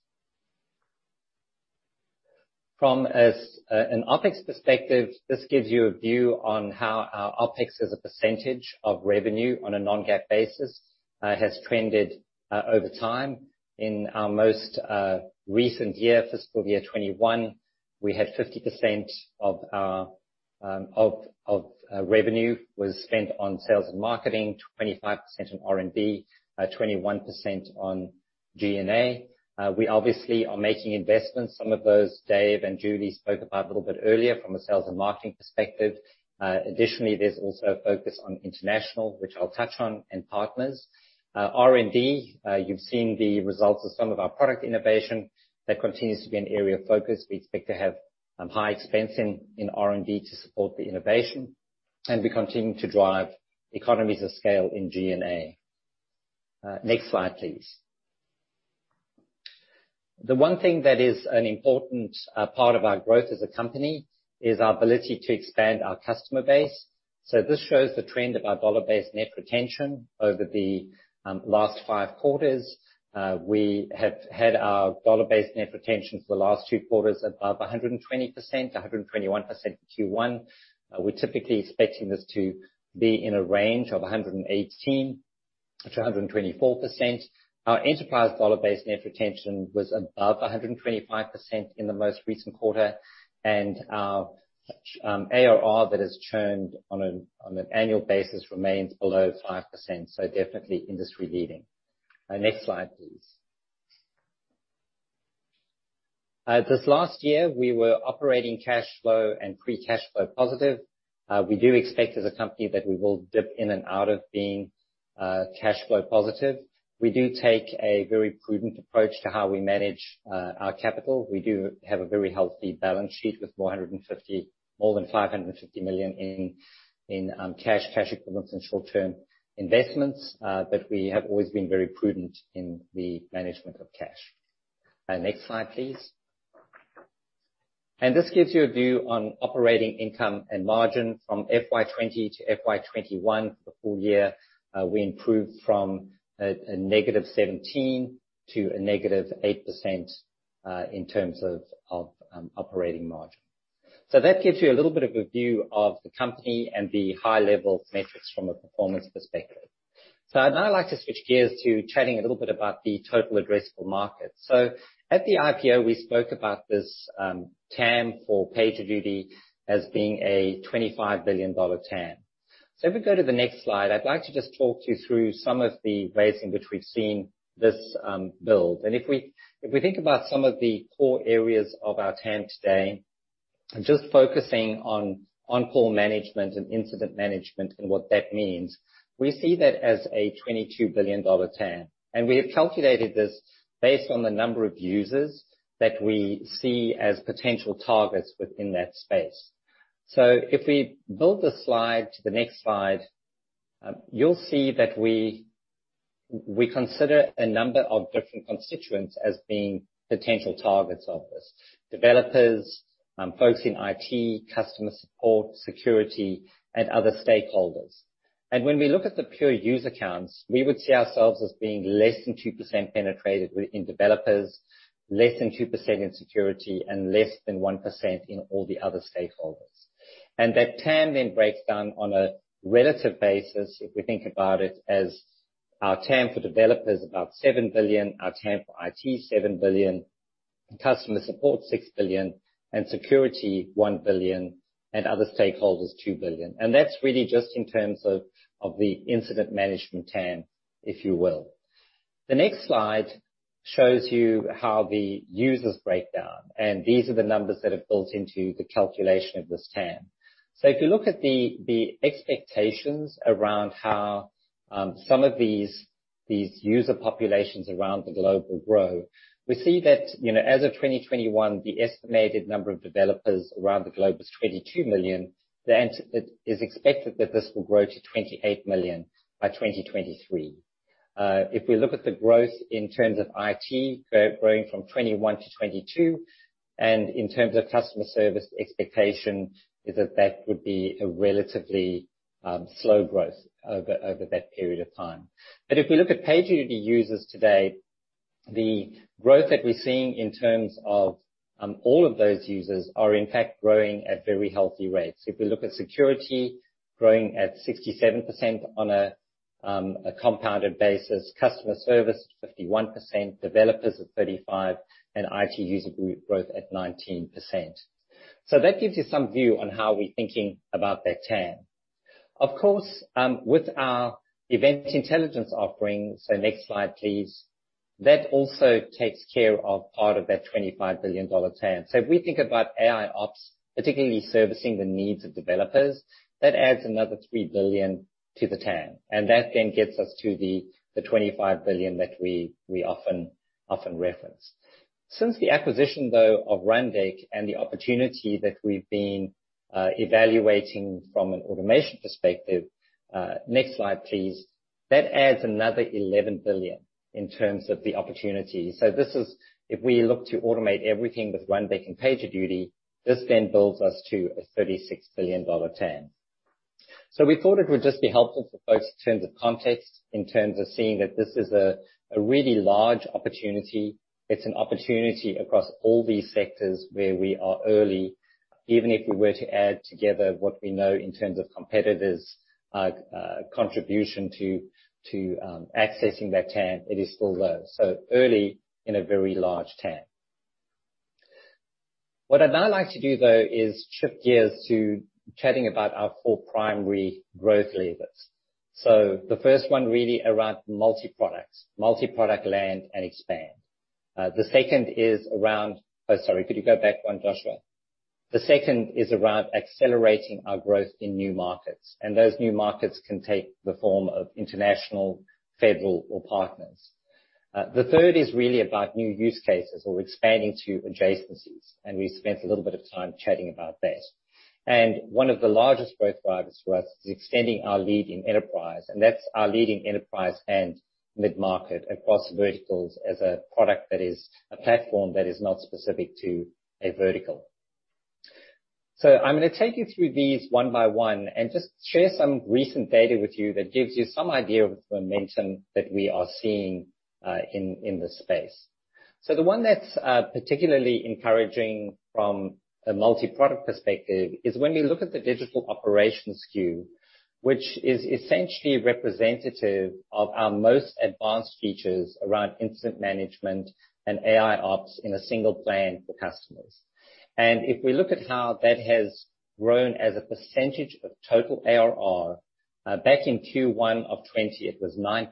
From an OpEx perspective, this gives you a view on how our OpEx as a percentage of revenue on a non-GAAP basis has trended over time. In our most recent year, fiscal year 2021, we had 50% of revenue was spent on sales and marketing, 25% on R&D, 21% on G&A. We obviously are making investments. Some of those Dave and Julie spoke about a little bit earlier from a sales and marketing perspective. Additionally, there's also a focus on international, which I'll touch on, and partners. R&D, you've seen the results of some of our product innovation. That continues to be an area of focus. We expect to have high expense in R&D to support the innovation, and we continue to drive economies of scale in G&A. Next slide, please. The one thing that is an important part of our growth as a company is our ability to expand our customer base, so this shows the trend of our dollar-based net retention over the last five quarters. We have had our dollar-based net retention for the last two quarters above 120%, 121% in Q1. We're typically expecting this to be in a range of 118%-124%. Our enterprise dollar-based net retention was above 125% in the most recent quarter, and our ARR that has churned on an annual basis remains below 5%. So definitely industry-leading. Next slide, please. This last year, we were operating cash flow and free cash flow positive. We do expect as a company that we will dip in and out of being cash flow positive. We do take a very prudent approach to how we manage our capital. We do have a very healthy balance sheet with more than $550 million in cash, cash equivalents, and short-term investments. But we have always been very prudent in the management of cash. Next slide, please. And this gives you a view on operating income and margin from FY 2020 to FY 2021 for the full year. We improved from a negative 17% to a negative 8% in terms of operating margin. So that gives you a little bit of a view of the company and the high-level metrics from a performance perspective. So now I'd like to switch gears to chatting a little bit about the total addressable market. So at the IPO, we spoke about this TAM for PagerDuty as being a $25 billion TAM. So if we go to the next slide, I'd like to just talk you through some of the ways in which we've seen this build. And if we think about some of the core areas of our TAM today, just focusing on on-call management and incident management and what that means, we see that as a $22 billion TAM. And we have calculated this based on the number of users that we see as potential targets within that space. So if we build the slide to the next slide, you'll see that we consider a number of different constituents as being potential targets of this: developers, folks in IT, customer support, security, and other stakeholders. And when we look at the pure user counts, we would see ourselves as being less than 2% penetrated in developers, less than 2% in security, and less than 1% in all the other stakeholders. And that TAM then breaks down on a relative basis. If we think about it as our TAM for developers, about 7 billion, our TAM for IT, 7 billion, customer support, 6 billion, and security, 1 billion, and other stakeholders, 2 billion. And that's really just in terms of the incident management TAM, if you will. The next slide shows you how the users break down. And these are the numbers that have built into the calculation of this TAM. So if you look at the expectations around how some of these user populations around the globe will grow, we see that as of 2021, the estimated number of developers around the globe is 22 million. It is expected that this will grow to 28 million by 2023. If we look at the growth in terms of IT growing from 2021 to 2022, and in terms of customer service expectation, that would be a relatively slow growth over that period of time. But if we look at PagerDuty users today, the growth that we're seeing in terms of all of those users are, in fact, growing at very healthy rates. If we look at security, growing at 67% on a compounded basis, customer service at 51%, developers at 35%, and IT user growth at 19%. So that gives you some view on how we're thinking about that TAM. Of course, with our event intelligence offering, so next slide, please, that also takes care of part of that $25 billion TAM, so if we think about AIOps, particularly servicing the needs of developers, that adds another three billion to the TAM, and that then gets us to the 25 billion that we often reference. Since the acquisition, though, of Rundeck and the opportunity that we've been evaluating from an automation perspective, next slide, please, that adds another 11 billion in terms of the opportunity, so this is if we look to automate everything with Rundeck and PagerDuty, this then builds us to a $36 billion TAM, so we thought it would just be helpful for folks in terms of context, in terms of seeing that this is a really large opportunity. It's an opportunity across all these sectors where we are early. Even if we were to add together what we know in terms of competitors' contribution to accessing that TAM, it is still low. So early in a very large TAM. What I'd now like to do, though, is shift gears to chatting about our four primary growth levers. So the first one really around multi-products, multi-product land and expand. The second is around. Oh, sorry, could you go back one, Joshua? The second is around accelerating our growth in new markets. And those new markets can take the form of international, federal, or partners. The third is really about new use cases or expanding to adjacencies. And we spent a little bit of time chatting about that. And one of the largest growth drivers for us is extending our leading enterprise. And that's our leading enterprise and mid-market across verticals as a product that is a platform that is not specific to a vertical. So I'm going to take you through these one by one and just share some recent data with you that gives you some idea of the momentum that we are seeing in this space. So the one that's particularly encouraging from a multi-product perspective is when we look at the digital operations SKU, which is essentially representative of our most advanced features around incident management and AIOps in a single plan for customers. And if we look at how that has grown as a percentage of total ARR, back in Q1 of 2020, it was 9%.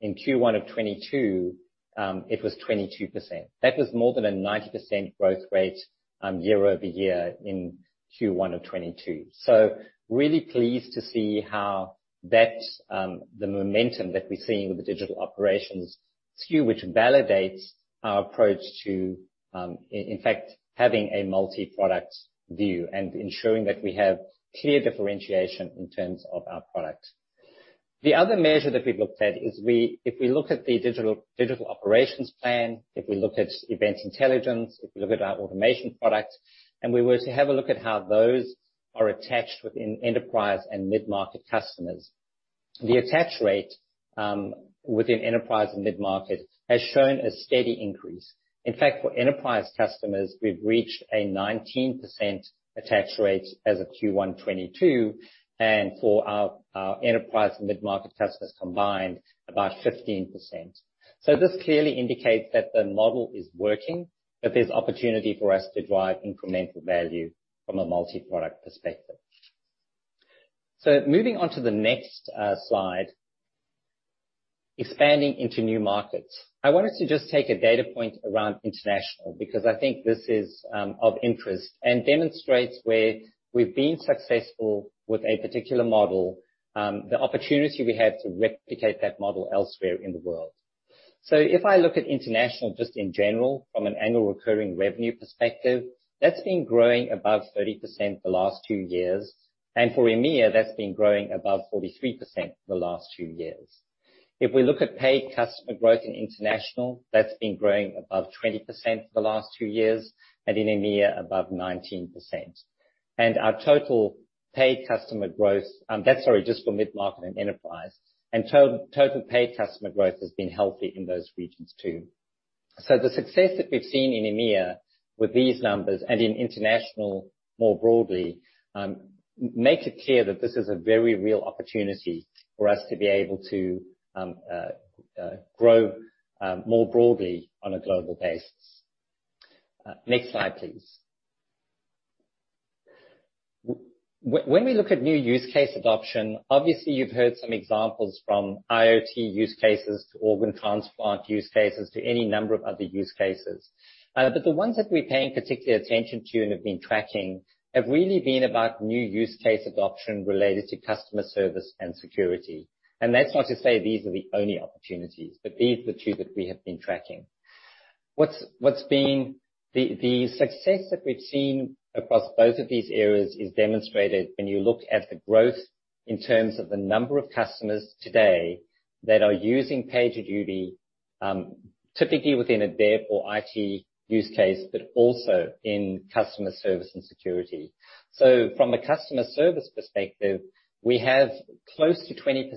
In Q1 of 2022, it was 22%. That was more than a 90% growth rate year over year in Q1 of 2022. So really pleased to see how the momentum that we're seeing with the digital operations SKU, which validates our approach to, in fact, having a multi-product view and ensuring that we have clear differentiation in terms of our product. The other measure that we've looked at is if we look at the digital operations plan, if we look at event intelligence, if we look at our automation product, and we were to have a look at how those are attached within enterprise and mid-market customers. The attach rate within enterprise and mid-market has shown a steady increase. In fact, for enterprise customers, we've reached a 19% attach rate as of Q1 2022. And for our enterprise and mid-market customers combined, about 15%. So this clearly indicates that the model is working, that there's opportunity for us to drive incremental value from a multi-product perspective. So moving on to the next slide, expanding into new markets. I wanted to just take a data point around international because I think this is of interest and demonstrates where we've been successful with a particular model, the opportunity we have to replicate that model elsewhere in the world. So if I look at international just in general from an annual recurring revenue perspective, that's been growing above 30% the last two years. And for EMEA, that's been growing above 43% the last two years. If we look at paid customer growth in international, that's been growing above 20% for the last two years and in EMEA above 19%. And our total paid customer growth, that's sorry, just for mid-market and enterprise. And total paid customer growth has been healthy in those regions too. So the success that we've seen in EMEA with these numbers and in international more broadly makes it clear that this is a very real opportunity for us to be able to grow more broadly on a global basis. Next slide, please. When we look at new use case adoption, obviously, you've heard some examples from IoT use cases to organ transplant use cases to any number of other use cases. But the ones that we're paying particular attention to and have been tracking have really been about new use case adoption related to customer service and security. And that's not to say these are the only opportunities, but these are the two that we have been tracking. The success that we've seen across both of these areas is demonstrated when you look at the growth in terms of the number of customers today that are using PagerDuty, typically within a dev or IT use case, but also in customer service and security, so from a customer service perspective, we have close to 20%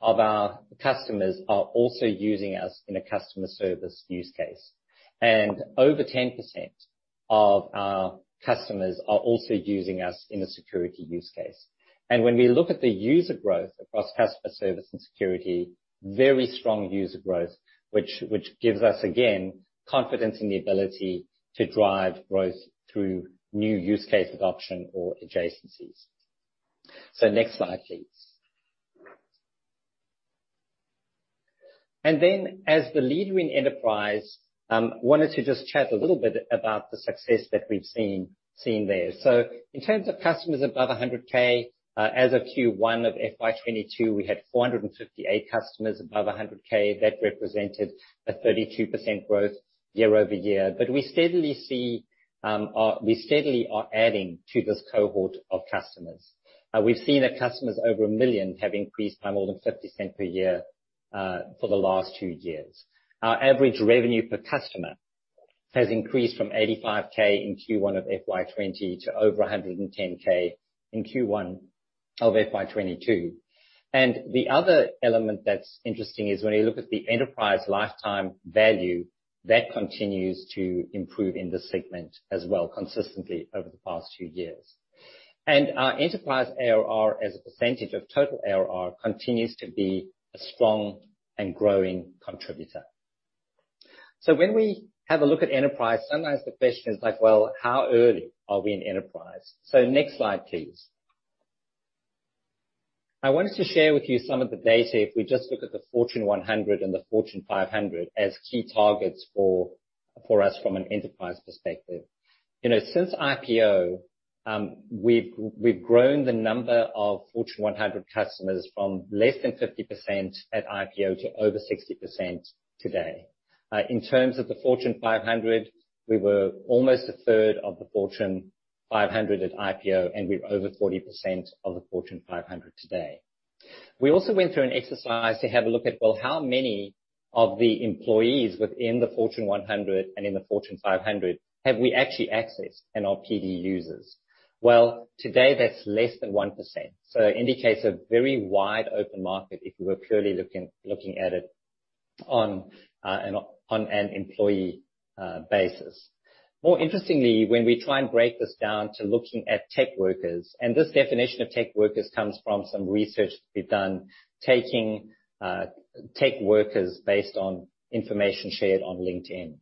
of our customers are also using us in a customer service use case, and over 10% of our customers are also using us in a security use case, and when we look at the user growth across customer service and security, very strong user growth, which gives us, again, confidence in the ability to drive growth through new use case adoption or adjacencies, so next slide, please, and then, as the leader in enterprise, I wanted to just chat a little bit about the success that we've seen there. So in terms of customers above 100K, as of Q1 of FY 2022, we had 458 customers above 100K. That represented a 32% growth year over year. But we steadily are adding to this cohort of customers. We've seen that customers over a million have increased by more than 50% per year for the last two years. Our average revenue per customer has increased from 85K in Q1 of FY 2020 to over 110K in Q1 of FY 2022. And the other element that's interesting is when we look at the enterprise lifetime value, that continues to improve in this segment as well consistently over the past few years. And our enterprise ARR, as a percentage of total ARR, continues to be a strong and growing contributor. So when we have a look at enterprise, sometimes the question is like, well, how early are we in enterprise? So next slide, please. I wanted to share with you some of the data if we just look at the Fortune 100 and the Fortune 500 as key targets for us from an enterprise perspective. Since IPO, we've grown the number of Fortune 100 customers from less than 50% at IPO to over 60% today. In terms of the Fortune 500, we were almost a third of the Fortune 500 at IPO, and we're over 40% of the Fortune 500 today. We also went through an exercise to have a look at, well, how many of the employees within the Fortune 100 and in the Fortune 500 have we actually accessed in our PD users? Well, today, that's less than 1%. So it indicates a very wide open market if we were purely looking at it on an employee basis. More interestingly, when we try and break this down to looking at tech workers, and this definition of tech workers comes from some research that we've done taking tech workers based on information shared on LinkedIn.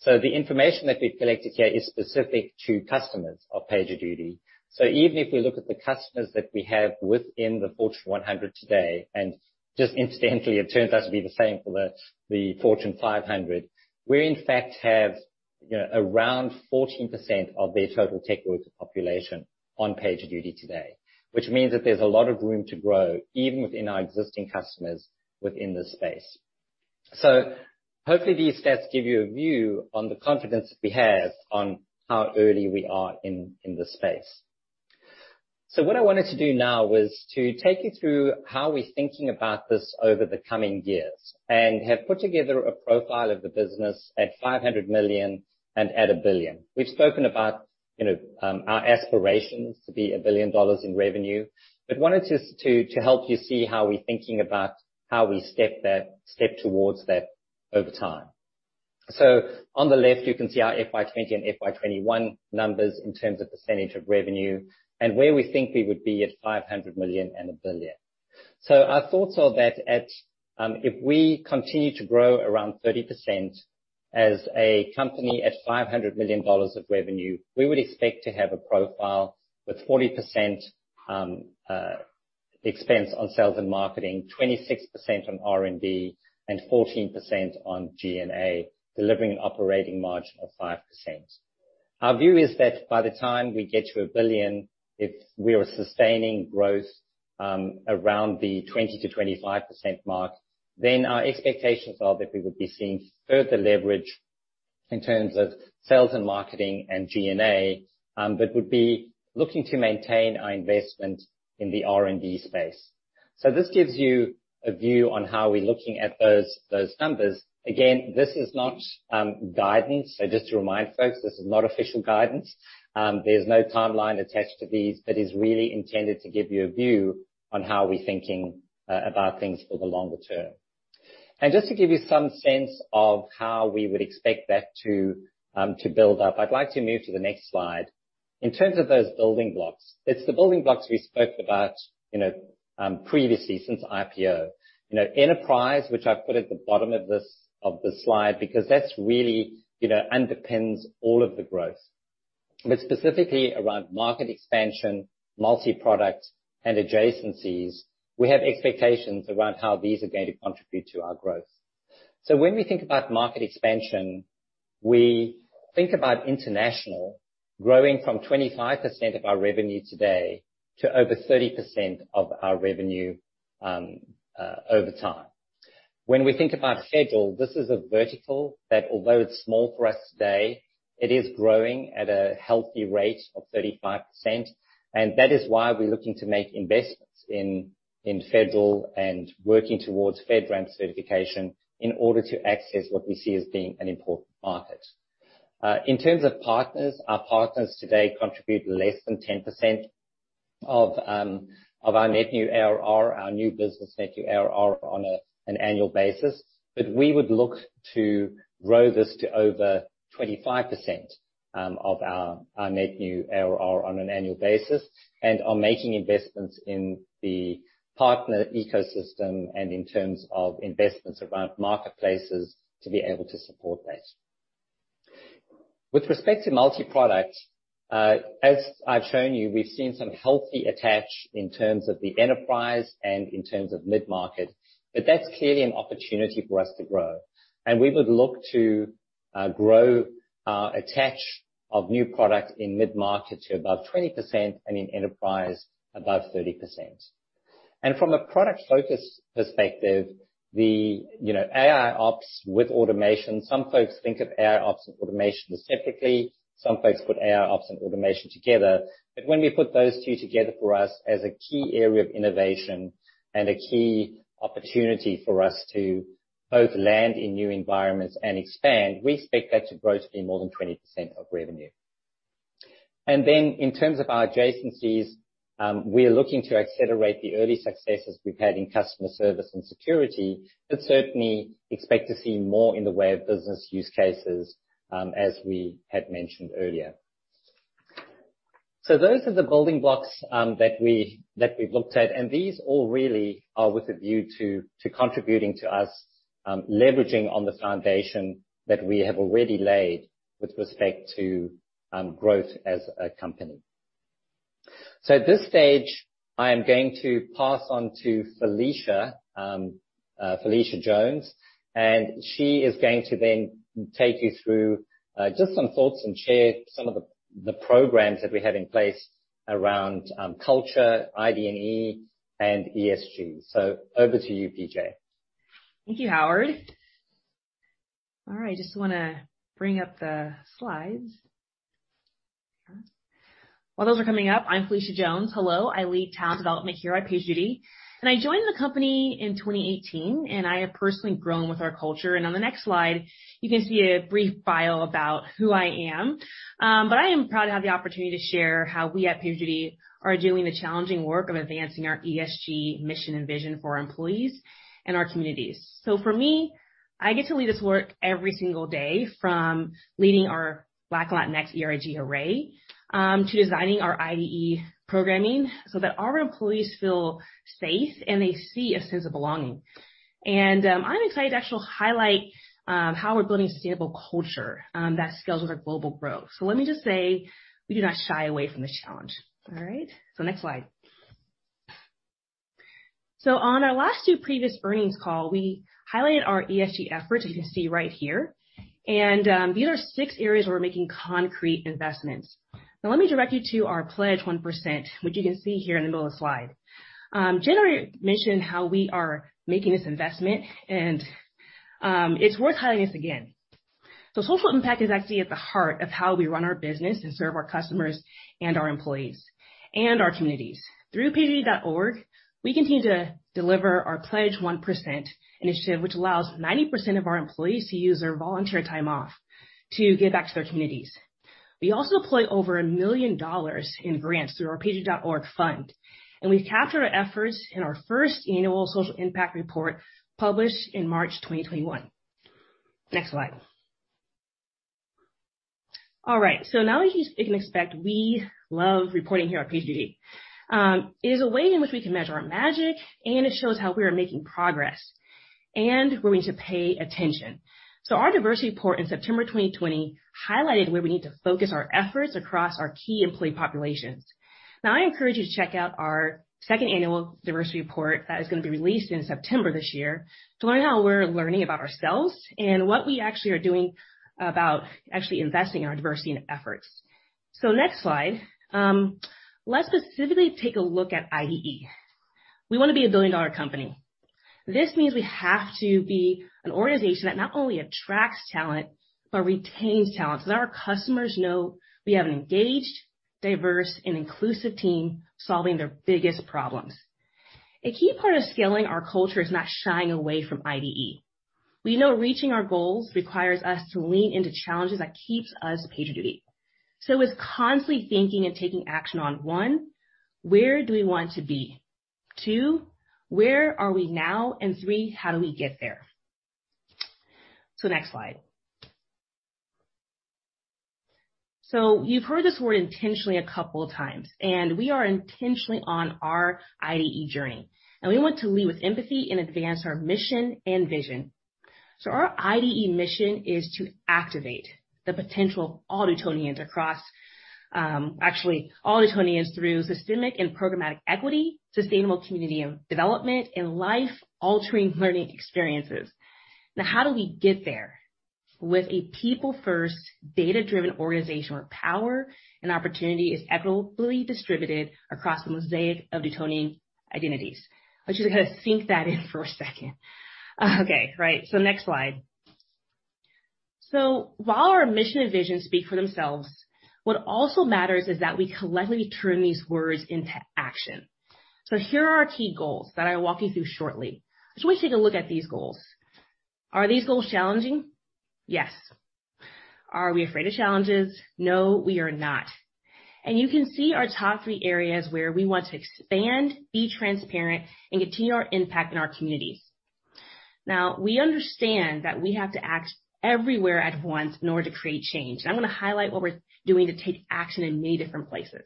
So the information that we've collected here is specific to customers of PagerDuty. So even if we look at the customers that we have within the Fortune 100 today, and just incidentally, it turns out to be the same for the Fortune 500, we, in fact, have around 14% of their total tech worker population on PagerDuty today, which means that there's a lot of room to grow even within our existing customers within this space. So hopefully, these stats give you a view on the confidence that we have on how early we are in this space. So what I wanted to do now was to take you through how we're thinking about this over the coming years and have put together a profile of the business at $500 million and at $1 billion. We've spoken about our aspirations to be $1 billion in revenue, but wanted to help you see how we're thinking about how we step towards that over time. So on the left, you can see our FY 2020 and FY 2021 numbers in terms of percentage of revenue and where we think we would be at $500 million and $1 billion. So our thoughts are that if we continue to grow around 30% as a company at $500 million of revenue, we would expect to have a profile with 40% expense on sales and marketing, 26% on R&D, and 14% on G&A, delivering an operating margin of 5%. Our view is that by the time we get to a billion, if we are sustaining growth around the 20%-25% mark, then our expectations are that we would be seeing further leverage in terms of sales and marketing and G&A, but would be looking to maintain our investment in the R&D space. So this gives you a view on how we're looking at those numbers. Again, this is not guidance. So just to remind folks, this is not official guidance. There's no timeline attached to these, but it's really intended to give you a view on how we're thinking about things for the longer term. And just to give you some sense of how we would expect that to build up, I'd like to move to the next slide. In terms of those building blocks, it's the building blocks we spoke about previously since IPO. Enterprise, which I've put at the bottom of the slide because that's really underpins all of the growth, but specifically around market expansion, multi-product, and adjacencies, we have expectations around how these are going to contribute to our growth, so when we think about market expansion, we think about international growing from 25% of our revenue today to over 30% of our revenue over time. When we think about federal, this is a vertical that, although it's small for us today, it is growing at a healthy rate of 35%, and that is why we're looking to make investments in federal and working towards FedRAMP certification in order to access what we see as being an important market. In terms of partners, our partners today contribute less than 10% of our net new ARR, our new business net new ARR on an annual basis. But we would look to grow this to over 25% of our net new ARR on an annual basis and are making investments in the partner ecosystem and in terms of investments around marketplaces to be able to support that. With respect to multi-product, as I've shown you, we've seen some healthy attach in terms of the enterprise and in terms of mid-market. But that's clearly an opportunity for us to grow. And we would look to grow our attach of new product in mid-market to above 20% and in enterprise above 30%. And from a product-focused perspective, the AIOps with automation, some folks think of AIOps and automation as separately. Some folks put AIOps and automation together. But when we put those two together for us as a key area of innovation and a key opportunity for us to both land in new environments and expand, we expect that to grow to be more than 20% of revenue. And then in terms of our adjacencies, we're looking to accelerate the early successes we've had in customer service and security. But certainly expect to see more in the way of business use cases, as we had mentioned earlier. So those are the building blocks that we've looked at. And these all really are with a view to contributing to us leveraging on the foundation that we have already laid with respect to growth as a company. So at this stage, I am going to pass on to Phylicia Jones. She is going to then take you through just some thoughts and share some of the programs that we have in place around culture, ID&E, and ESG. Over to you, PJ. Thank you, Howard. All right. Just want to bring up the slides. While those are coming up, I'm Phylicia Jones. Hello. I lead talent development here at PagerDuty, and I joined the company in 2018, and I have personally grown with our culture. On the next slide, you can see a brief bio about who I am, but I am proud to have the opportunity to share how we at PagerDuty are doing the challenging work of advancing our ESG mission and vision for our employees and our communities, so for me, I get to lead this work every single day, from leading our Black and Latinx ERG Array to designing our ID&E programming so that our employees feel safe and they see a sense of belonging, and I'm excited to actually highlight how we're building a sustainable culture that scales with our global growth. So let me just say we do not shy away from this challenge. All right. So next slide. So on our last two previous earnings call, we highlighted our ESG efforts, as you can see right here. And these are six areas where we're making concrete investments. Now, let me direct you to our pledge 1%, which you can see here in the middle of the slide. Jen already mentioned how we are making this investment, and it's worth highlighting this again. So social impact is actually at the heart of how we run our business and serve our customers and our employees and our communities. Through PagerDuty.org, we continue to deliver our pledge 1% initiative, which allows 90% of our employees to use their volunteer time off to give back to their communities. We also deploy over $1 million in grants through our PagerDuty.org fund. And we've captured our efforts in our first annual social impact report published in March 2021. Next slide. All right. So now that you can expect, we love reporting here at PagerDuty. It is a way in which we can measure our magic, and it shows how we are making progress and where we need to pay attention. So our diversity report in September 2020 highlighted where we need to focus our efforts across our key employee populations. Now, I encourage you to check out our second annual diversity report that is going to be released in September this year to learn how we're learning about ourselves and what we actually are doing about actually investing in our diversity and efforts. So next slide. Let's specifically take a look at ID&E. We want to be a billion-dollar company. This means we have to be an organization that not only attracts talent, but retains talent so that our customers know we have an engaged, diverse, and inclusive team solving their biggest problems. A key part of scaling our culture is not shying away from ID&E. We know reaching our goals requires us to lean into challenges that keep us PagerDuty. so it's constantly thinking and taking action on, one, where do we want to be? two, where are we now? and three, how do we get there? so next slide. so you've heard this word intentionally a couple of times. and we are intentionally on our ID&E journey. and we want to lead with empathy and advance our mission and vision. so our ID&E mission is to activate the potential of all Dutonians across actually, all Dutonians through systemic and programmatic equity, sustainable community development, and life-altering learning experiences. Now, how do we get there with a people-first, data-driven organization where power and opportunity is equitably distributed across the mosaic of Dutonian identities? Let's just kind of sink that in for a second. Okay. Right, so next slide. So while our mission and vision speak for themselves, what also matters is that we collectively turn these words into action. So here are our key goals that I'll walk you through shortly. So let's take a look at these goals. Are these goals challenging? Yes. Are we afraid of challenges? No, we are not, and you can see our top three areas where we want to expand, be transparent, and continue our impact in our communities. Now, we understand that we have to act everywhere at once in order to create change, and I'm going to highlight what we're doing to take action in many different places.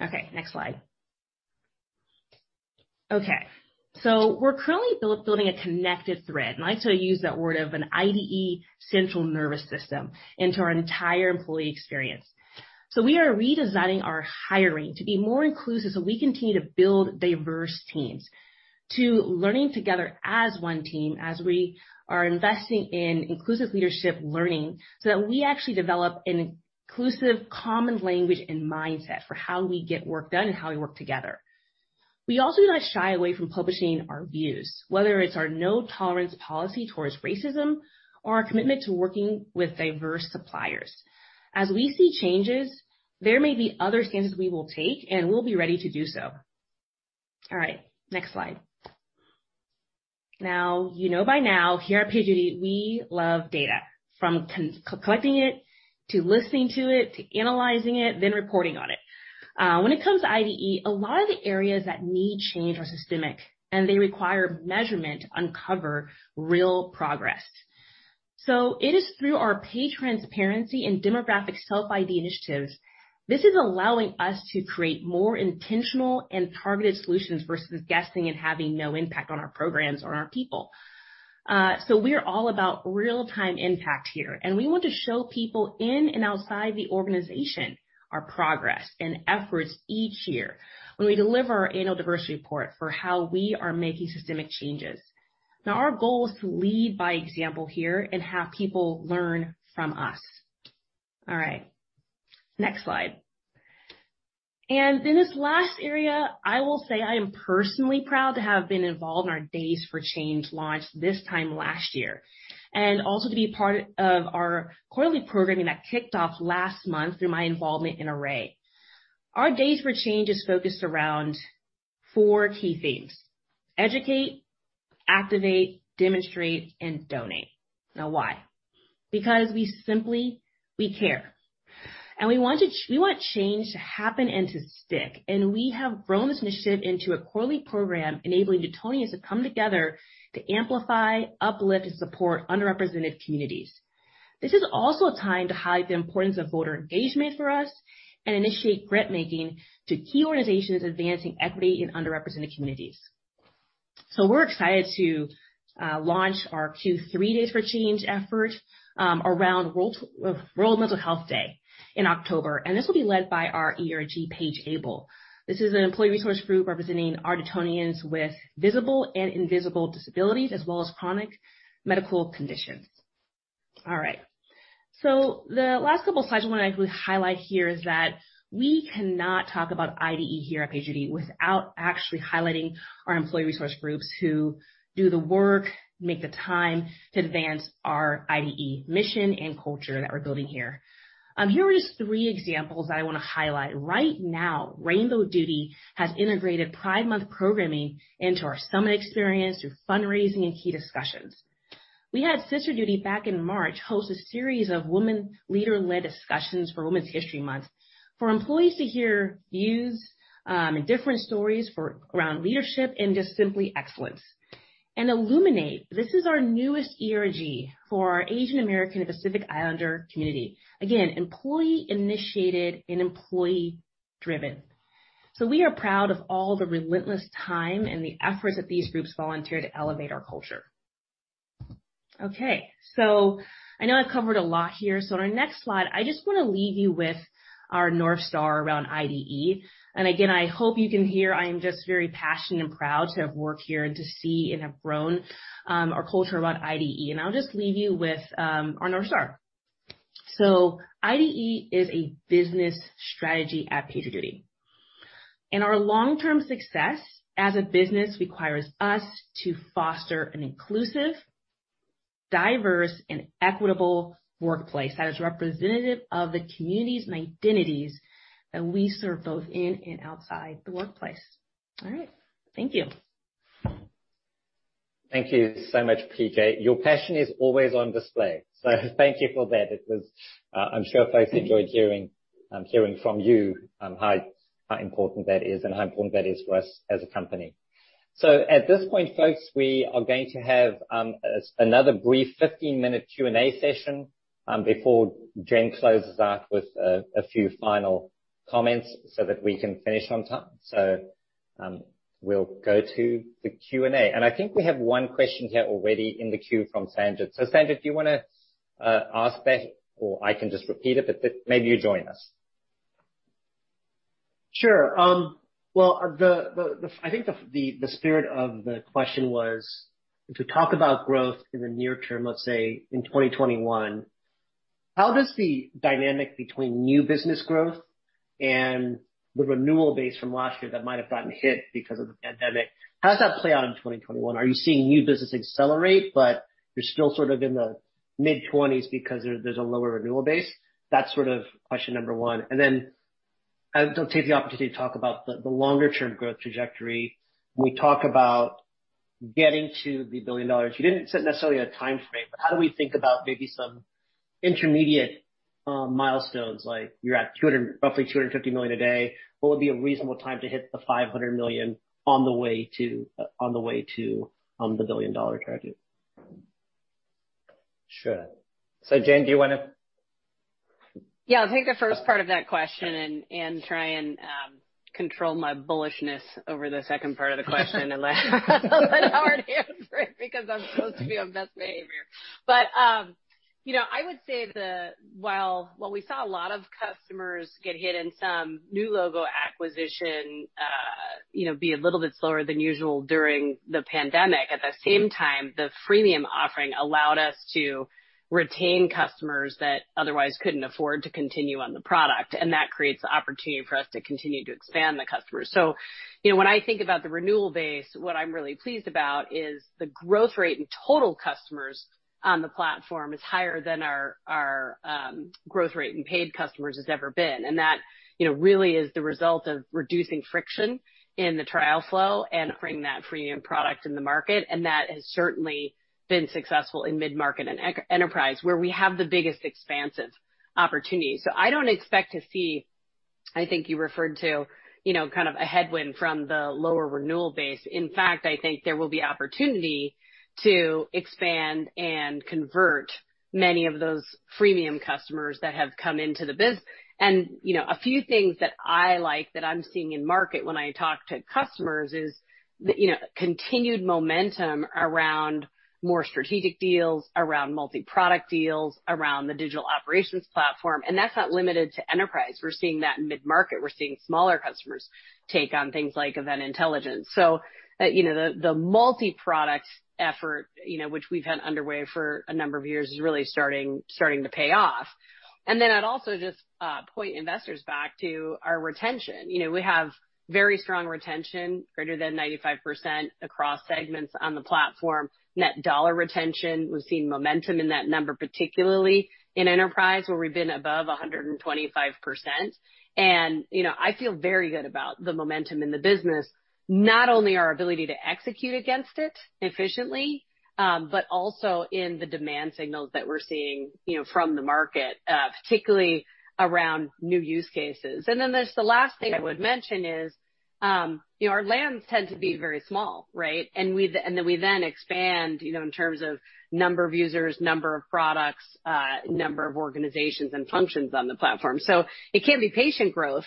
Okay. Next slide. Okay, so we're currently building a connected thread, and I like to use that word of an ID&E central nervous system into our entire employee experience, so we are redesigning our hiring to be more inclusive so we continue to build diverse teams, to learning together as one team as we are investing in inclusive leadership learning so that we actually develop an inclusive common language and mindset for how we get work done and how we work together. We also do not shy away from publishing our views, whether it's our no-tolerance policy toward racism or our commitment to working with diverse suppliers. As we see changes, there may be other stances we will take, and we'll be ready to do so. All right. Next slide. Now, you know by now, here at PagerDuty, we love data, from collecting it to listening to it, to analyzing it, then reporting on it. When it comes to ID&E, a lot of the areas that need change are systemic, and they require measurement to uncover real progress, so it is through our pay transparency and demographic self-ID initiatives. This is allowing us to create more intentional and targeted solutions versus guessing and having no impact on our programs or on our people, so we are all about real-time impact here, and we want to show people in and outside the organization our progress and efforts each year when we deliver our annual diversity report for how we are making systemic changes. Now, our goal is to lead by example here and have people learn from us. All right. Next slide. And in this last area, I will say I am personally proud to have been involved in our Days for Change launch this time last year and also to be part of our quarterly programming that kicked off last month through my involvement in Array. Our Days for Change is focused around four key themes: educate, activate, demonstrate, and donate. Now, why? Because we simply care. And we want change to happen and to stick. And we have grown this initiative into a quarterly program enabling Dutonians to come together to amplify, uplift, and support underrepresented communities. This is also a time to highlight the importance of voter engagement for us and initiate grantmaking to key organizations advancing equity in underrepresented communities. So we're excited to launch our Q3 Days for Change effort around World Mental Health Day in October. And this will be led by our ERG, PagerDuty. This is an employee resource group representing our Dutonians with visible and invisible disabilities as well as chronic medical conditions. All right, so the last couple of slides I want to actually highlight here is that we cannot talk about ID&E here at PagerDuty without actually highlighting our employee resource groups who do the work, make the time to advance our ID&E mission and culture that we're building here. Here are just three examples that I want to highlight. Right now, Rainbow Duty has integrated Pride Month programming into our summit experience through fundraising and key discussions. We had Sister Duty back in March host a series of women leader-led discussions for Women's History Month for employees to hear views and different stories around leadership and just simply excellence, and Illuminate, this is our newest ERG for our Asian American and Pacific Islander community. Again, employee-initiated and employee-driven. So we are proud of all the relentless time and the efforts that these groups volunteer to elevate our culture. Okay. So I know I've covered a lot here. So on our next slide, I just want to leave you with our North Star around ID&E. And again, I hope you can hear, I am just very passionate and proud to have worked here and to see and have grown our culture around ID&E. And I'll just leave you with our North Star. So ID&E is a business strategy at PagerDuty. And our long-term success as a business requires us to foster an inclusive, diverse, and equitable workplace that is representative of the communities and identities that we serve both in and outside the workplace. All right. Thank you. Thank you so much, PJ. Your passion is always on display. So thank you for that. I'm sure folks enjoyed hearing from you how important that is and how important that is for us as a company. So at this point, folks, we are going to have another brief 15-minute Q&A session before Jen closes out with a few final comments so that we can finish on time. So we'll go to the Q&A. And I think we have one question here already in the queue from Sanjit. So Sanjit, do you want to ask that, or I can just repeat it, but maybe you join us? Sure. Well, I think the spirit of the question was to talk about growth in the near term, let's say in 2021. How does the dynamic between new business growth and the renewal base from last year that might have gotten hit because of the pandemic, how does that play out in 2021? Are you seeing new business accelerate, but you're still sort of in the mid-20s because there's a lower renewal base? That's sort of question number one. And then I'll take the opportunity to talk about the longer-term growth trajectory. We talk about getting to $1 billion. You didn't set necessarily a time frame, but how do we think about maybe some intermediate milestones? Like you're at roughly $250 million today. What would be a reasonable time to hit $500 million on the way to the $1 billion-dollar target? Sure. So Jen, do you want to? Yeah. I'll take the first part of that question and try and control my bullishness over the second part of the question, and then I'll let Howard answer it because I'm supposed to be on best behavior, but I would say that while we saw a lot of customers get hit in some new logo acquisition be a little bit slower than usual during the pandemic, at the same time, the freemium offering allowed us to retain customers that otherwise couldn't afford to continue on the product, and that creates the opportunity for us to continue to expand the customers, so when I think about the renewal base, what I'm really pleased about is the growth rate in total customers on the platform is higher than our growth rate in paid customers has ever been. And that really is the result of reducing friction in the trial flow and offering that freemium product in the market. And that has certainly been successful in mid-market and enterprise where we have the biggest expansion opportunity. So I don't expect to see, I think you referred to, kind of a headwind from the lower renewal base. In fact, I think there will be opportunity to expand and convert many of those freemium customers that have come into the business. And a few things that I like that I'm seeing in market when I talk to customers is continued momentum around more strategic deals, around multi-product deals, around the digital operations platform. And that's not limited to enterprise. We're seeing that in mid-market. We're seeing smaller customers take on things like event intelligence. So the multi-product effort, which we've had underway for a number of years, is really starting to pay off. And then I'd also just point investors back to our retention. We have very strong retention, greater than 95% across segments on the platform. Net dollar retention, we've seen momentum in that number, particularly in enterprise where we've been above 125%. And I feel very good about the momentum in the business, not only our ability to execute against it efficiently, but also in the demand signals that we're seeing from the market, particularly around new use cases. And then there's the last thing I would mention is our lands tend to be very small, right? And then we expand in terms of number of users, number of products, number of organizations, and functions on the platform. So it can be patient growth,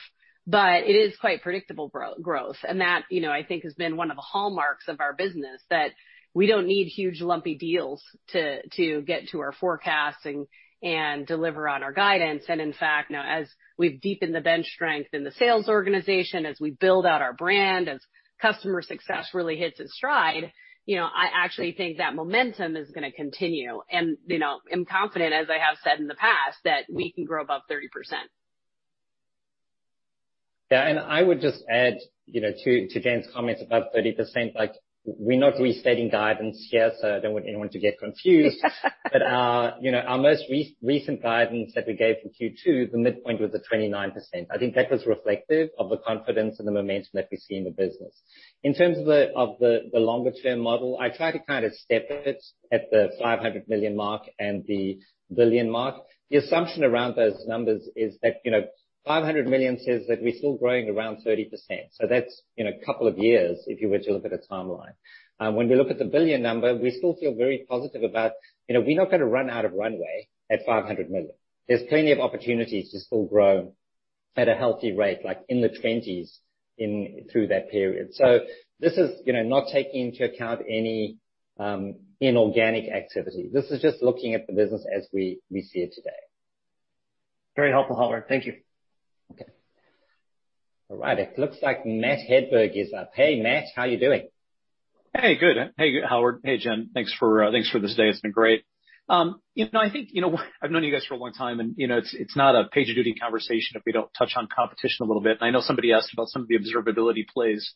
but it is quite predictable growth. And that, I think, has been one of the hallmarks of our business that we don't need huge lumpy deals to get to our forecasts and deliver on our guidance. And in fact, as we've deepened the bench strength in the sales organization, as we build out our brand, as customer success really hits its stride, I actually think that momentum is going to continue. And I'm confident, as I have said in the past, that we can grow above 30%. Yeah. And I would just add to Jen's comments about 30%. We're not restating guidance here, so I don't want anyone to get confused. But our most recent guidance that we gave for Q2, the midpoint was at 29%. I think that was reflective of the confidence and the momentum that we see in the business. In terms of the longer-term model, I try to kind of step it at the $500 million mark and the $1 billion mark. The assumption around those numbers is that $500 million says that we're still growing around 30%. So that's a couple of years if you were to look at a timeline. When we look at the $1 billion number, we still feel very positive about. We're not going to run out of runway at $500 million. There's plenty of opportunities to still grow at a healthy rate like in the 20s through that period. So this is not taking into account any inorganic activity. This is just looking at the business as we see it today. Very helpful, Howard. Thank you. Okay. All right. It looks like Matt Hedberg is up. Hey, Matt, how are you doing? Hey, good. Hey, Howard. Hey, Jen. Thanks for this day. It's been great. I think I've known you guys for a long time, and it's not a PagerDuty conversation if we don't touch on competition a little bit, and I know somebody asked about some of the observability players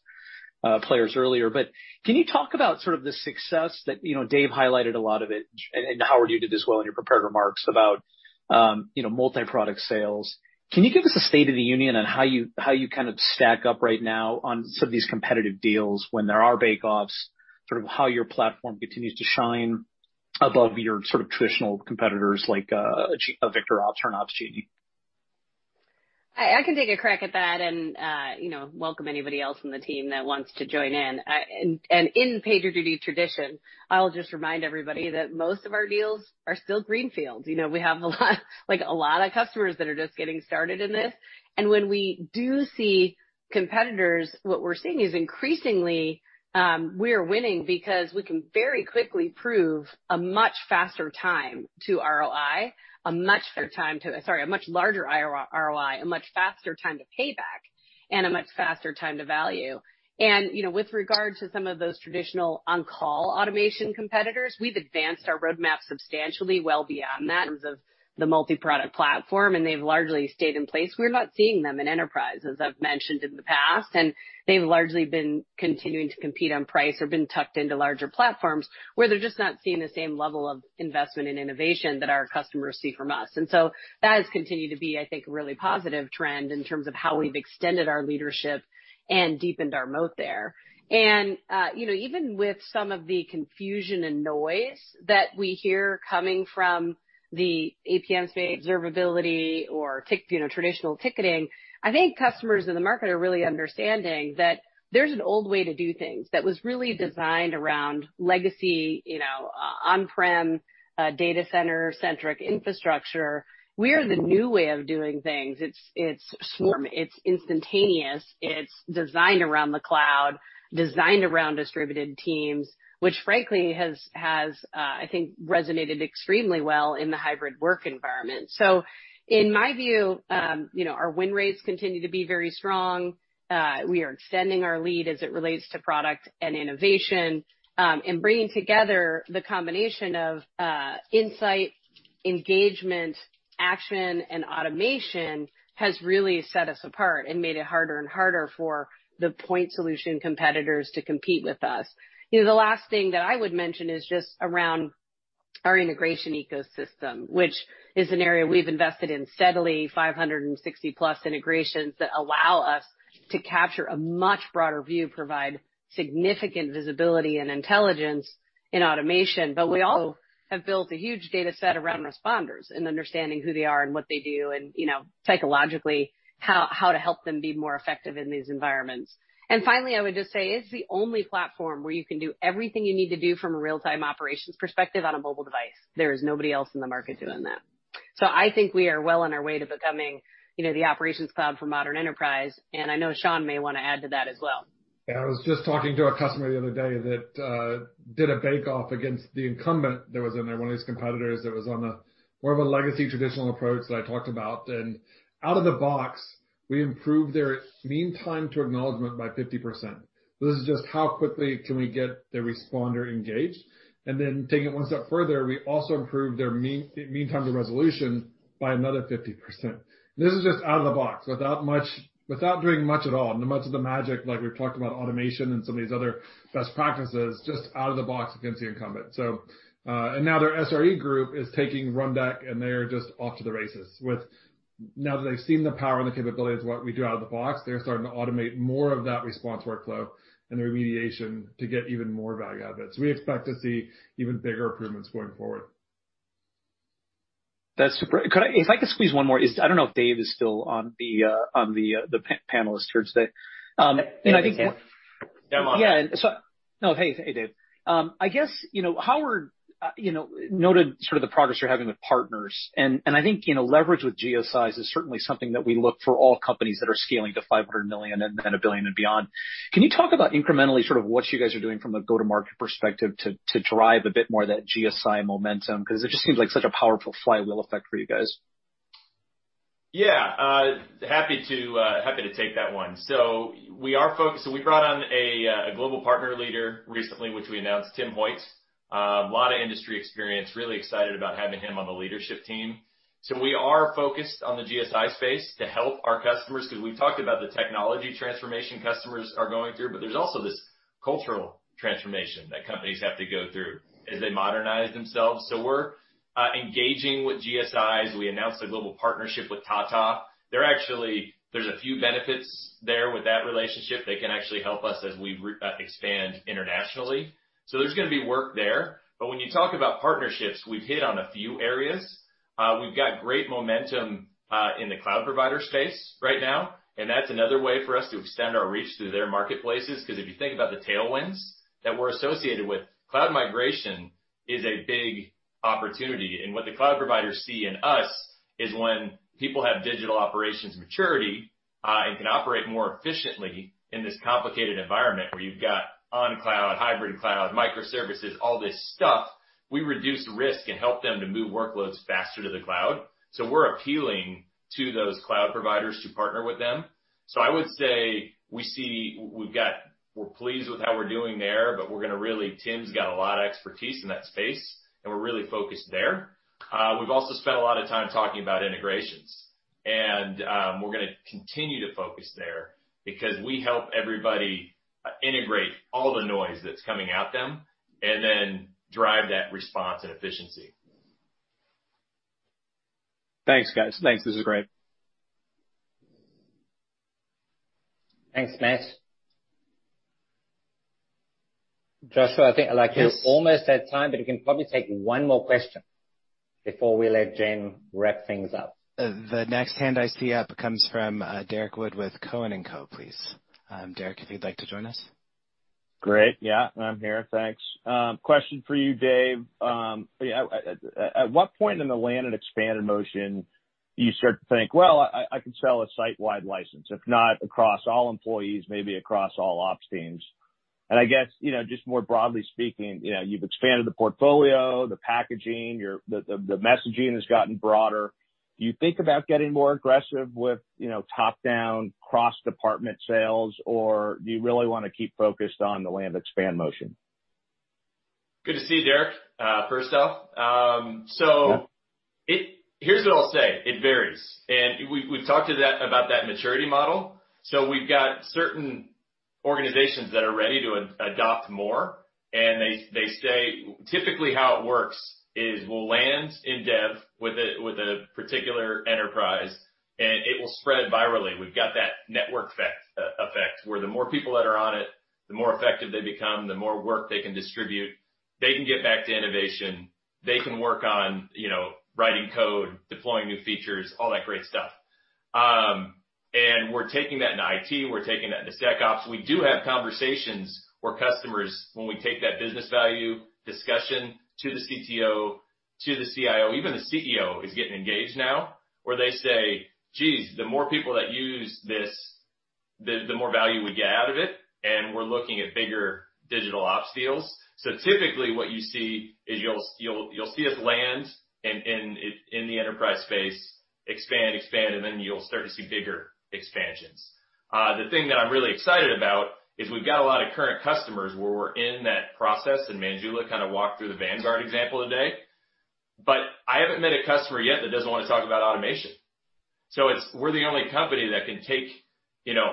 earlier, but can you talk about sort of the success that Dave highlighted a lot of it, and Howard you did this well in your prepared remarks about multi-product sales? Can you give us a state of the union on how you kind of stack up right now on some of these competitive deals when there are bake-offs, sort of how your platform continues to shine above your sort of traditional competitors like VictorOps or Opsgenie? I can take a crack at that and welcome anybody else on the team that wants to join in. And in PagerDuty tradition, I'll just remind everybody that most of our deals are still greenfields. We have a lot of customers that are just getting started in this. And when we do see competitors, what we're seeing is increasingly we are winning because we can very quickly prove a much faster time to ROI, a much better time to, sorry, a much larger ROI, a much faster time to payback, and a much faster time to value. And with regard to some of those traditional on-call automation competitors, we've advanced our roadmap substantially well beyond that in terms of the multi-product platform, and they've largely stayed in place. We're not seeing them in enterprise, as I've mentioned in the past. And they've largely been continuing to compete on price or been tucked into larger platforms where they're just not seeing the same level of investment and innovation that our customers see from us. And so that has continued to be, I think, a really positive trend in terms of how we've extended our leadership and deepened our moat there. And even with some of the confusion and noise that we hear coming from the APM space, observability, or traditional ticketing, I think customers in the market are really understanding that there's an old way to do things that was really designed around legacy on-prem data center-centric infrastructure. We are the new way of doing things. It's swarm. It's instantaneous. It's designed around the cloud, designed around distributed teams, which frankly has, I think, resonated extremely well in the hybrid work environment. So in my view, our win rates continue to be very strong. We are extending our lead as it relates to product and innovation. And bringing together the combination of insight, engagement, action, and automation has really set us apart and made it harder and harder for the point solution competitors to compete with us. The last thing that I would mention is just around our integration ecosystem, which is an area we've invested in steadily, 560-plus integrations that allow us to capture a much broader view, provide significant visibility and intelligence in automation. But we also have built a huge data set around responders and understanding who they are and what they do and psychologically how to help them be more effective in these environments. And finally, I would just say it's the only platform where you can do everything you need to do from a real-time operations perspective on a mobile device. There is nobody else in the market doing that. So I think we are well on our way to becoming the Operations Cloud for modern enterprise. And I know Sean may want to add to that as well. Yeah. I was just talking to a customer the other day that did a bake-off against the incumbent that was in there, one of these competitors that was on more of a legacy traditional approach that I talked about, and out of the box, we improved their mean time to acknowledgment by 50%. This is just how quickly can we get the responder engaged, and then taking it one step further, we also improved their mean time to resolution by another 50%. This is just out of the box without doing much at all, and much of the magic, like we've talked about automation and some of these other best practices, just out of the box against the incumbent. And now their SRE group is taking Rundeck, and they are just off to the races with now that they've seen the power and the capability of what we do out of the box, they're starting to automate more of that response workflow and the remediation to get even more value out of it. So we expect to see even bigger improvements going forward. That's super. If I could squeeze one more, I don't know if Dave is still on the panelists here today. Yeah. No, hey, Dave. I guess Howard noted sort of the progress you're having with partners, and I think leverage with geo-size is certainly something that we look for all companies that are scaling to $500 million and $1 billion and beyond. Can you talk about incrementally sort of what you guys are doing from a go-to-market perspective to drive a bit more of that geo-size momentum? Because it just seems like such a powerful flywheel effect for you guys. Yeah. Happy to take that one. So we are focused. So we brought on a global partner leader recently, which we announced, Timm Hoyt, a lot of industry experience, really excited about having him on the leadership team. So we are focused on the GSI space to help our customers because we've talked about the technology transformation customers are going through, but there's also this cultural transformation that companies have to go through as they modernize themselves. So we're engaging with GSIs. We announced a global partnership with Tata. There's a few benefits there with that relationship. They can actually help us as we expand internationally. So there's going to be work there. But when you talk about partnerships, we've hit on a few areas. We've got great momentum in the cloud provider space right now. And that's another way for us to extend our reach through their marketplaces because if you think about the tailwinds that we're associated with, cloud migration is a big opportunity. And what the cloud providers see in us is when people have digital operations maturity and can operate more efficiently in this complicated environment where you've got on-cloud, hybrid cloud, microservices, all this stuff, we reduce risk and help them to move workloads faster to the cloud. So we're appealing to those cloud providers to partner with them. So I would say we're pleased with how we're doing there, but Tim's got a lot of expertise in that space, and we're really focused there. We've also spent a lot of time talking about integrations. We're going to continue to focus there because we help everybody integrate all the noise that's coming at them and then drive that response and efficiency. Thanks, guys. Thanks. This is great. Thanks, Matt. Joshua, I think you're almost at time, but you can probably take one more question before we let Jen wrap things up. The next hand I see up comes from Derek Wood with Cowen & Co., please. Derek, if you'd like to join us. Great. Yeah. I'm here. Thanks. Question for you, Dave. At what point in the land and expanded motion do you start to think, "Well, I can sell a site-wide license, if not across all employees, maybe across all ops teams?" And I guess just more broadly speaking, you've expanded the portfolio, the packaging, the messaging has gotten broader. Do you think about getting more aggressive with top-down cross-department sales, or do you really want to keep focused on the land expand motion? Good to see you, Derek, first off, so here's what I'll say. It varies, and we've talked about that maturity model, so we've got certain organizations that are ready to adopt more, and typically how it works is we'll land in dev with a particular enterprise, and it will spread virally. We've got that network effect where the more people that are on it, the more effective they become, the more work they can distribute. They can get back to innovation. They can work on writing code, deploying new features, all that great stuff, and we're taking that in IT. We're taking that into SecOps. We do have conversations where customers, when we take that business value discussion to the CTO, to the CIO, even the CEO is getting engaged now, where they say, "Geez, the more people that use this, the more value we get out of it." And we're looking at bigger digital ops deals. So typically what you see is you'll see us land in the enterprise space, expand, expand, and then you'll start to see bigger expansions. The thing that I'm really excited about is we've got a lot of current customers where we're in that process, and Manjula kind of walked through the Vanguard example today. But I haven't met a customer yet that doesn't want to talk about automation. So we're the only company that can take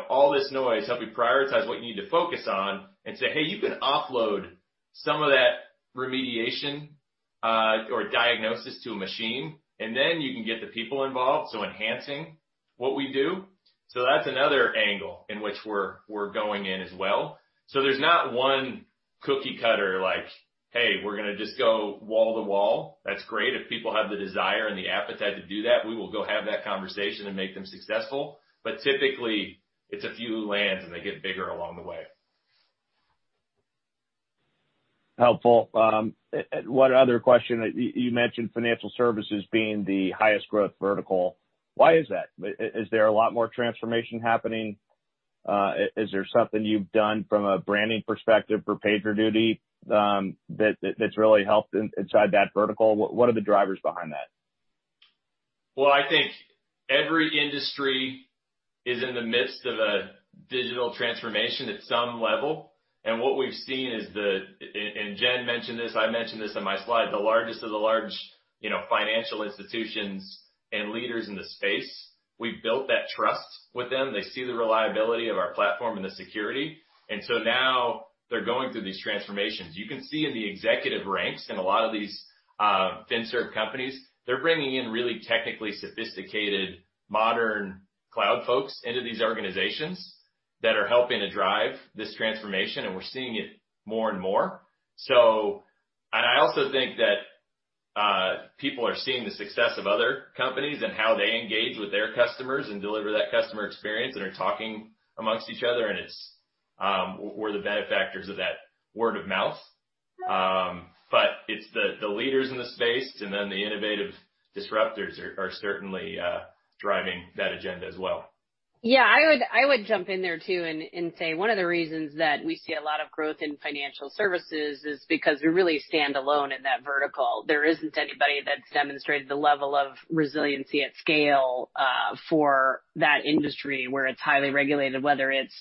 all this noise, help you prioritize what you need to focus on, and say, "Hey, you can offload some of that remediation or diagnosis to a machine, and then you can get the people involved." So enhancing what we do. So that's another angle in which we're going in as well. So there's not one cookie-cutter like, "Hey, we're going to just go wall-to-wall." That's great. If people have the desire and the appetite to do that, we will go have that conversation and make them successful. But typically, it's a few lands, and they get bigger along the way. Helpful. One other question. You mentioned financial services being the highest growth vertical. Why is that? Is there a lot more transformation happening? Is there something you've done from a branding perspective for PagerDuty that's really helped inside that vertical? What are the drivers behind that? Well, I think every industry is in the midst of a digital transformation at some level. And what we've seen is, and Jen mentioned this, I mentioned this on my slide, the largest of the large financial institutions and leaders in the space, we've built that trust with them. They see the reliability of our platform and the security. And so now they're going through these transformations. You can see in the executive ranks in a lot of these fin-serv companies, they're bringing in really technically sophisticated, modern cloud folks into these organizations that are helping to drive this transformation. And we're seeing it more and more. And I also think that people are seeing the success of other companies and how they engage with their customers and deliver that customer experience and are talking amongst each other. And we're the benefactors of that word of mouth. But it's the leaders in the space and then the innovative disruptors are certainly driving that agenda as well. Yeah. I would jump in there too and say one of the reasons that we see a lot of growth in financial services is because we really stand alone in that vertical. There isn't anybody that's demonstrated the level of resiliency at scale for that industry where it's highly regulated, whether it's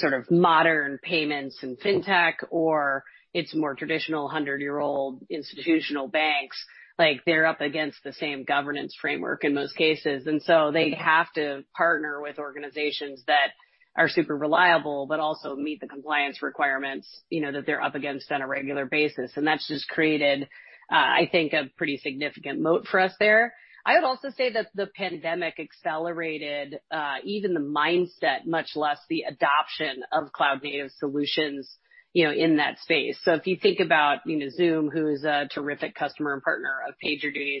sort of modern payments and fintech or it's more traditional 100-year-old institutional banks. They're up against the same governance framework in most cases. And so they have to partner with organizations that are super reliable but also meet the compliance requirements that they're up against on a regular basis. And that's just created, I think, a pretty significant moat for us there. I would also say that the pandemic accelerated even the mindset, much less the adoption of cloud-native solutions in that space. So if you think about Zoom, who is a terrific customer and partner of PagerDuty,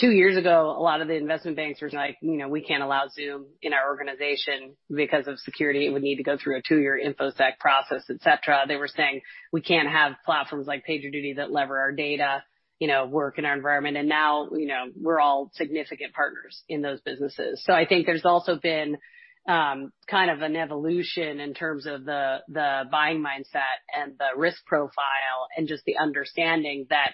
two years ago, a lot of the investment banks were like, "We can't allow Zoom in our organization because of security. We need to go through a two-year infosec process," etc. They were saying, "We can't have platforms like PagerDuty that leverage our data work in our environment." And now we're all significant partners in those businesses. So I think there's also been kind of an evolution in terms of the buying mindset and the risk profile and just the understanding that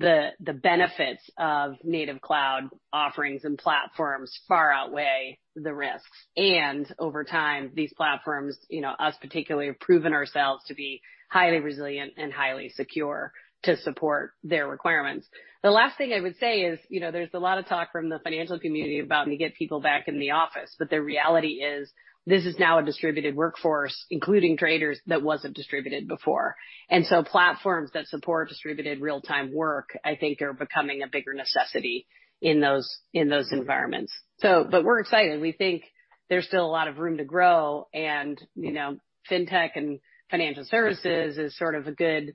the benefits of native cloud offerings and platforms far outweigh the risks. And over time, these platforms, us particularly, have proven ourselves to be highly resilient and highly secure to support their requirements. The last thing I would say is there's a lot of talk from the financial community about me getting people back in the office. But the reality is this is now a distributed workforce, including traders, that wasn't distributed before. And so platforms that support distributed real-time work, I think, are becoming a bigger necessity in those environments. But we're excited. We think there's still a lot of room to grow. And fintech and financial services is sort of a good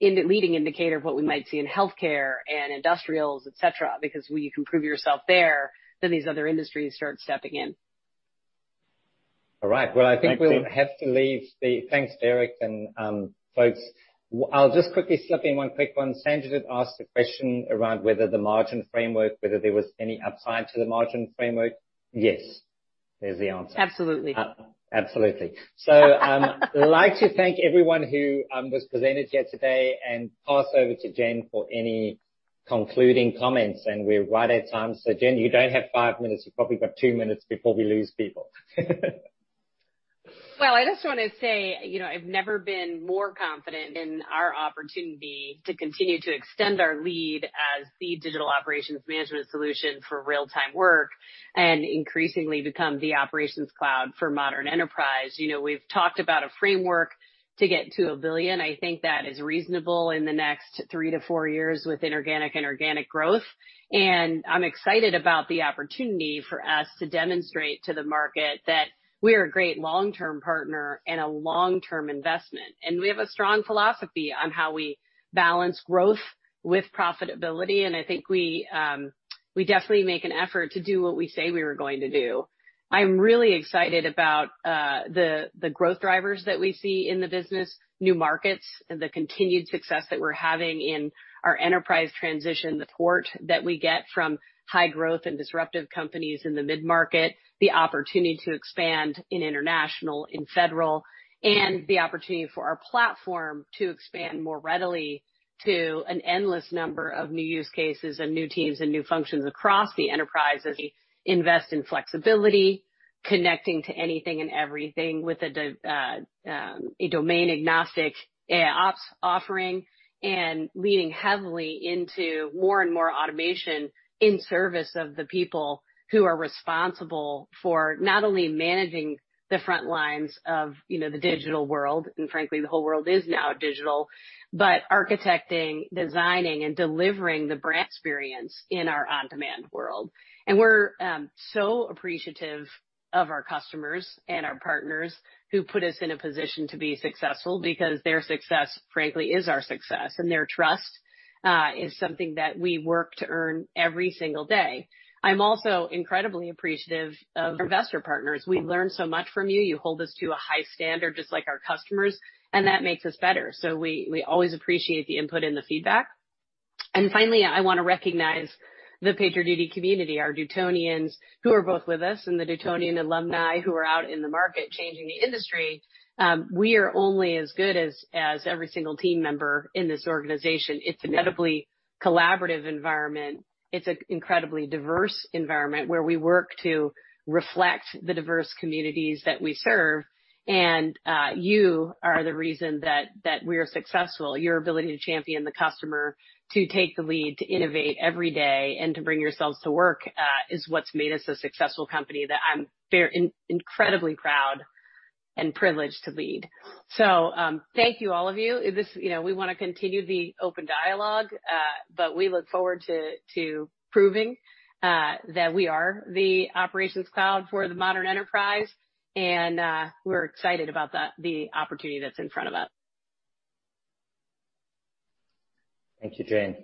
leading indicator of what we might see in healthcare and industrials, etc., because when you can prove yourself there, then these other industries start stepping in. All right. Well, I think we'll have to leave the thanks, Derek and folks. I'll just quickly slip in one quick one. Sanjit did ask a question around whether the margin framework, whether there was any upside to the margin framework. Yes, there's the answer. Absolutely. Absolutely. So I'd like to thank everyone who was present here today and pass over to Jen for any concluding comments. And we're right at time. So Jen, you don't have five minutes. You've probably got two minutes before we lose people. Well, I just want to say I've never been more confident in our opportunity to continue to extend our lead as the digital operations management solution for real-time work and increasingly become the Operations Cloud for modern enterprise. We've talked about a framework to get to a billion. I think that is reasonable in the next three to four years with inorganic and organic growth. And I'm excited about the opportunity for us to demonstrate to the market that we are a great long-term partner and a long-term investment. And we have a strong philosophy on how we balance growth with profitability. And I think we definitely make an effort to do what we say we were going to do. I'm really excited about the growth drivers that we see in the business, new markets, and the continued success that we're having in our enterprise transition, the support that we get from high-growth and disruptive companies in the mid-market, the opportunity to expand in international and federal, and the opportunity for our platform to expand more readily to an endless number of new use cases and new teams and new functions across the enterprises. We invest in flexibility, connecting to anything and everything with a domain-agnostic ops offering and leaning heavily into more and more automation in service of the people who are responsible for not only managing the front lines of the digital world, and frankly, the whole world is now digital, but architecting, designing, and delivering the brand experience in our on-demand world. And we're so appreciative of our customers and our partners who put us in a position to be successful because their success, frankly, is our success. And their trust is something that we work to earn every single day. I'm also incredibly appreciative of our investor partners. We learn so much from you. You hold us to a high standard, just like our customers, and that makes us better. So we always appreciate the input and the feedback. And finally, I want to recognize the PagerDuty community, our Dutonians who are both with us and the Dutonian alumni who are out in the market changing the industry. We are only as good as every single team member in this organization. It's an incredibly collaborative environment. It's an incredibly diverse environment where we work to reflect the diverse communities that we serve. And you are the reason that we are successful. Your ability to champion the customer, to take the lead, to innovate every day, and to bring yourselves to work is what's made us a successful company that I'm incredibly proud and privileged to lead, so thank you, all of you. We want to continue the open dialogue, but we look forward to proving that we are the Operations Cloud for the modern enterprise, and we're excited about the opportunity that's in front of us. Thank you, Jen.